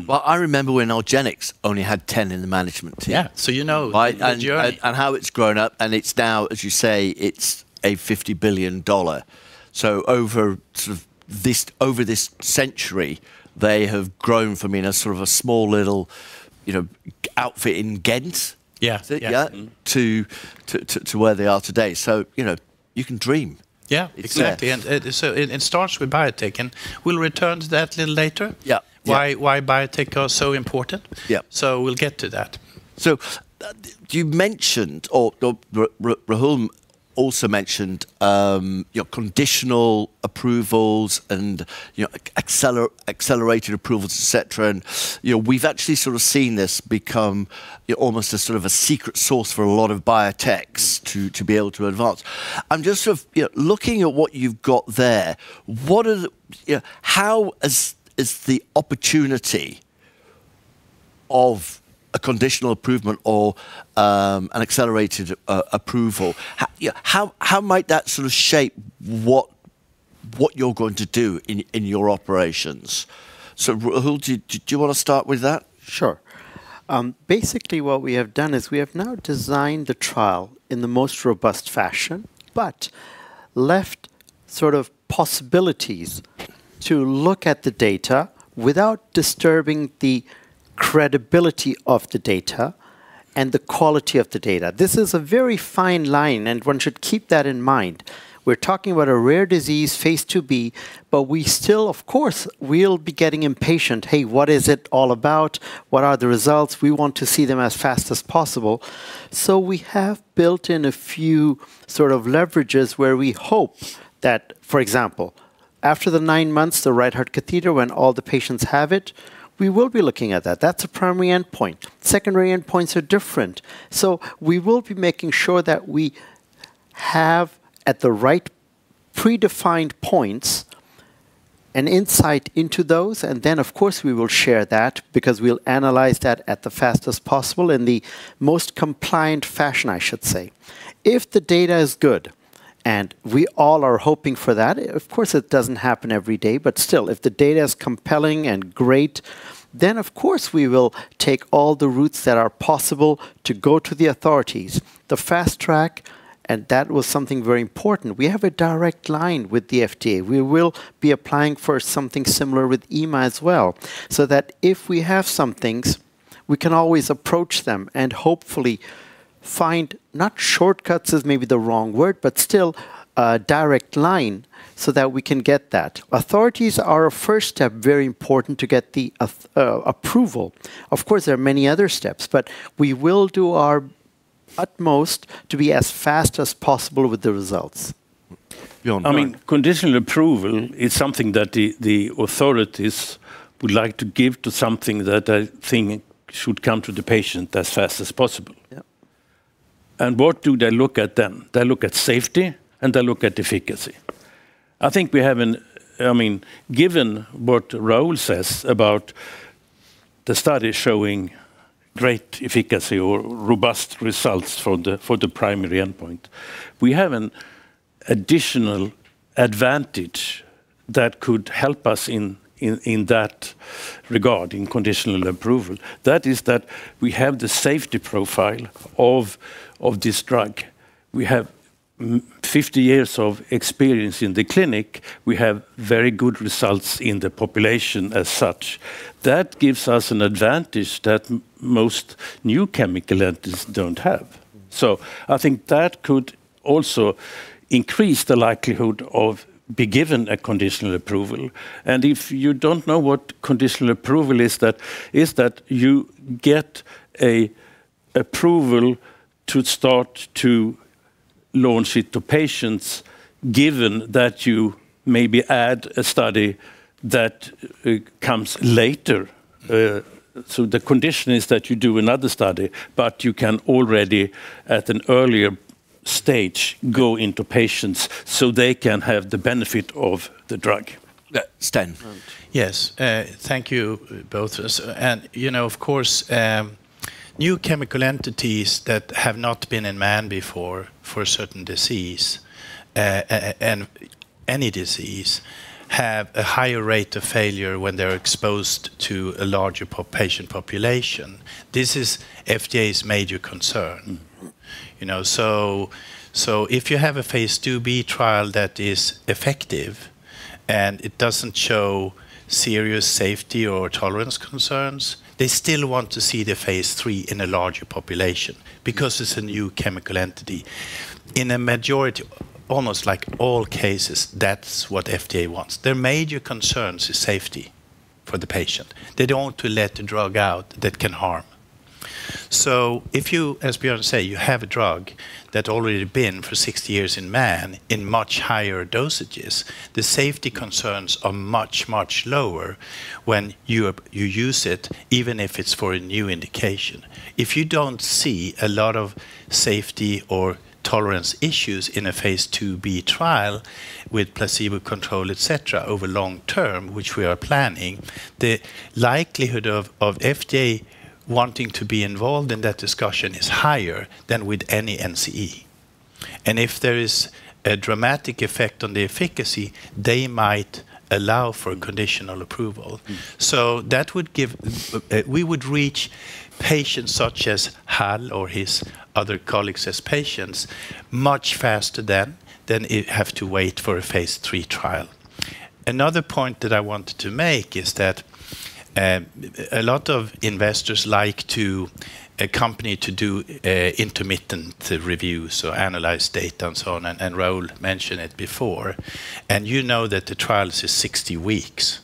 Well, I remember when argenx only had 10 in the management team. Yeah. So you know the journey and how it's grown up. And it's now, as you say, it's a $50 billion. So over sort of this, over this century, they have grown from, you know, sort of a small little, you know, outfit in Ghent. Yeah. Yeah. To where they are today. So, you know, you can dream. Yeah. Exactly. And so it starts with biotech. And we'll return to that a little later. Yeah. Why biotech are so important. Yeah. So we'll get to that. So you mentioned—or Rahul also mentioned, you know, conditional approvals and, you know, accelerated approvals, etc. And, you know, we've actually sort of seen this become, you know, almost a sort of a secret sauce for a lot of biotechs to be able to advance. I'm just sort of, you know, looking at what you've got there. What are the—you know, how is the opportunity of a conditional approval or, an accelerated approval, you know, how might that sort of shape what you're going to do in your operations? So, Rahul, do you want to start with that? Sure. Basically, what we have done is we have now designed the trial in the most robust fashion, but left sort of possibilities to look at the data without disturbing the credibility of the data and the quality of the data. This is a very fine line. One should keep that in mind. We're talking about a rare disease, phase IIb. But we still, of course, we'll be getting impatient. Hey, what is it all about? What are the results? We want to see them as fast as possible. We have built in a few sort of leverages where we hope that, for example, after the nine months, the Right Heart Catheterization, when all the patients have it, we will be looking at that. That's a primary endpoint. Secondary endpoints are different. We will be making sure that we have, at the right predefined points, an insight into those. Then, of course, we will share that because we'll analyze that at the fastest possible in the most compliant fashion, I should say. If the data is good and we all are hoping for that, of course, it doesn't happen every day. But still, if the data is compelling and great, then, of course, we will take all the routes that are possible to go to the authorities, the fast track. And that was something very important. We have a direct line with the FDA. We will be applying for something similar with EMA as well so that if we have some things, we can always approach them and hopefully find - not shortcuts is maybe the wrong word - but still a direct line so that we can get that. Authorities are a first step, very important, to get the approval. Of course, there are many other steps. But we will do our utmost to be as fast as possible with the results. Björn, I mean, conditional approval is something that the authorities would like to give to something that I think should come to the patient as fast as possible. Yeah. And what do they look at then? They look at safety, and they look at efficacy. I think we have an—I mean, given what Rahul says about the study showing great efficacy or robust results for the primary endpoint, we have an additional advantage that could help us in that regard, in conditional approval. That is that we have the safety profile of of this drug. We have 50 years of experience in the clinic. We have very good results in the population as such. That gives us an advantage that most new chemical entities don't have. So I think that could also increase the likelihood of being given a conditional approval. And if you don't know what conditional approval is, that is that you get an approval to start to launch it to patients, given that you maybe add a study that comes later. So the condition is that you do another study, but you can already, at an earlier stage, go into patients so they can have the benefit of the drug. Sten? Yes. Thank you, both of us. And, you know, of course, new chemical entities that have not been in man before for a certain disease, and any disease, have a higher rate of failure when they're exposed to a larger patient population. This is FDA's major concern. Mm-hmm. You know, so so if you have a phase IIb trial that is effective and it doesn't show serious safety or tolerance concerns, they still want to see the phase III in a larger population because it's a new chemical entity. In a majority, almost like all cases, that's what FDA wants. Their major concern is safety for the patient. They don't want to let the drug out that can harm. So if you, as Björn said, you have a drug that's already been for 60 years in man in much higher dosages, the safety concerns are much, much lower when you use it, even if it's for a new indication. If you don't see a lot of safety or tolerance issues in a phase IIb trial with placebo control, etc., over long term, which we are planning, the likelihood of FDA wanting to be involved in that discussion is higher than with any NCE. And if there is a dramatic effect on the efficacy, they might allow for conditional approval. So that would give we would reach patients such as Hall or his other colleagues as patients much faster than than you have to wait for a phase III trial. Another point that I wanted to make is that a lot of investors like a company to do intermittent reviews or analyze data and so on. And Rahul mentioned it before. And you know that the trials are 60 weeks.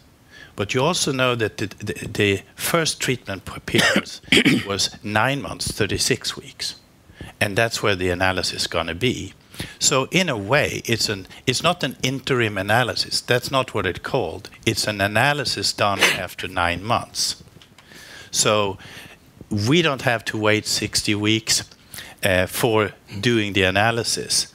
But you also know that the first treatment prepared was 9 months, 36 weeks. That's where the analysis is going to be. In a way, it's not an interim analysis. That's not what it's called. It's an analysis done after nine months. So we don't have to wait 60 weeks for doing the analysis.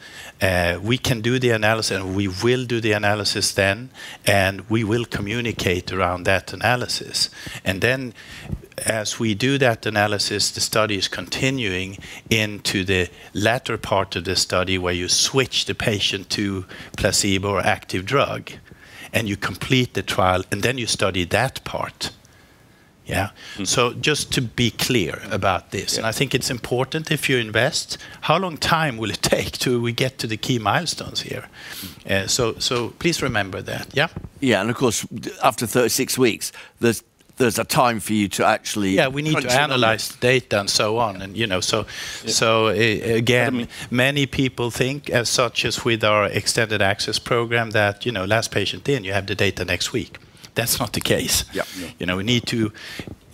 We can do the analysis. And we will do the analysis then. And we will communicate around that analysis. And then, as we do that analysis, the study is continuing into the latter part of the study where you switch the patient to placebo or active drug. And you complete the trial. And then you study that part. Yeah? Just to be clear about this. And I think it's important if you invest, how long time will it take till we get to the key milestones here? So please remember that. Yeah? Yeah. And of course, after 36 weeks, there's a time for you to actually return to it. Yeah. We need to analyze the data and so on. And, you know, so again, many people think, as such as with our extended access program, that, you know, last patient in, you have the data next week. That's not the case. Yeah. You know, we need to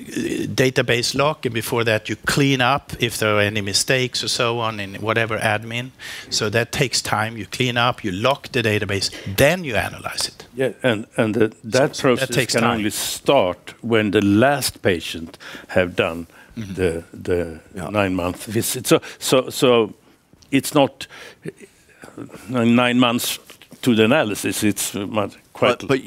database lock. And before that, you clean up if there are any mistakes or so on in whatever admin. So that takes time. You clean up. You lock the database. Then you analyze it. Yeah. And that process can only start when the last patient has done the 9-month visit. So it's not nine months to the analysis. It's quite long. But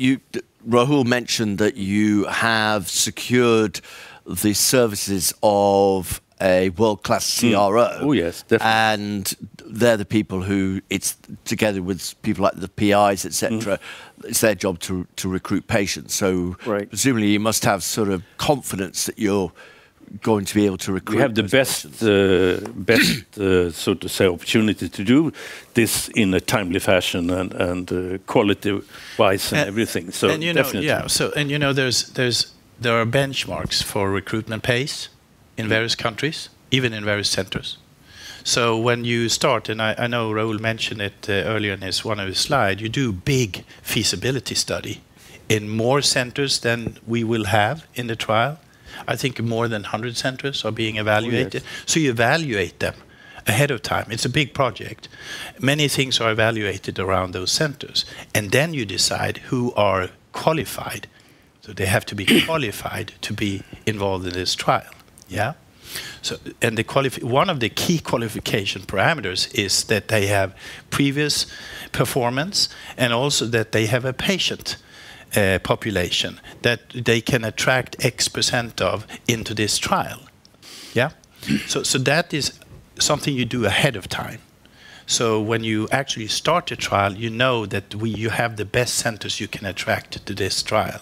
you, Rahul, mentioned that you have secured the services of a world-class CRO. Oh, yes. Definitely. They're the people who it's together with people like the PIs, etc. It's their job to recruit patients. So presumably, you must have sort of confidence that you're going to be able to recruit patients. We have the best, best, so to say, opportunity to do this in a timely fashion and, and, quality-wise and everything. So definitely. And, you know, yeah. So and, you know, there are benchmarks for recruitment pace in various countries, even in various centers. So when you start, and I know Rahul mentioned it earlier in one of his slides, you do a big feasibility study in more centers than we will have in the trial. I think more than 100 centers are being evaluated. So you evaluate them ahead of time. It's a big project. Many things are evaluated around those centers. And then you decide who are qualified. So they have to be qualified to be involved in this trial. Yeah? So one of the key qualification parameters is that they have previous performance and also that they have a patient population that they can attract x% of into this trial. Yeah? So that is something you do ahead of time. So when you actually start a trial, you know that you have the best centers you can attract to this trial.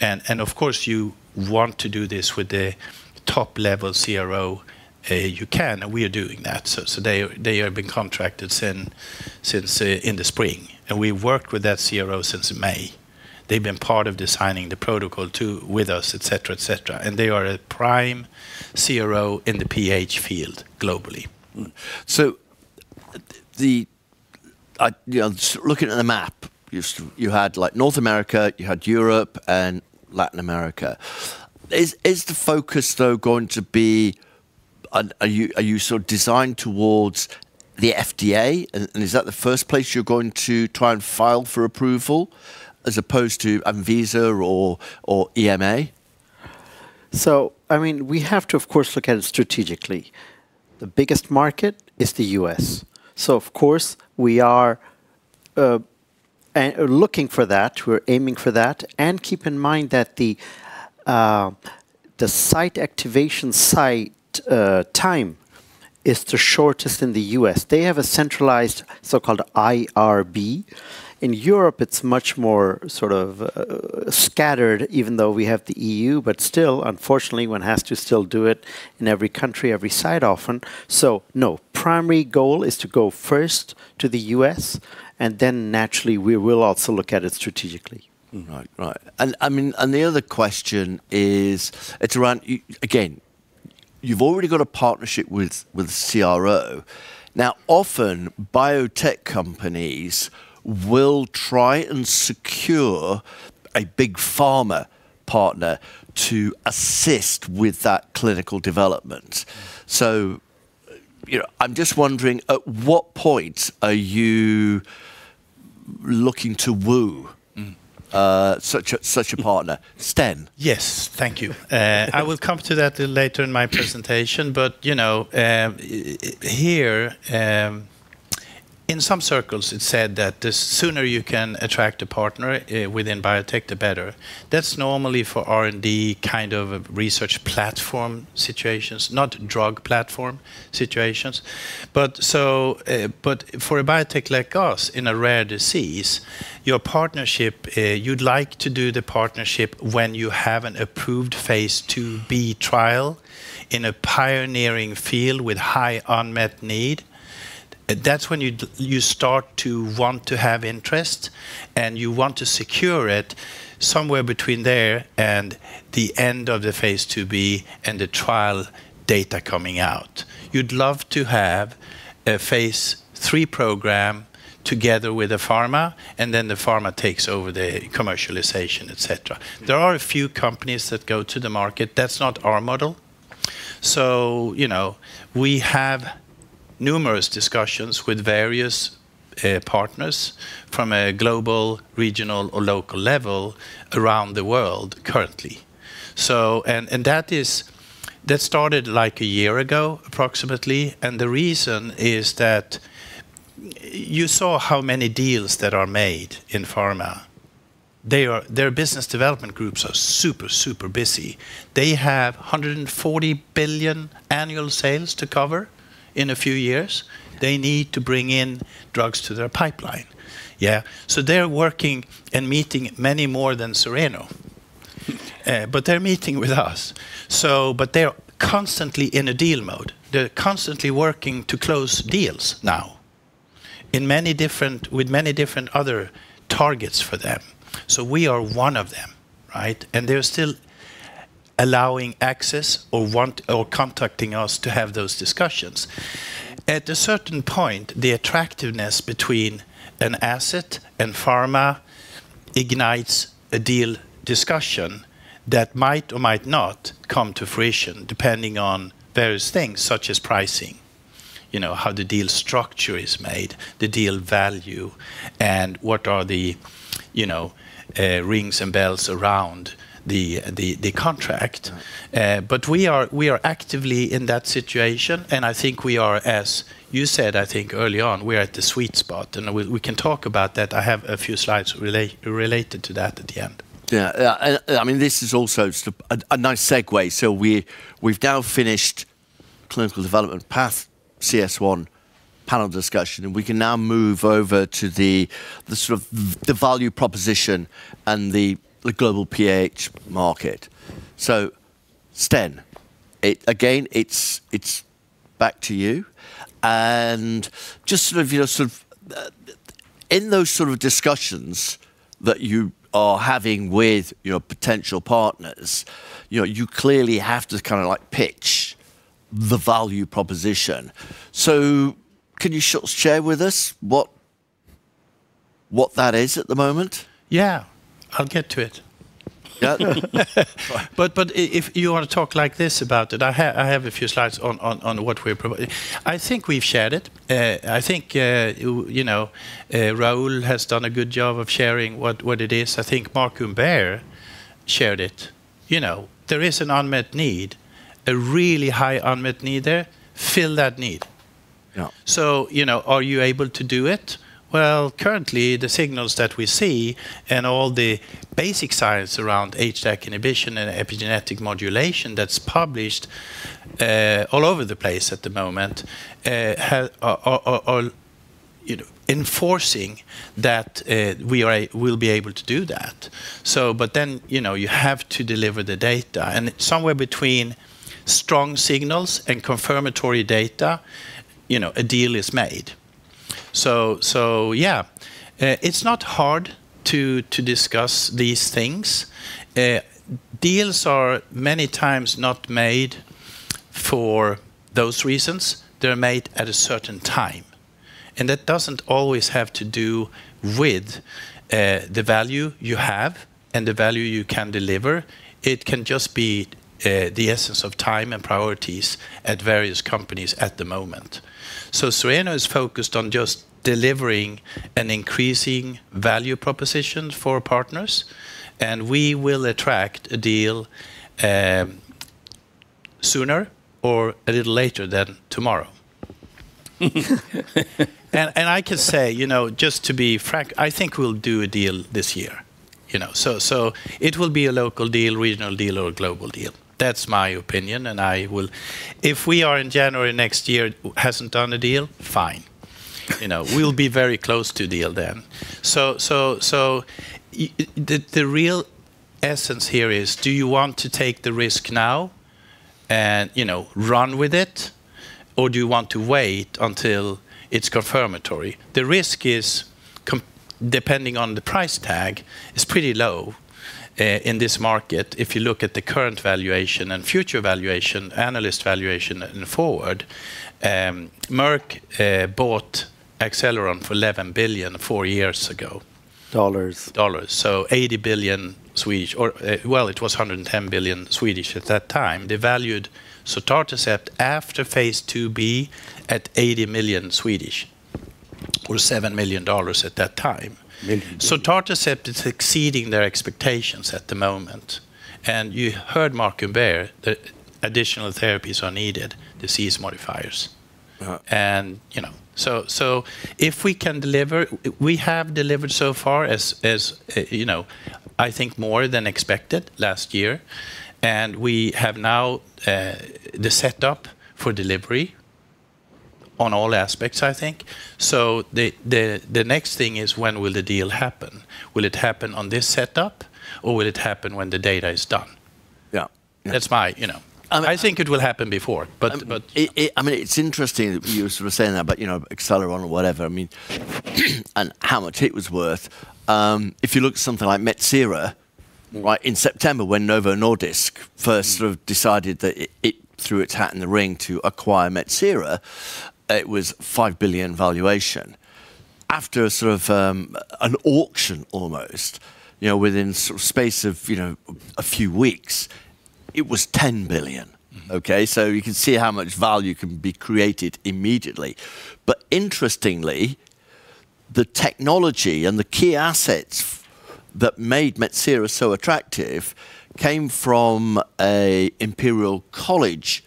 And, of course, you want to do this with the top-level CRO you can. And we are doing that. So they have been contracted since in the spring. And we've worked with that CRO since May. They've been part of designing the protocol too with us, etc., etc. And they are a prime CRO in the PH field globally. So the, you know, looking at the map, you had like North America, you had Europe, and Latin America. Is the focus, though, going to be are you sort of designed towards the FDA? And is that the first place you're going to try and file for approval as opposed to, I mean, visa or EMA? So I mean, we have to, of course, look at it strategically. The biggest market is the U.S. So of course, we are looking for that. We're aiming for that. And keep in mind that the site activation time is the shortest in the U.S. They have a centralized so-called IRB. In Europe, it's much more sort of, scattered, even though we have the EU. But still, unfortunately, one has to still do it in every country, every site often. So no, primary goal is to go first to the U.S. And then naturally, we will also look at it strategically. Right, right. And I mean, and the other question is, it's around, again, you've already got a partnership with the CRO. Now, often, biotech companies will try and secure a big pharma partner to assist with that clinical development. So, you know, I'm just wondering, at what point are you looking to woo such a partner? Sten? Yes. Thank you. I will come to that later in my presentation. But, you know, here, in some circles, it's said that the sooner you can attract a partner within biotech, the better. That's normally for R&D kind of research platform situations, not drug platform situations. But for a biotech like us, in a rare disease, you'd like to do the partnership when you have an approved phase IIb trial in a pioneering field with high unmet need. That's when you start to want to have interest. And you want to secure it somewhere between there and the end of the phase IIb and the trial data coming out. You'd love to have a phase III program together with a pharma. And then the pharma takes over the commercialization, etc. There are a few companies that go to the market. That's not our model. So, you know, we have numerous discussions with various partners from a global, regional, or local level around the world currently. And that started like a year ago, approximately. And the reason is that you saw how many deals that are made in pharma. Their business development groups are super, super busy. They have $140 billion annual sales to cover in a few years. They need to bring in drugs to their pipeline. Yeah? So they're working and meeting many more than Cereno. But they're meeting with us. So, but they're constantly in a deal mode. They're constantly working to close deals now in many different with many different other targets for them. So we are one of them, right? And they're still allowing access or want or contacting us to have those discussions. At a certain point, the attractiveness between an asset and pharma ignites a deal discussion that might or might not come to fruition depending on various things, such as pricing, you know, how the deal structure is made, the deal value, and what are the, you know, rings and bells around the the contract. but we are actively in that situation. And I think we are, as you said, I think, early on, we're at the sweet spot. And we can talk about that. I have a few slides related to that at the end. Yeah. Yeah. And I mean, this is also a nice segue. So we've now finished clinical development path CS1 panel discussion. And we can now move over to the sort of the value proposition and the global PH market. So, Sten, it again, it's back to you. And just sort of, you know, sort of in those sort of discussions that you are having with your potential partners, you know, you clearly have to kind of like pitch the value proposition. So can you share with us what that is at the moment? Yeah. I'll get to it. Yeah. But if you want to talk like this about it, I have a few slides on what we're providing. I think we've shared it. I think, you know, Rahul has done a good job of sharing what it is. I think Marc Humbert shared it. You know, there is an unmet need, a really high unmet need there. Fill that need. Yeah. So, you know, are you able to do it? Well, currently, the signals that we see and all the basic science around HDAC inhibition and epigenetic modulation that's published, all over the place at the moment, are, you know, enforcing that we will be able to do that. So but then, you know, you have to deliver the data. And somewhere between strong signals and confirmatory data, you know, a deal is made. So yeah. It's not hard to discuss these things. Deals are many times not made for those reasons. They're made at a certain time. That doesn't always have to do with the value you have and the value you can deliver. It can just be the essence of time and priorities at various companies at the moment. Cereno is focused on just delivering an increasing value proposition for partners. We will attract a deal sooner or a little later than tomorrow. I can say, you know, just to be frank, I think we'll do a deal this year. You know, so it will be a local deal, regional deal, or global deal. That's my opinion. I will if we are in January next year. Hasn't done a deal, fine. You know, we'll be very close to a deal then. So, the real essence here is, do you want to take the risk now and, you know, run with it? Or do you want to wait until it's confirmatory? The risk is, depending on the price tag, is pretty low, in this market. If you look at the current valuation and future valuation, analyst valuation and forward, Merck bought Acceleron for $11 billion four years ago. So 80 billion. Or, well, it was 110 billion at that time. They valued sotatercept after phase IIb at 80 million or $7 million at that time. Sotatercept is exceeding their expectations at the moment. And you heard Marc Humbert that additional therapies are needed, disease modifiers. Uh-huh. And, you know, so if we can deliver we have delivered so far as, as you know, I think, more than expected last year. And we have now the setup for delivery on all aspects, I think. So the next thing is, when will the deal happen? Will it happen on this setup? Or will it happen when the data is done? Yeah. That's my, you know, I think it will happen before. But I mean, it's interesting that you're sort of saying that about, you know, Acceleron or whatever. I mean, and how much it was worth. If you look at something like Metsera, right, in September, when Novo Nordisk first sort of decided that it threw its hat in the ring to acquire Metsera, it was $5 billion valuation. After a sort of an auction almost, you know, within sort of space of, you know, a few weeks, it was $10 billion. OK? So you can see how much value can be created immediately. But interestingly, the technology and the key assets that made Metsera so attractive came from an Imperial College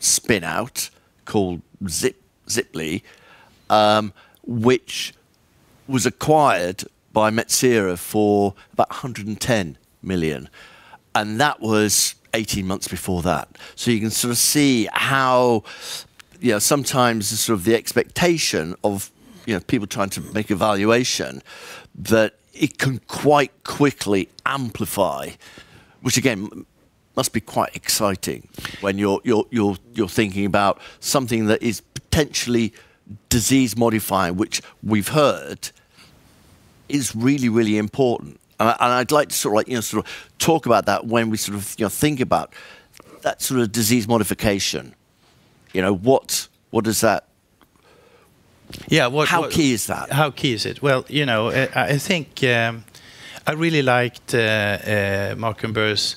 spinout called Zihipp, which was acquired by Metsera for about $110 million. And that was 18 months before that. So you can sort of see how, you know, sometimes the sort of the expectation of, you know, people trying to make a valuation that it can quite quickly amplify, which, again, must be quite exciting when you're thinking about something that is potentially disease modifying, which we've heard is really, really important. And I'd like to sort of like, you know, sort of talk about that when we sort of, you know, think about that sort of disease modification. You know, what does that yeah. How key is that? How key is it? Well, you know, I think I really liked Marc Humbert's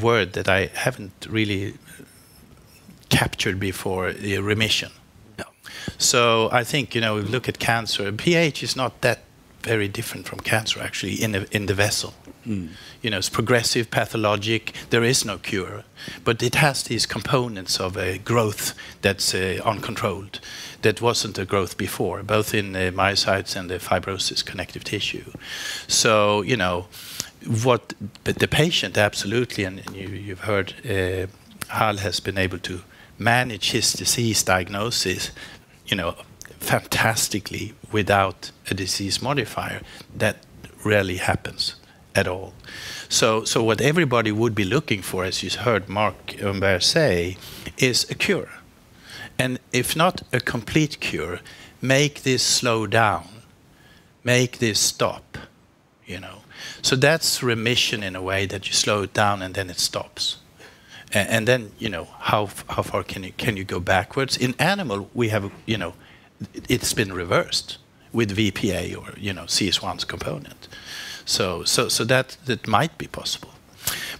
word that I haven't really captured before, the remission. Yeah. So I think, you know, we look at cancer. PH is not that very different from cancer, actually, in the vessel. You know, it's progressive, pathologic. There is no cure. But it has these components of a growth that's uncontrolled that wasn't a growth before, both in myocytes and the fibrosis connective tissue. So, you know, what the patient absolutely and you've heard Hall has been able to manage his disease diagnosis, you know, fantastically without a disease modifier, that rarely happens at all. So what everybody would be looking for, as you heard Marc Humbert say, is a cure. And if not a complete cure, make this slow down, make this stop, you know? So that's remission in a way that you slow it down, and then it stops. And then, you know, how far can you go backwards? In animal, we have, you know, it's been reversed with VPA or, you know, CS1's component. So that might be possible.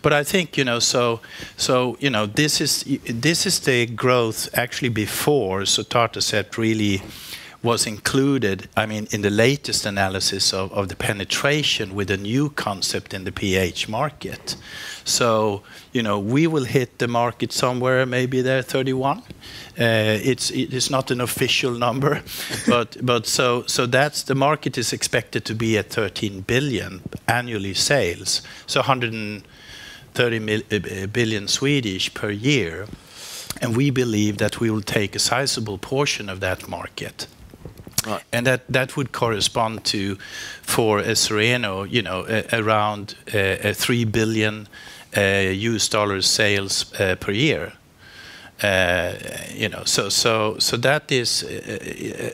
But I think, you know, this is the growth actually before sotatercept really was included, I mean, in the latest analysis of the penetration with a new concept in the PH market. So, you know, we will hit the market somewhere maybe there at 2031. It's not an official number. But that's the market is expected to be at $13 billion annually sales, so 130 billion per year. And we believe that we will take a sizable portion of that market. Right. And that would correspond to, for a Cereno, you know, around $3 billion U.S. dollars sales per year. You know, so that is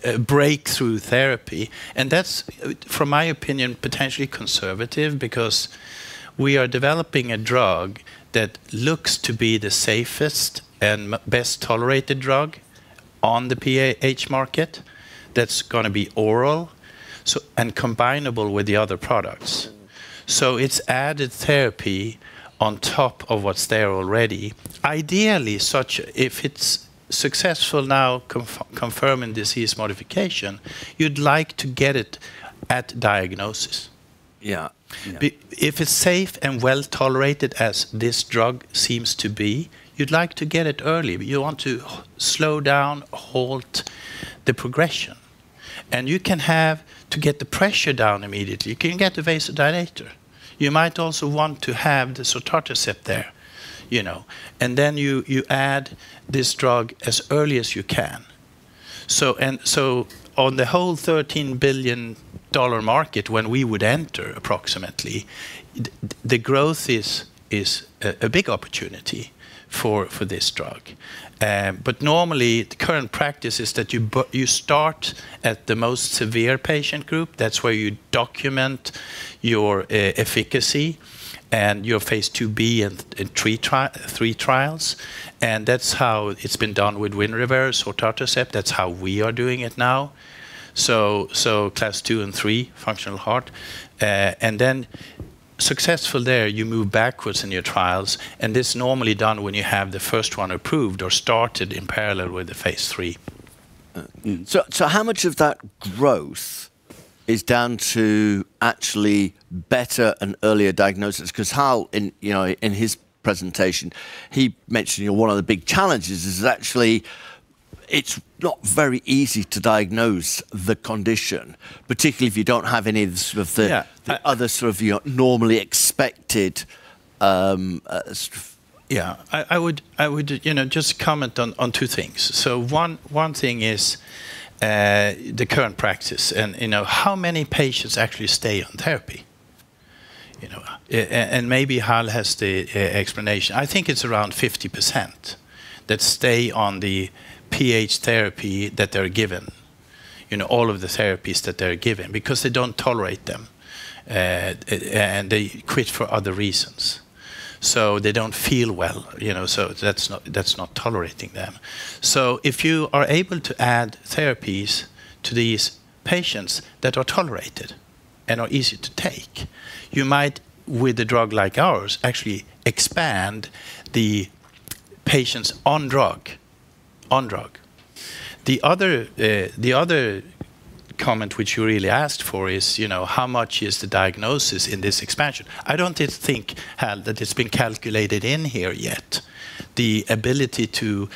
a breakthrough therapy. And that's, from my opinion, potentially conservative because we are developing a drug that looks to be the safest and best tolerated drug on the PH market that's going to be oral so and combinable with the other products. So it's added therapy on top of what's there already. Ideally, such if it's successful now confirming disease modification, you'd like to get it at diagnosis. Yeah. Yeah. If it's safe and well tolerated, as this drug seems to be, you'd like to get it early. You want to slow down, halt the progression. And you can have to get the pressure down immediately. You can get the vasodilator. You might also want to have the sotatercept there, you know? And then you add this drug as early as you can. So and so on, the whole $13 billion market, when we would enter, approximately, the growth is a big opportunity for this drug. But normally, the current practice is that you start at the most severe patient group. That's where you document your efficacy and your phase IIb and 3 trials. And that's how it's been done with Winrevair, sotatercept. That's how we are doing it now. So class 2 and 3, functional heart. And then successful there, you move backwards in your trials. And this is normally done when you have the first one approved or started in parallel with the phase III. So how much of that growth is down to actually better and earlier diagnosis? Because how in, you know, in his presentation, he mentioned, you know, one of the big challenges is actually it's not very easy to diagnose the condition, particularly if you don't have any of the sort of the other sort of your normally expected sort of. Yeah. I would, you know, just comment on two things. So one thing is the current practice and, you know, how many patients actually stay on therapy? You know, and maybe Hall has the explanation. I think it's around 50% that stay on the PH therapy that they're given, you know, all of the therapies that they're given because they don't tolerate them. And they quit for other reasons. So they don't feel well, you know? So that's not tolerating them. So if you are able to add therapies to these patients that are tolerated and are easy to take, you might, with a drug like ours, actually expand the patients on drug, on drug. The other comment which you really asked for is, you know, how much is the diagnosis in this expansion? I don't think, Hall, that it's been calculated in here yet, the ability to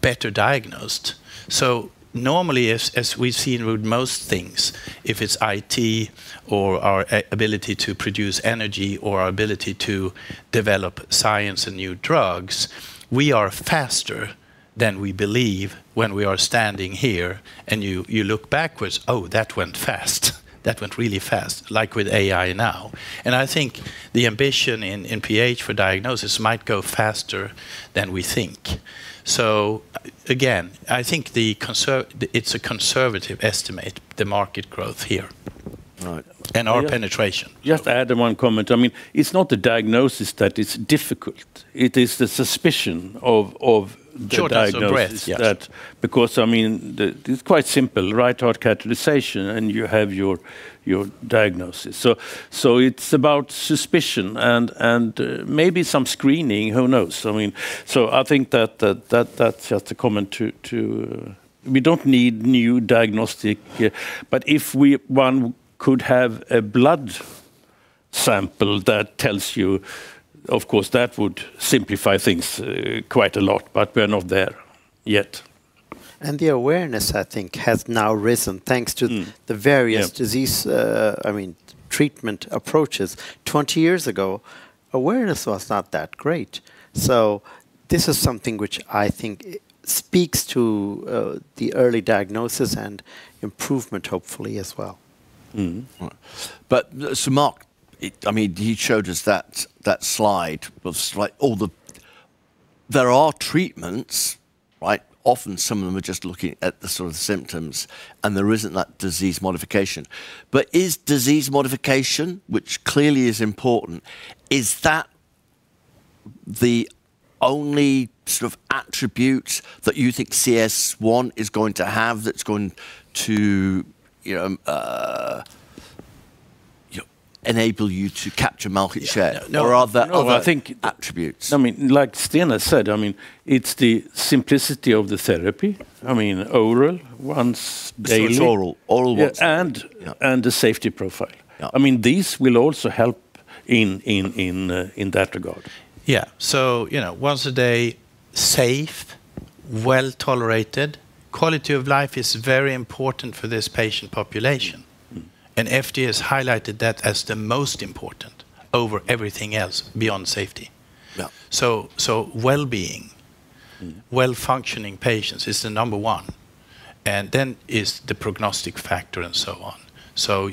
better diagnose. So normally, as we've seen with most things, if it's IT or our ability to produce energy or our ability to develop science and new drugs, we are faster than we believe when we are standing here. And you look backwards, oh, that went fast. That went really fast, like with AI now. And I think the ambition in PH for diagnosis might go faster than we think. So again, I think it's a conservative estimate, the market growth here and our penetration. Just to add one comment. I mean, it's not the diagnosis that is difficult. It is the suspicion of the diagnosis. Shortness of breath. Yes. Because, I mean, it's quite simple, right? Heart catheterization, and you have your diagnosis. So it's about suspicion and maybe some screening. Who knows? I mean, so I think that's just a comment to that we don't need new diagnostic. But if one could have a blood sample that tells you, of course, that would simplify things quite a lot. But we're not there yet. And the awareness, I think, has now risen thanks to the various disease, I mean, treatment approaches. 20 years ago, awareness was not that great. So this is something which I think speaks to the early diagnosis and improvement, hopefully, as well. Mm-hmm. But so Marc, I mean, he showed us that slide with like all the treatments there are, right? Often, some of them are just looking at the sort of symptoms. And there isn't that disease modification. But is disease modification, which clearly is important, is that the only sort of attributes that you think CS1 is going to have that's going to, you know, enable you to capture market share? Or are there other attributes? I mean, like Cereno said, I mean, it's the simplicity of the therapy, I mean, oral, once daily. It's oral. Oral once. And the safety profile. I mean, these will also help in that regard. Yeah. So, you know, once a day, safe, well tolerated, quality of life is very important for this patient population. And FDA has highlighted that as the most important over everything else beyond safety. Yeah. So well-being, well-functioning patients is the number one. And then is the prognostic factor and so on. So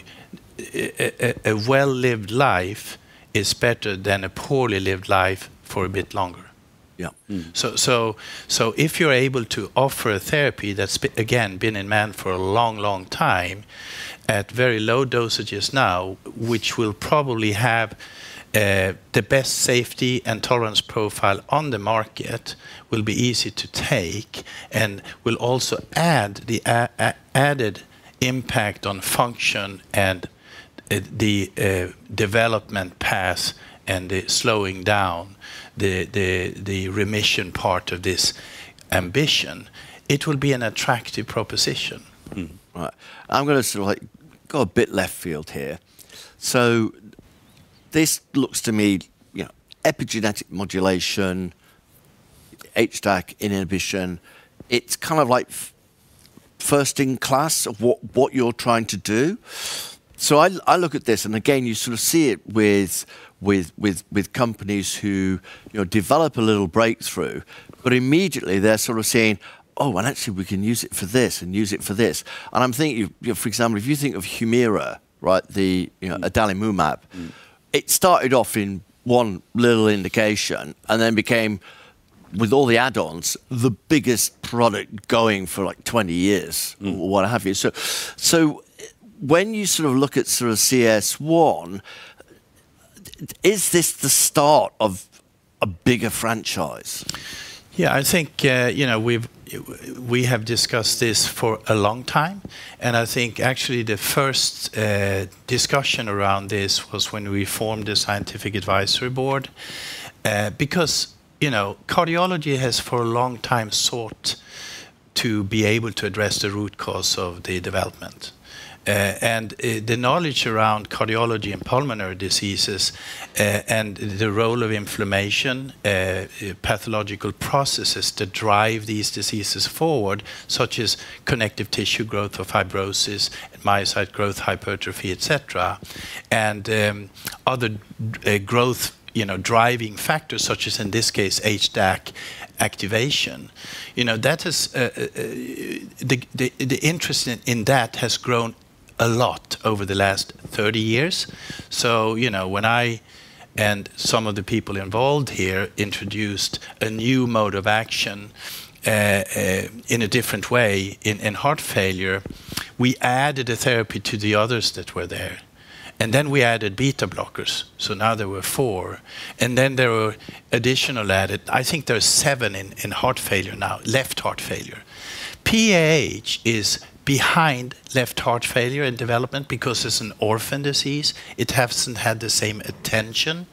a well-lived life is better than a poorly lived life for a bit longer. Yeah. So if you're able to offer a therapy that's, again, been in man for a long, long time at very low dosages now, which will probably have the best safety and tolerance profile on the market, will be easy to take and will also add the added impact on function and the development path and the slowing down, the remission part of this ambition, it will be an attractive proposition. Right. I'm going to sort of like go a bit left field here. So this looks to me, you know, epigenetic modulation, HDAC inhibition. It's kind of like first in class of what you're trying to do. So I look at this. And again, you sort of see it with companies who, you know, develop a little breakthrough. But immediately, they're sort of saying, oh, and actually, we can use it for this and use it for this. And I'm thinking, you know, for example, if you think of Humira, right, the adalimumab, it started off in one little indication and then became, with all the add-ons, the biggest product going for like 20 years or what have you. So when you sort of look at sort of CS1, is this the start of a bigger franchise? Yeah. I think, you know, we have discussed this for a long time. I think, actually, the first discussion around this was when we formed the Scientific Advisory Board because, you know, cardiology has for a long time sought to be able to address the root cause of the development. The knowledge around cardiology and pulmonary diseases and the role of inflammation, pathological processes that drive these diseases forward, such as connective tissue growth or fibrosis, myocyte growth, hypertrophy, et cetera, and other growth, you know, driving factors, such as, in this case, HDAC activation, you know, that has the interest in that has grown a lot over the last 30 years. So, you know, when I and some of the people involved here introduced a new mode of action in a different way in heart failure, we added a therapy to the others that were there. And then we added beta blockers. So now there were 4. And then there were additional added. I think there are 7 in heart failure now, left heart failure. PAH is behind left heart failure in development because it's an orphan disease. It hasn't had the same attention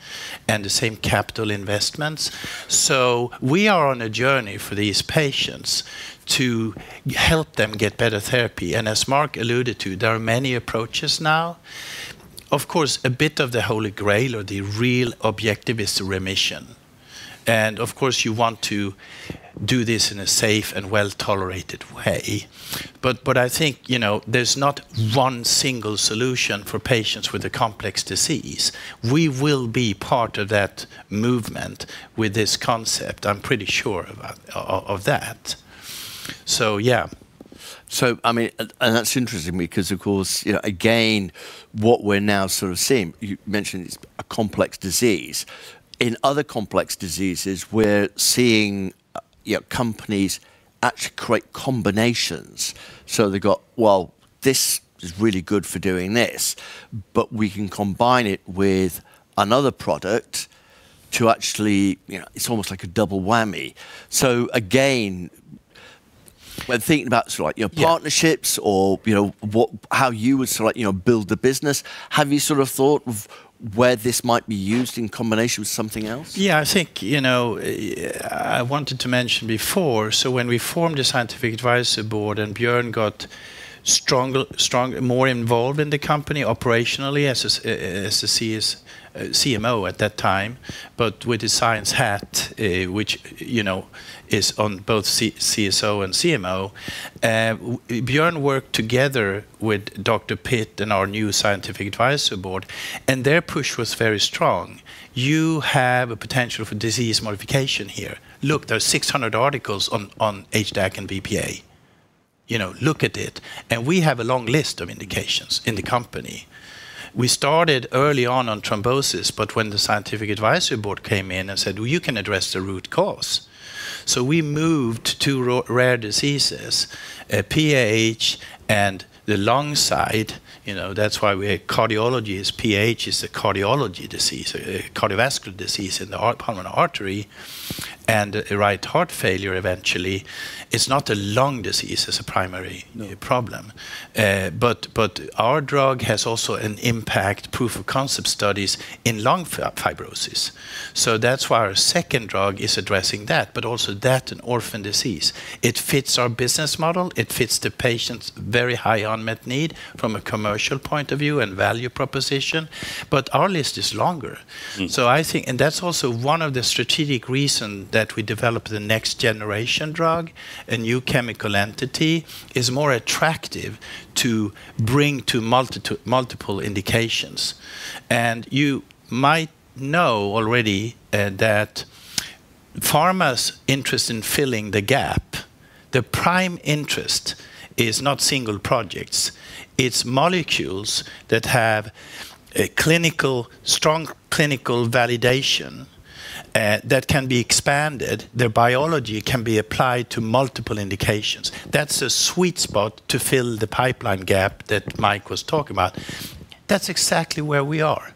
and the same capital investments. So we are on a journey for these patients to help them get better therapy. And as Marc alluded to, there are many approaches now. Of course, a bit of the Holy Grail or the real objective is the remission. And of course, you want to do this in a safe and well-tolerated way. But I think, you know, there's not one single solution for patients with a complex disease. We will be part of that movement with this concept. I'm pretty sure about that. So yeah. So, I mean, and that's interesting because, of course, you know, again, what we're now sort of seeing you mentioned it's a complex disease. In other complex diseases, we're seeing, you know, companies actually create combinations. So they've got, well, this is really good for doing this. But we can combine it with another product to actually, you know, it's almost like a double whammy. So again, when thinking about sort of like, you know, partnerships or, you know, what, how you would sort of like, you know, build the business, have you sort of thought of where this might be used in combination with something else? Yeah. I think, you know, I wanted to mention before. So when we formed the Scientific Advisory Board and Björn got stronger, stronger more involved in the company operationally as a CMO at that time, but with a science hat, which, you know, is on both CSO and CMO, Björn worked together with Dr. Bhatt and our new Scientific Advisory Board. And their push was very strong. You have a potential for disease modification here. Look, there are 600 articles on HDAC and PAH. You know, look at it. And we have a long list of indications in the company. We started early on on thrombosis. But when the Scientific Advisory Board came in and said, well, you can address the root cause, so we moved to rare diseases, PAH and the lung side. You know, that's why we have cardiology. Is PAH a cardiology disease, a cardiovascular disease in the pulmonary artery and right heart failure eventually? It's not a lung disease as a primary problem. But but our drug has also an impact, proof of concept studies in lung fibrosis. So that's why our second drug is addressing that, but also that and orphan disease. It fits our business model. It fits the patient's very high unmet need from a commercial point of view and value proposition. But our list is longer. So I think and that's also one of the strategic reasons that we developed the next generation drug, a new chemical entity, is more attractive to bring to multiple indications. And you might know already that pharma's interest in filling the gap, the prime interest is not single projects. It's molecules that have a clinical, strong clinical validation that can be expanded. Their biology can be applied to multiple indications. That's a sweet spot to fill the pipeline gap that Mike was talking about. That's exactly where we are.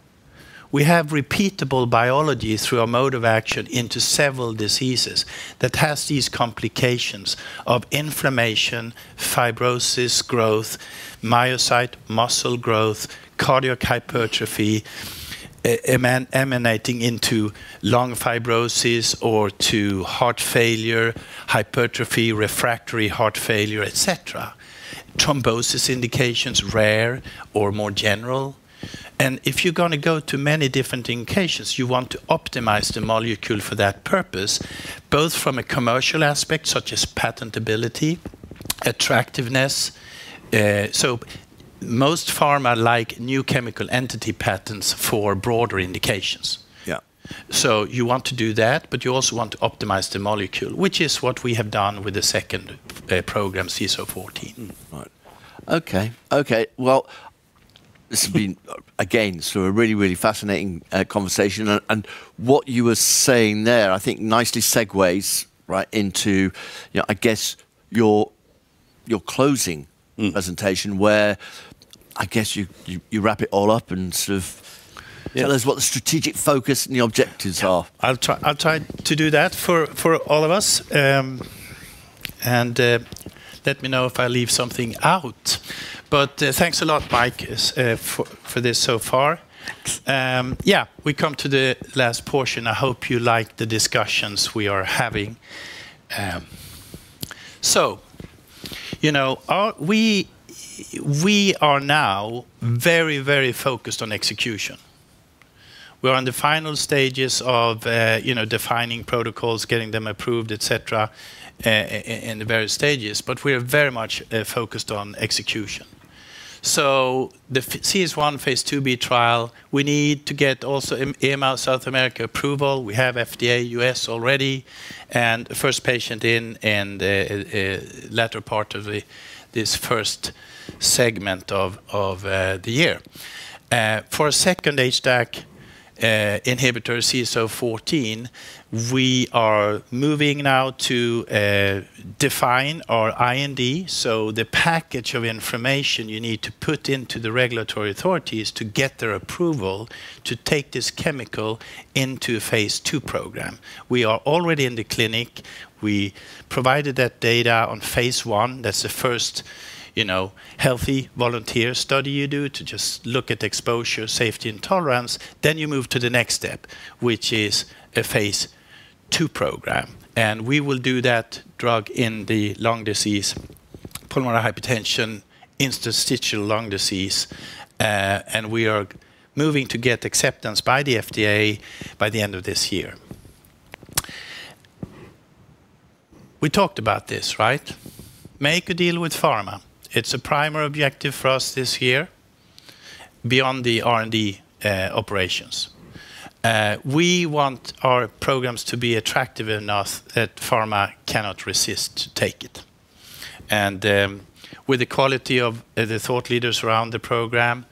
We have repeatable biology through our mode of action into several diseases that has these complications of inflammation, fibrosis, growth, myocyte, muscle growth, cardiac hypertrophy emanating into lung fibrosis or to heart failure, hypertrophy, refractory heart failure, et cetera. Thrombosis indications, rare or more general. And if you're going to go to many different indications, you want to optimize the molecule for that purpose, both from a commercial aspect, such as patentability, attractiveness. So most pharma like new chemical entity patents for broader indications. Yeah. So you want to do that. But you also want to optimize the molecule, which is what we have done with the second program, CS014. Right. OK. OK. Well, this has been, again, sort of a really, really fascinating conversation. And what you were saying there, I think, nicely segues, right, into, you know, I guess, your closing presentation, where I guess you wrap it all up and sort of tell us what the strategic focus and the objectives are. I'll try to do that for all of us. And let me know if I leave something out. But thanks a lot, Mike, for this so far. Thanks. Yeah. We come to the last portion. I hope you like the discussions we are having. So, you know, we are now very, very focused on execution. We are in the final stages of, you know, defining protocols, getting them approved, et cetera, in the various stages. But we are very much focused on execution. So the CS1 phase IIb trial, we need to get also EMA South America approval. We have FDA, U.S. already, and the first patient in and latter part of this first segment of the year. For a second HDAC inhibitor, CS014, we are moving now to define our IND, so the package of information you need to put into the regulatory authorities to get their approval to take this chemical into a phase II program. We are already in the clinic. We provided that data on phase I. That's the first, you know, healthy volunteer study you do to just look at exposure, safety, and tolerance. Then you move to the next step, which is a phase II program. And we will do that drug in the lung disease, pulmonary hypertension, interstitial lung disease. We are moving to get acceptance by the FDA by the end of this year. We talked about this, right? Make a deal with pharma. It's a primary objective for us this year beyond the R&D operations. We want our programs to be attractive enough that pharma cannot resist to take it. With the quality of the thought leaders around the program,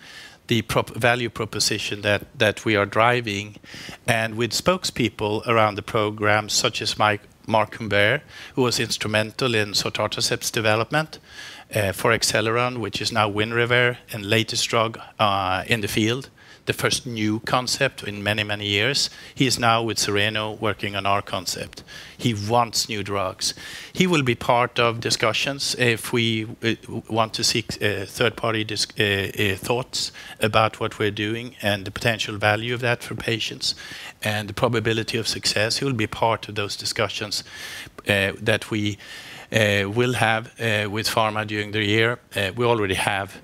the value proposition that we are driving, and with spokespeople around the program, such as Marc Humbert, who was instrumental in sotatercept development for Acceleron, which is now Winrevair and latest drug in the field, the first new concept in many, many years, he is now with Cereno working on our concept. He wants new drugs. He will be part of discussions if we want to seek third-party thoughts about what we're doing and the potential value of that for patients and the probability of success. He will be part of those discussions that we will have with pharma during the year. We already have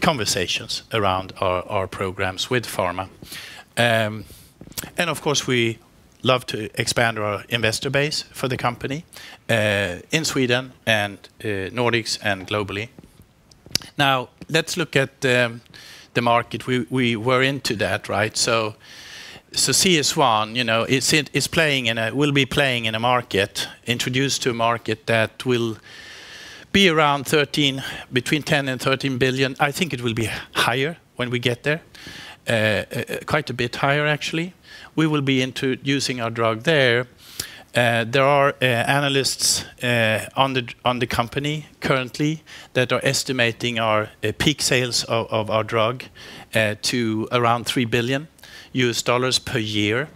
conversations around our programs with pharma. And of course, we love to expand our investor base for the company in Sweden and Nordics and globally. Now, let's look at the market. We were into that, right? So CS1, you know, it's playing in a will be playing in a market, introduced to a market that will be around $13 billion between $10 billion and $13 billion. I think it will be higher when we get there, quite a bit higher, actually. We will be introducing our drug there. There are analysts on the company currently that are estimating our peak sales of our drug to around $3 billion per year.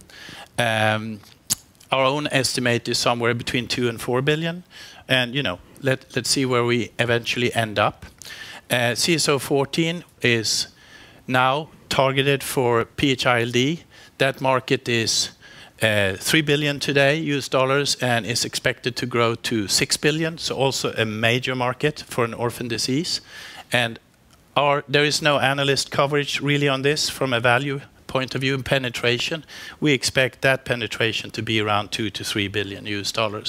Our own estimate is somewhere between $2 billion and $4 billion. And, you know, let's see where we eventually end up. CS014 is now targeted for PH-ILD. That market is $3 billion today and is expected to grow to $6 billion. Also a major market for an orphan disease. There is no analyst coverage, really, on this from a value point of view and penetration. We expect that penetration to be around $2 billion-$3 billion.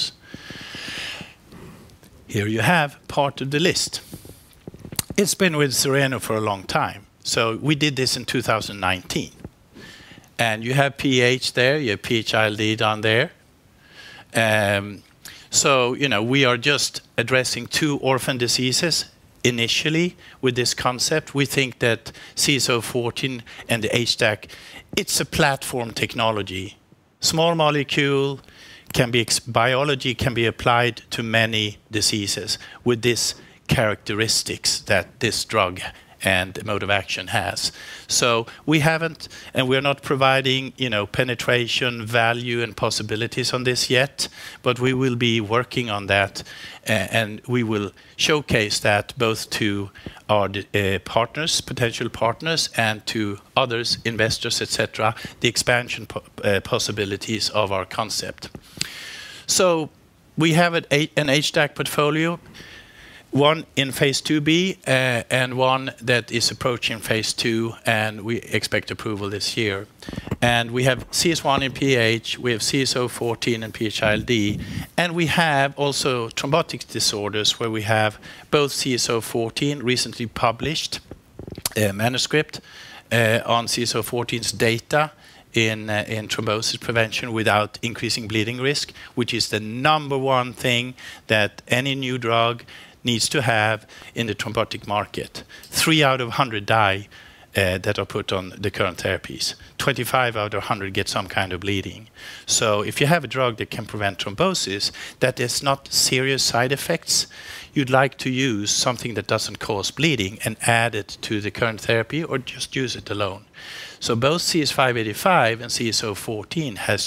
Here you have part of the list. It's been with Cereno for a long time. We did this in 2019. You have PH there. You have PH-ILD down there. So, you know, we are just addressing two orphan diseases initially with this concept. We think that CS014 and the HDAC, it's a platform technology. Small molecule can be biology can be applied to many diseases with these characteristics that this drug and mode of action has. So we haven't and we are not providing, you know, penetration, value, and possibilities on this yet. But we will be working on that. And we will showcase that both to our partners, potential partners, and to others, investors, et cetera, the expansion possibilities of our concept. So we have an HDAC portfolio, one in phase IIb and one that is approaching phase II. And we expect approval this year. And we have CS1 and PH. We have CS014 and PH-ILD. And we have also thrombotic disorders, where we have both CS014 recently published a manuscript on CS014's data in thrombosis prevention without increasing bleeding risk, which is the number one thing that any new drug needs to have in the thrombotic market. Three out of 100 die that are put on the current therapies. 25 out of 100 get some kind of bleeding. So if you have a drug that can prevent thrombosis that has not serious side effects, you'd like to use something that doesn't cause bleeding and add it to the current therapy or just use it alone. So both CS585 and CS014 have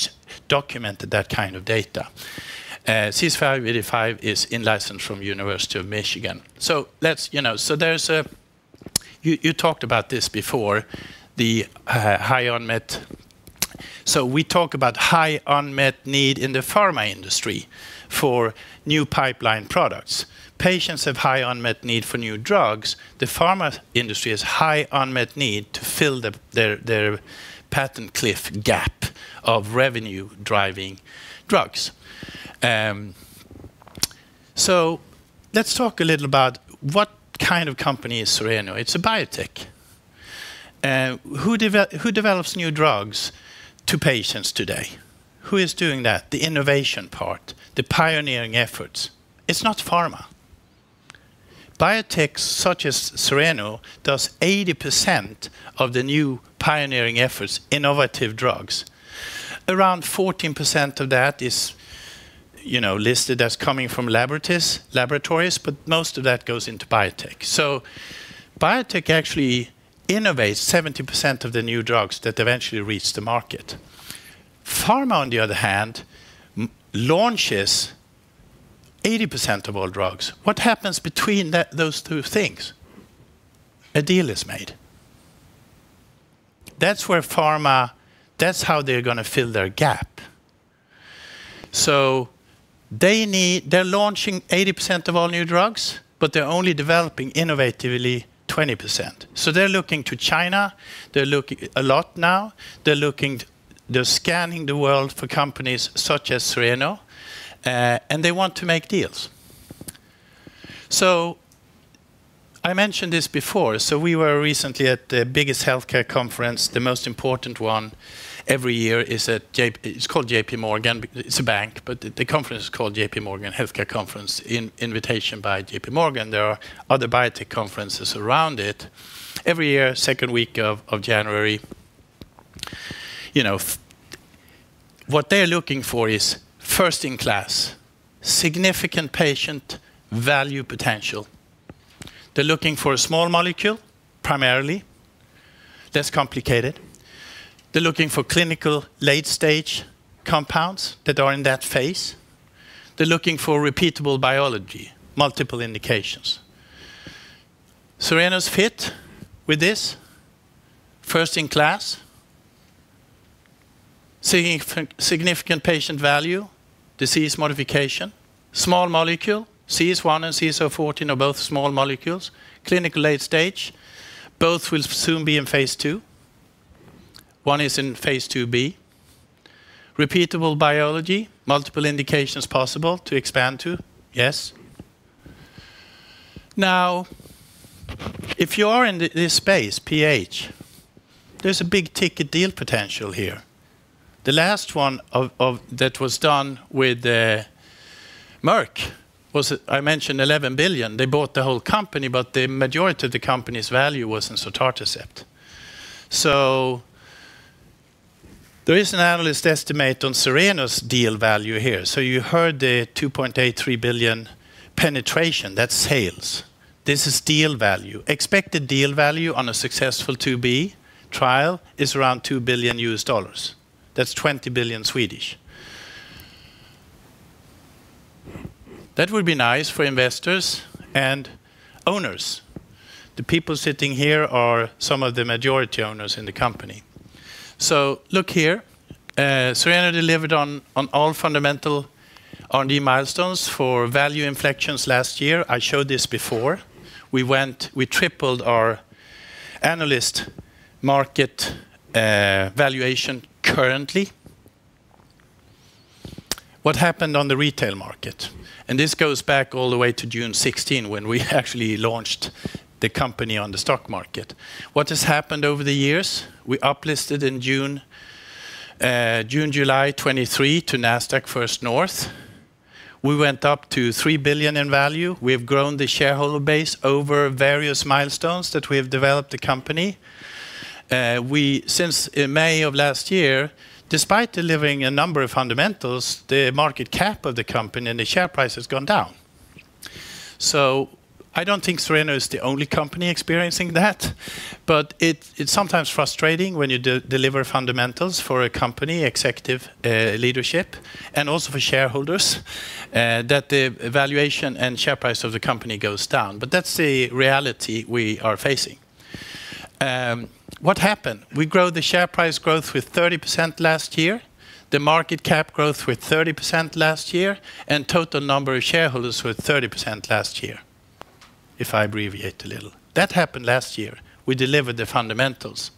documented that kind of data. CS585 is in-licensed from the University of Michigan. So let's, you know, so there's a you talked about this before, the high unmet. So we talk about high unmet need in the pharma industry for new pipeline products. Patients have high unmet need for new drugs. The pharma industry has high unmet need to fill their patent cliff gap of revenue-driving drugs. So let's talk a little about what kind of company is Cereno. It's a biotech. Who develops new drugs to patients today? Who is doing that? The innovation part, the pioneering efforts. It's not pharma. Biotechs such as Cereno does 80% of the new pioneering efforts, innovative drugs. Around 14% of that is, you know, listed as coming from laboratories. But most of that goes into biotech. So biotech actually innovates 70% of the new drugs that eventually reach the market. Pharma, on the other hand, launches 80% of all drugs. What happens between those two things? A deal is made. That's where pharma that's how they're going to fill their gap. So they need they're launching 80% of all new drugs. But they're only developing innovatively 20%. So they're looking to China. They're looking a lot now. They're looking they're scanning the world for companies such as Cereno. And they want to make deals. So I mentioned this before. So we were recently at the biggest health care conference, the most important one every year is at it's called JPMorgan. It's a bank. But the conference is called J.P. Morgan Healthcare Conference, invitation by J.P. Morgan. There are other biotech conferences around it. Every year, second week of January, you know, what they're looking for is first-in-class, significant patient value potential. They're looking for a small molecule primarily. That's complicated. They're looking for clinical late-stage compounds that are in that phase. They're looking for repeatable biology, multiple indications. Cereno's fit with this, first-in-class, significant patient value, disease modification, small molecule, CS1 and CS014 are both small molecules, clinical late-stage, both will soon be in phase II. One is in phase IIb. Repeatable biology, multiple indications possible to expand to, yes. Now, if you are in this space, PH, there's a big ticket deal potential here. The last one that was done with Merck was, I mentioned, $11 billion. They bought the whole company. But the majority of the company's value was in sotatercept. So there is an analyst estimate on Cereno's deal value here. So you heard the $2.83 billion penetration. That's sales. This is deal value. Expected deal value on a successful 2B trial is around $2 billion. That's 20 billion SEK. That would be nice for investors and owners. The people sitting here are some of the majority owners in the company. So look here. Cereno delivered on all fundamental R&D milestones for value inflections last year. I showed this before. We went we tripled our analyst market valuation currently. What happened on the retail market? And this goes back all the way to June 16, when we actually launched the company on the stock market. What has happened over the years? We uplisted in June, June-July 2023 to Nasdaq First North. We went up to 3 billion in value. We have grown the shareholder base over various milestones that we have developed the company. Since May of last year, despite delivering a number of fundamentals, the market cap of the company and the share price has gone down. So I don't think Cereno is the only company experiencing that. But it's sometimes frustrating when you deliver fundamentals for a company, executive leadership, and also for shareholders, that the valuation and share price of the company goes down. But that's the reality we are facing. What happened? We grow the share price growth with 30% last year, the market cap growth with 30% last year, and total number of shareholders with 30% last year, if I abbreviate a little. That happened last year. We delivered the fundamentals.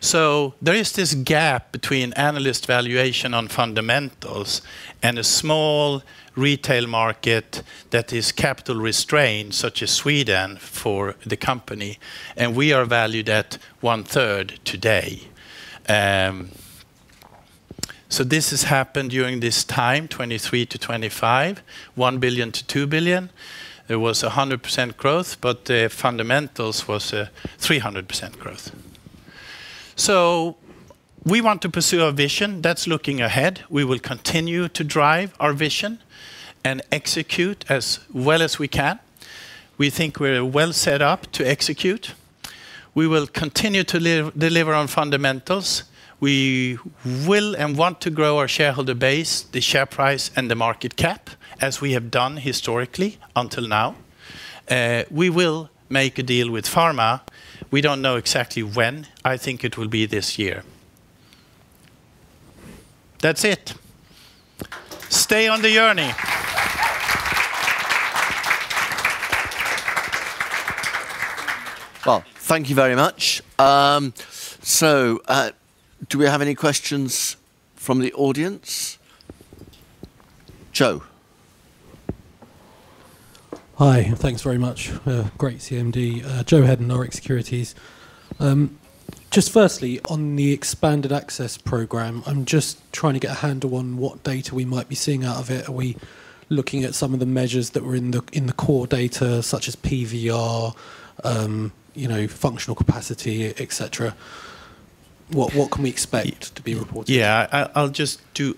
So there is this gap between analyst valuation on fundamentals and a small retail market that is capital restrained, such as Sweden, for the company. We are valued at 1/3 today. This has happened during this time, 2023 to 2025, 1 billion to 2 billion. There was 100% growth. But the fundamentals was a 300% growth. We want to pursue our vision. That's looking ahead. We will continue to drive our vision and execute as well as we can. We think we're well set up to execute. We will continue to deliver on fundamentals. We will and want to grow our shareholder base, the share price, and the market cap, as we have done historically until now. We will make a deal with pharma. We don't know exactly when. I think it will be this year. That's it. Stay on the journey. Well, thank you very much. So do we have any questions from the audience? Joe. Hi. Thanks very much. Great CMD. Joe Hedden, Rx Securities. Just firstly, on the expanded access program, I'm just trying to get a handle on what data we might be seeing out of it. Are we looking at some of the measures that were in the core data, such as PVR, functional capacity, et cetera? What can we expect to be reported? Yeah. I'll just do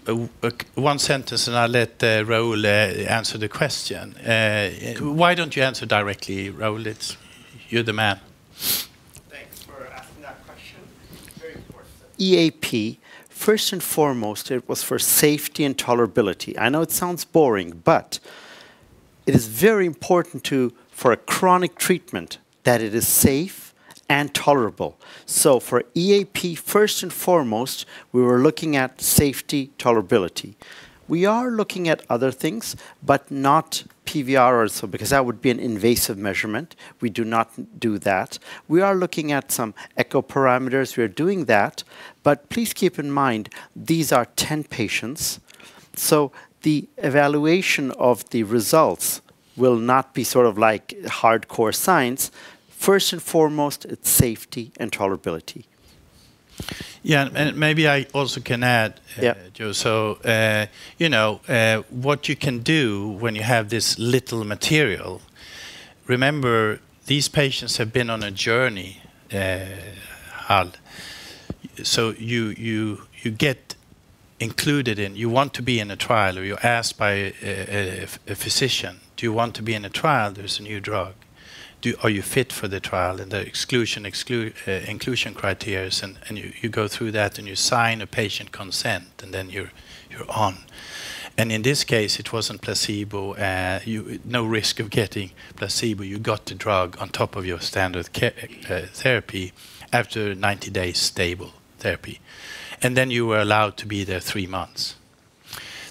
one sentence. I'll let Rahul answer the question. Why don't you answer directly, Rahul? You're the man. Thanks for asking that question. Very important. EAP, first and foremost, it was for safety and tolerability. I know it sounds boring. It is very important for a chronic treatment that it is safe and tolerable. For EAP, first and foremost, we were looking at safety, tolerability. We are looking at other things, but not PVR or so because that would be an invasive measurement. We do not do that. We are looking at some echoparameters. We are doing that. Please keep in mind, these are 10 patients. The evaluation of the results will not be sort of like hardcore science. First and foremost, it's safety and tolerability. Yeah. And maybe I also can add, Joe. So, you know, what you can do when you have this little material, remember, these patients have been on a journey, Hall. So you get included in you want to be in a trial. Or you're asked by a physician, do you want to be in a trial? There's a new drug. Are you fit for the trial and the exclusion criteria? And you go through that. And you sign a patient consent. And then you're on. And in this case, it wasn't placebo, no risk of getting placebo. You got the drug on top of your standard therapy after 90 days stable therapy. And then you were allowed to be there 3 months.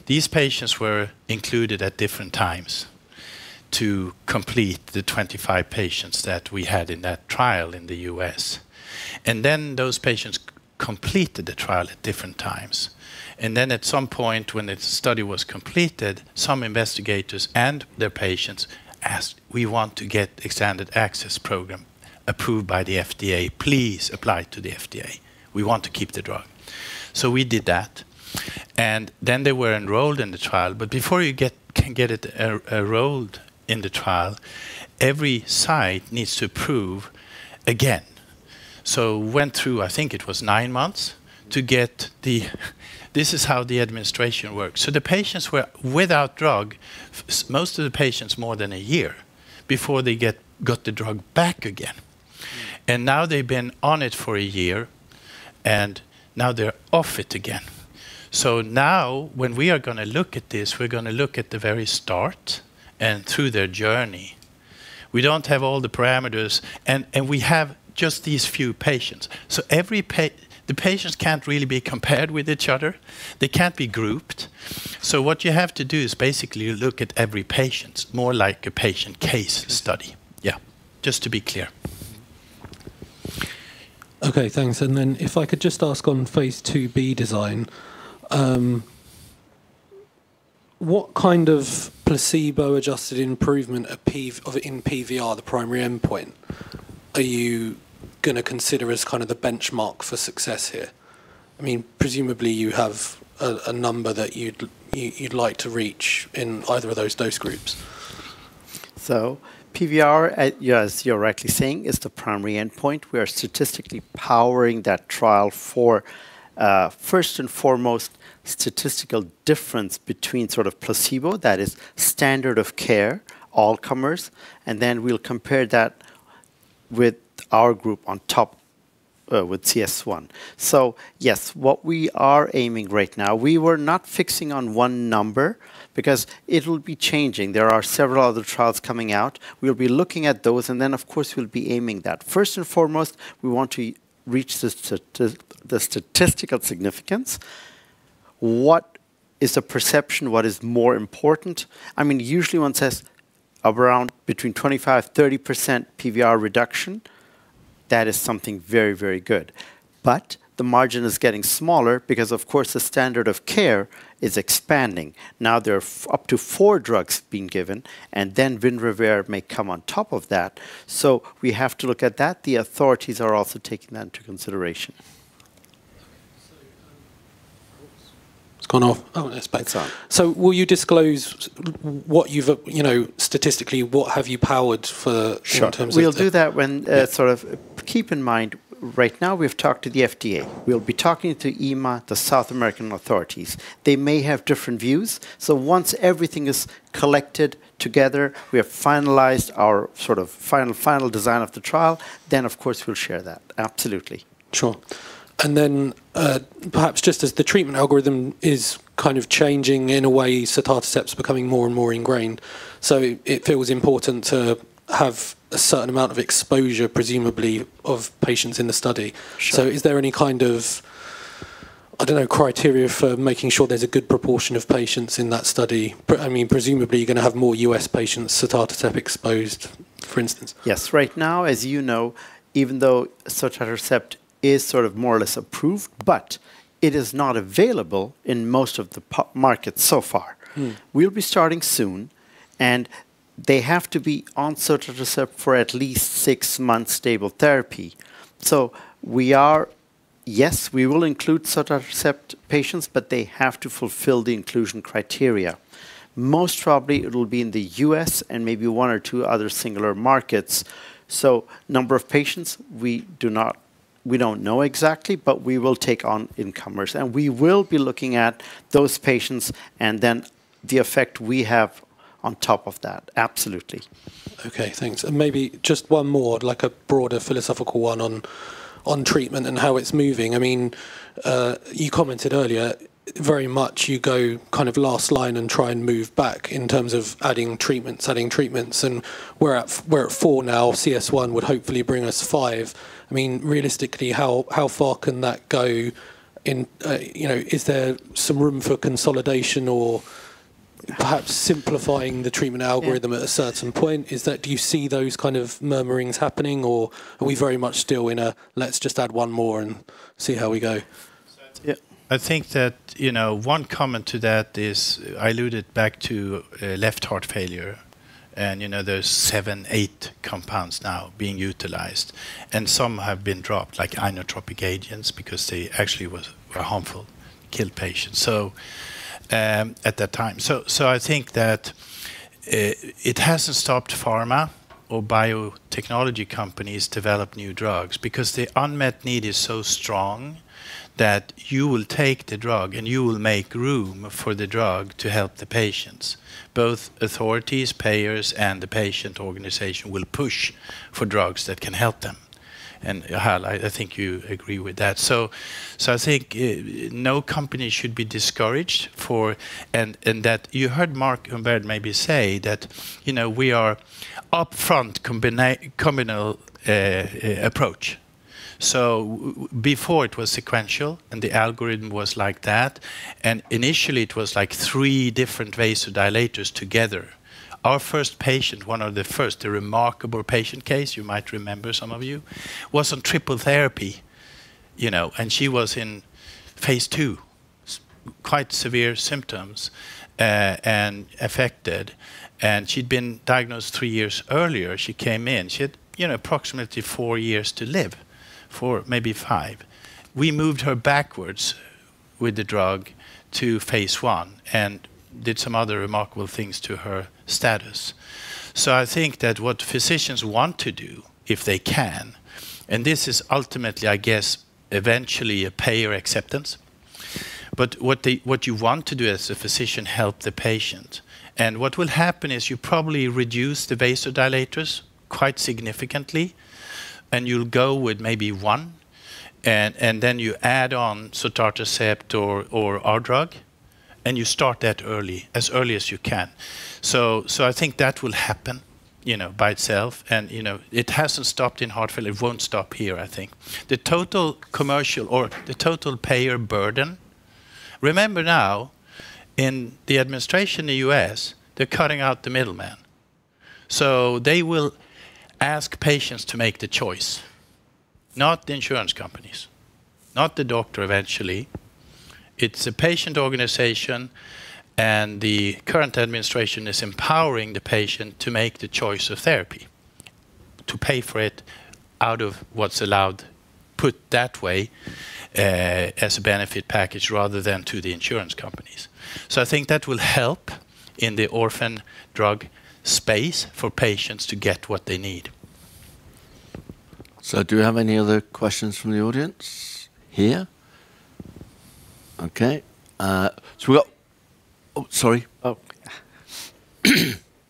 These patients were included at different times to complete the 25 patients that we had in that trial in the U.S. Those patients completed the trial at different times. At some point, when the study was completed, some investigators and their patients asked, "We want to get the expanded access program approved by the FDA. Please apply to the FDA. We want to keep the drug." So we did that. Then they were enrolled in the trial. But before you can get it enrolled in the trial, every site needs to approve again. So went through, I think it was nine months to get this. This is how the administration works. So the patients were without drug, most of the patients, more than a year before they got the drug back again. Now they've been on it for a year. Now they're off it again. So now, when we are going to look at this, we're going to look at the very start and through their journey. We don't have all the parameters. We have just these few patients. So the patients can't really be compared with each other. They can't be grouped. So what you have to do is basically look at every patient, more like a patient case study, yeah, just to be clear. OK. Thanks. Then if I could just ask on phase IIb design, what kind of placebo-adjusted improvement in PVR, the primary endpoint, are you going to consider as kind of the benchmark for success here? I mean, presumably, you have a number that you'd like to reach in either of those dose groups. So PVR, as you're rightly saying, is the primary endpoint. We are statistically powering that trial for, first and foremost, statistical difference between sort of placebo, that is standard of care, all comers. Then we'll compare that with our group on top with CS1. So yes, what we are aiming right now, we were not fixing on one number because it will be changing. There are several other trials coming out. We'll be looking at those. Then, of course, we'll be aiming that. First and foremost, we want to reach the statistical significance. What is the perception? What is more important? I mean, usually, one says around 25%-30% PVR reduction. That is something very, very good. But the margin is getting smaller because, of course, the standard of care is expanding. Now, there are up to four drugs being given. Then Winrevair may come on top of that. We have to look at that. The authorities are also taking that into consideration. OK. So it's gone off. Oh, it's back on. So will you disclose what you've statistically, what have you powered for in terms of? Sure. We'll do that when, sort of, keep in mind, right now, we have talked to the FDA. We'll be talking to EMA, the South American authorities. They may have different views. So once everything is collected together, we have finalized our sort of final design of the trial, then, of course, we'll share that. Absolutely. Sure. And then perhaps just as the treatment algorithm is kind of changing in a way, sotatercept is becoming more and more ingrained, so it feels important to have a certain amount of exposure, presumably, of patients in the study. So is there any kind of, I don't know, criteria for making sure there's a good proportion of patients in that study? I mean, presumably, you're going to have more U.S. patients sotatercept exposed, for instance. Yes. Right now, as you know, even though sotatercept is sort of more or less approved, but it is not available in most of the market so far. We'll be starting soon. And they have to be on sotatercept for at least six months stable therapy. So we are yes, we will include sotatercept patients. But they have to fulfill the inclusion criteria. Most probably, it will be in the U.S. and maybe one or two other singular markets. So number of patients, we don't know exactly. But we will take on all comers. And we will be looking at those patients and then the effect we have on top of that, absolutely. OK. Thanks. Maybe just one more, like a broader philosophical one on treatment and how it's moving. I mean, you commented earlier, very much, you go kind of last line and try and move back in terms of adding treatments, adding treatments. We're at 4 now. CS1 would hopefully bring us 5. I mean, realistically, how far can that go? Is there some room for consolidation or perhaps simplifying the treatment algorithm at a certain point? Do you see those kind of murmurings happening? Or are we very much still in a, let's just add one more and see how we go? I think that one comment to that is I alluded back to left heart failure. And there's seven, eight compounds now being utilized. And some have been dropped, like inotropic agents, because they actually were harmful, killed patients at that time. So I think that it hasn't stopped pharma or biotechnology companies developing new drugs because the unmet need is so strong that you will take the drug. And you will make room for the drug to help the patients. Both authorities, payers, and the patient organization will push for drugs that can help them. And, Hall, I think you agree with that. So I think no company should be discouraged for and you heard Marc Humbert maybe say that we are upfront, combined approach. So before, it was sequential. And the algorithm was like that. And initially, it was like three different vasodilators together. Our first patient, one of the first, the remarkable patient case, you might remember, some of you, was on triple therapy. And she was in phase II, quite severe symptoms affected. And she'd been diagnosed three years earlier. She came in. She had approximately four years to live, maybe five. We moved her backwards with the drug to phase I and did some other remarkable things to her status. So I think that what physicians want to do, if they can and this is ultimately, I guess, eventually a payer acceptance. But what you want to do as a physician is help the patient. And what will happen is you probably reduce the vasodilators quite significantly. And you'll go with maybe one. And then you add on sotatercept or our drug. And you start that early, as early as you can. So I think that will happen by itself. It hasn't stopped in heart failure. It won't stop here, I think. The total commercial or the total payer burden—remember now, in the administration in the U.S., they're cutting out the middleman. So they will ask patients to make the choice, not the insurance companies, not the doctor eventually. It's a patient organization. And the current administration is empowering the patient to make the choice of therapy, to pay for it out of what's allowed put that way as a benefit package rather than to the insurance companies. So I think that will help in the orphan drug space for patients to get what they need. So do we have any other questions from the audience here? OK. So we've got oh, sorry. Oh.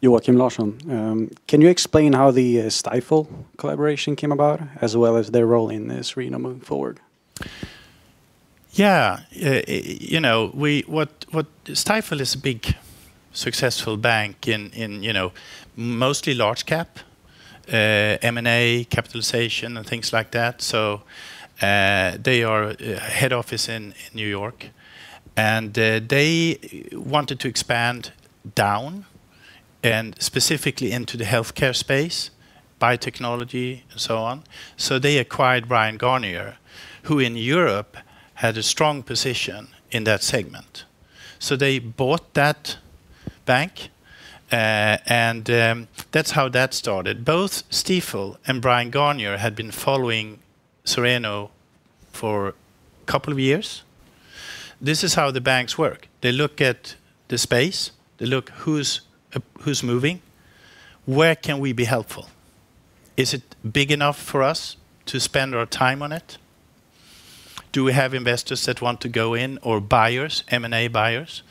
Joakim Larsson, can you explain how the Stifel collaboration came about, as well as their role in Cereno moving forward? Yeah. You know, Stifel is a big, successful bank in mostly large cap, M&A, capitalization, and things like that. So they are head office in New York. And they wanted to expand down and specifically into the health care space, biotechnology, and so on. So they acquired Bryan Garnier, who in Europe had a strong position in that segment. So they bought that bank. And that's how that started. Both Stifel and Bryan Garnier had been following Cereno for a couple of years. This is how the banks work. They look at the space. They look who's moving. Where can we be helpful? Is it big enough for us to spend our time on it? Do we have investors that want to go in or buyers, M&A buyers?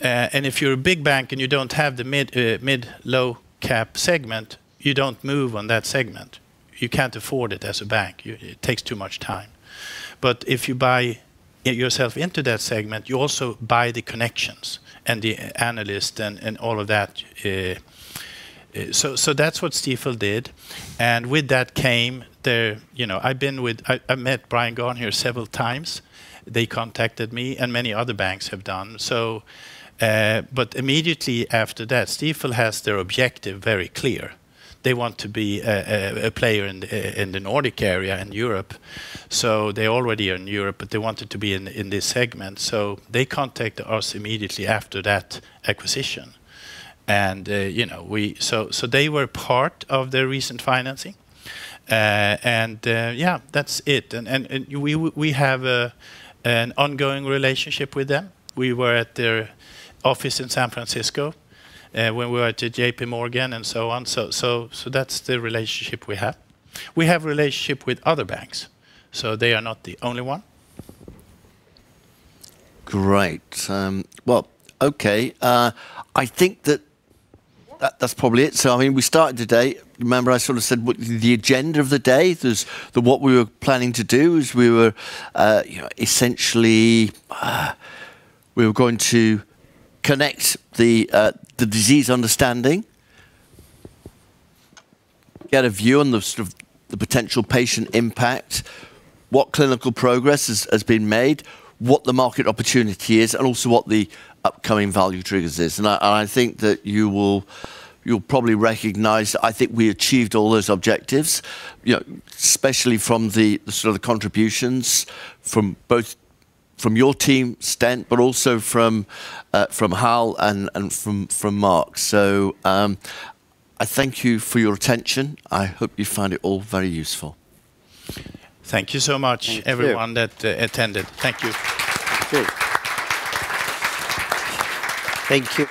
And if you're a big bank and you don't have the mid, low cap segment, you don't move on that segment. You can't afford it as a bank. It takes too much time. But if you buy yourself into that segment, you also buy the connections and the analysts and all of that. So that's what Stifel did. And with that came their. I've been with. I met Bryan Garnier several times. They contacted me. And many other banks have done. But immediately after that, Stifel has their objective very clear. They want to be a player in the Nordic area, in Europe. So they already are in Europe. But they wanted to be in this segment. So they contacted us immediately after that acquisition. And so they were part of their recent financing. And yeah, that's it. And we have an ongoing relationship with them. We were at their office in San Francisco when we were at J.P. Morgan and so on. So that's the relationship we have. We have a relationship with other banks. So they are not the only one. Great. Well, OK. I think that that's probably it. So I mean, we started today. Remember, I sort of said the agenda of the day. What we were planning to do is we were essentially going to connect the disease understanding, get a view on the potential patient impact, what clinical progress has been made, what the market opportunity is, and also what the upcoming value triggers is. And I think that you'll probably recognize I think we achieved all those objectives, especially from the contributions from both from your team, Sten, but also from Hall and from Marc. So I thank you for your attention. I hope you find it all very useful. Thank you so much, everyone that attended. Thank you. Thank you.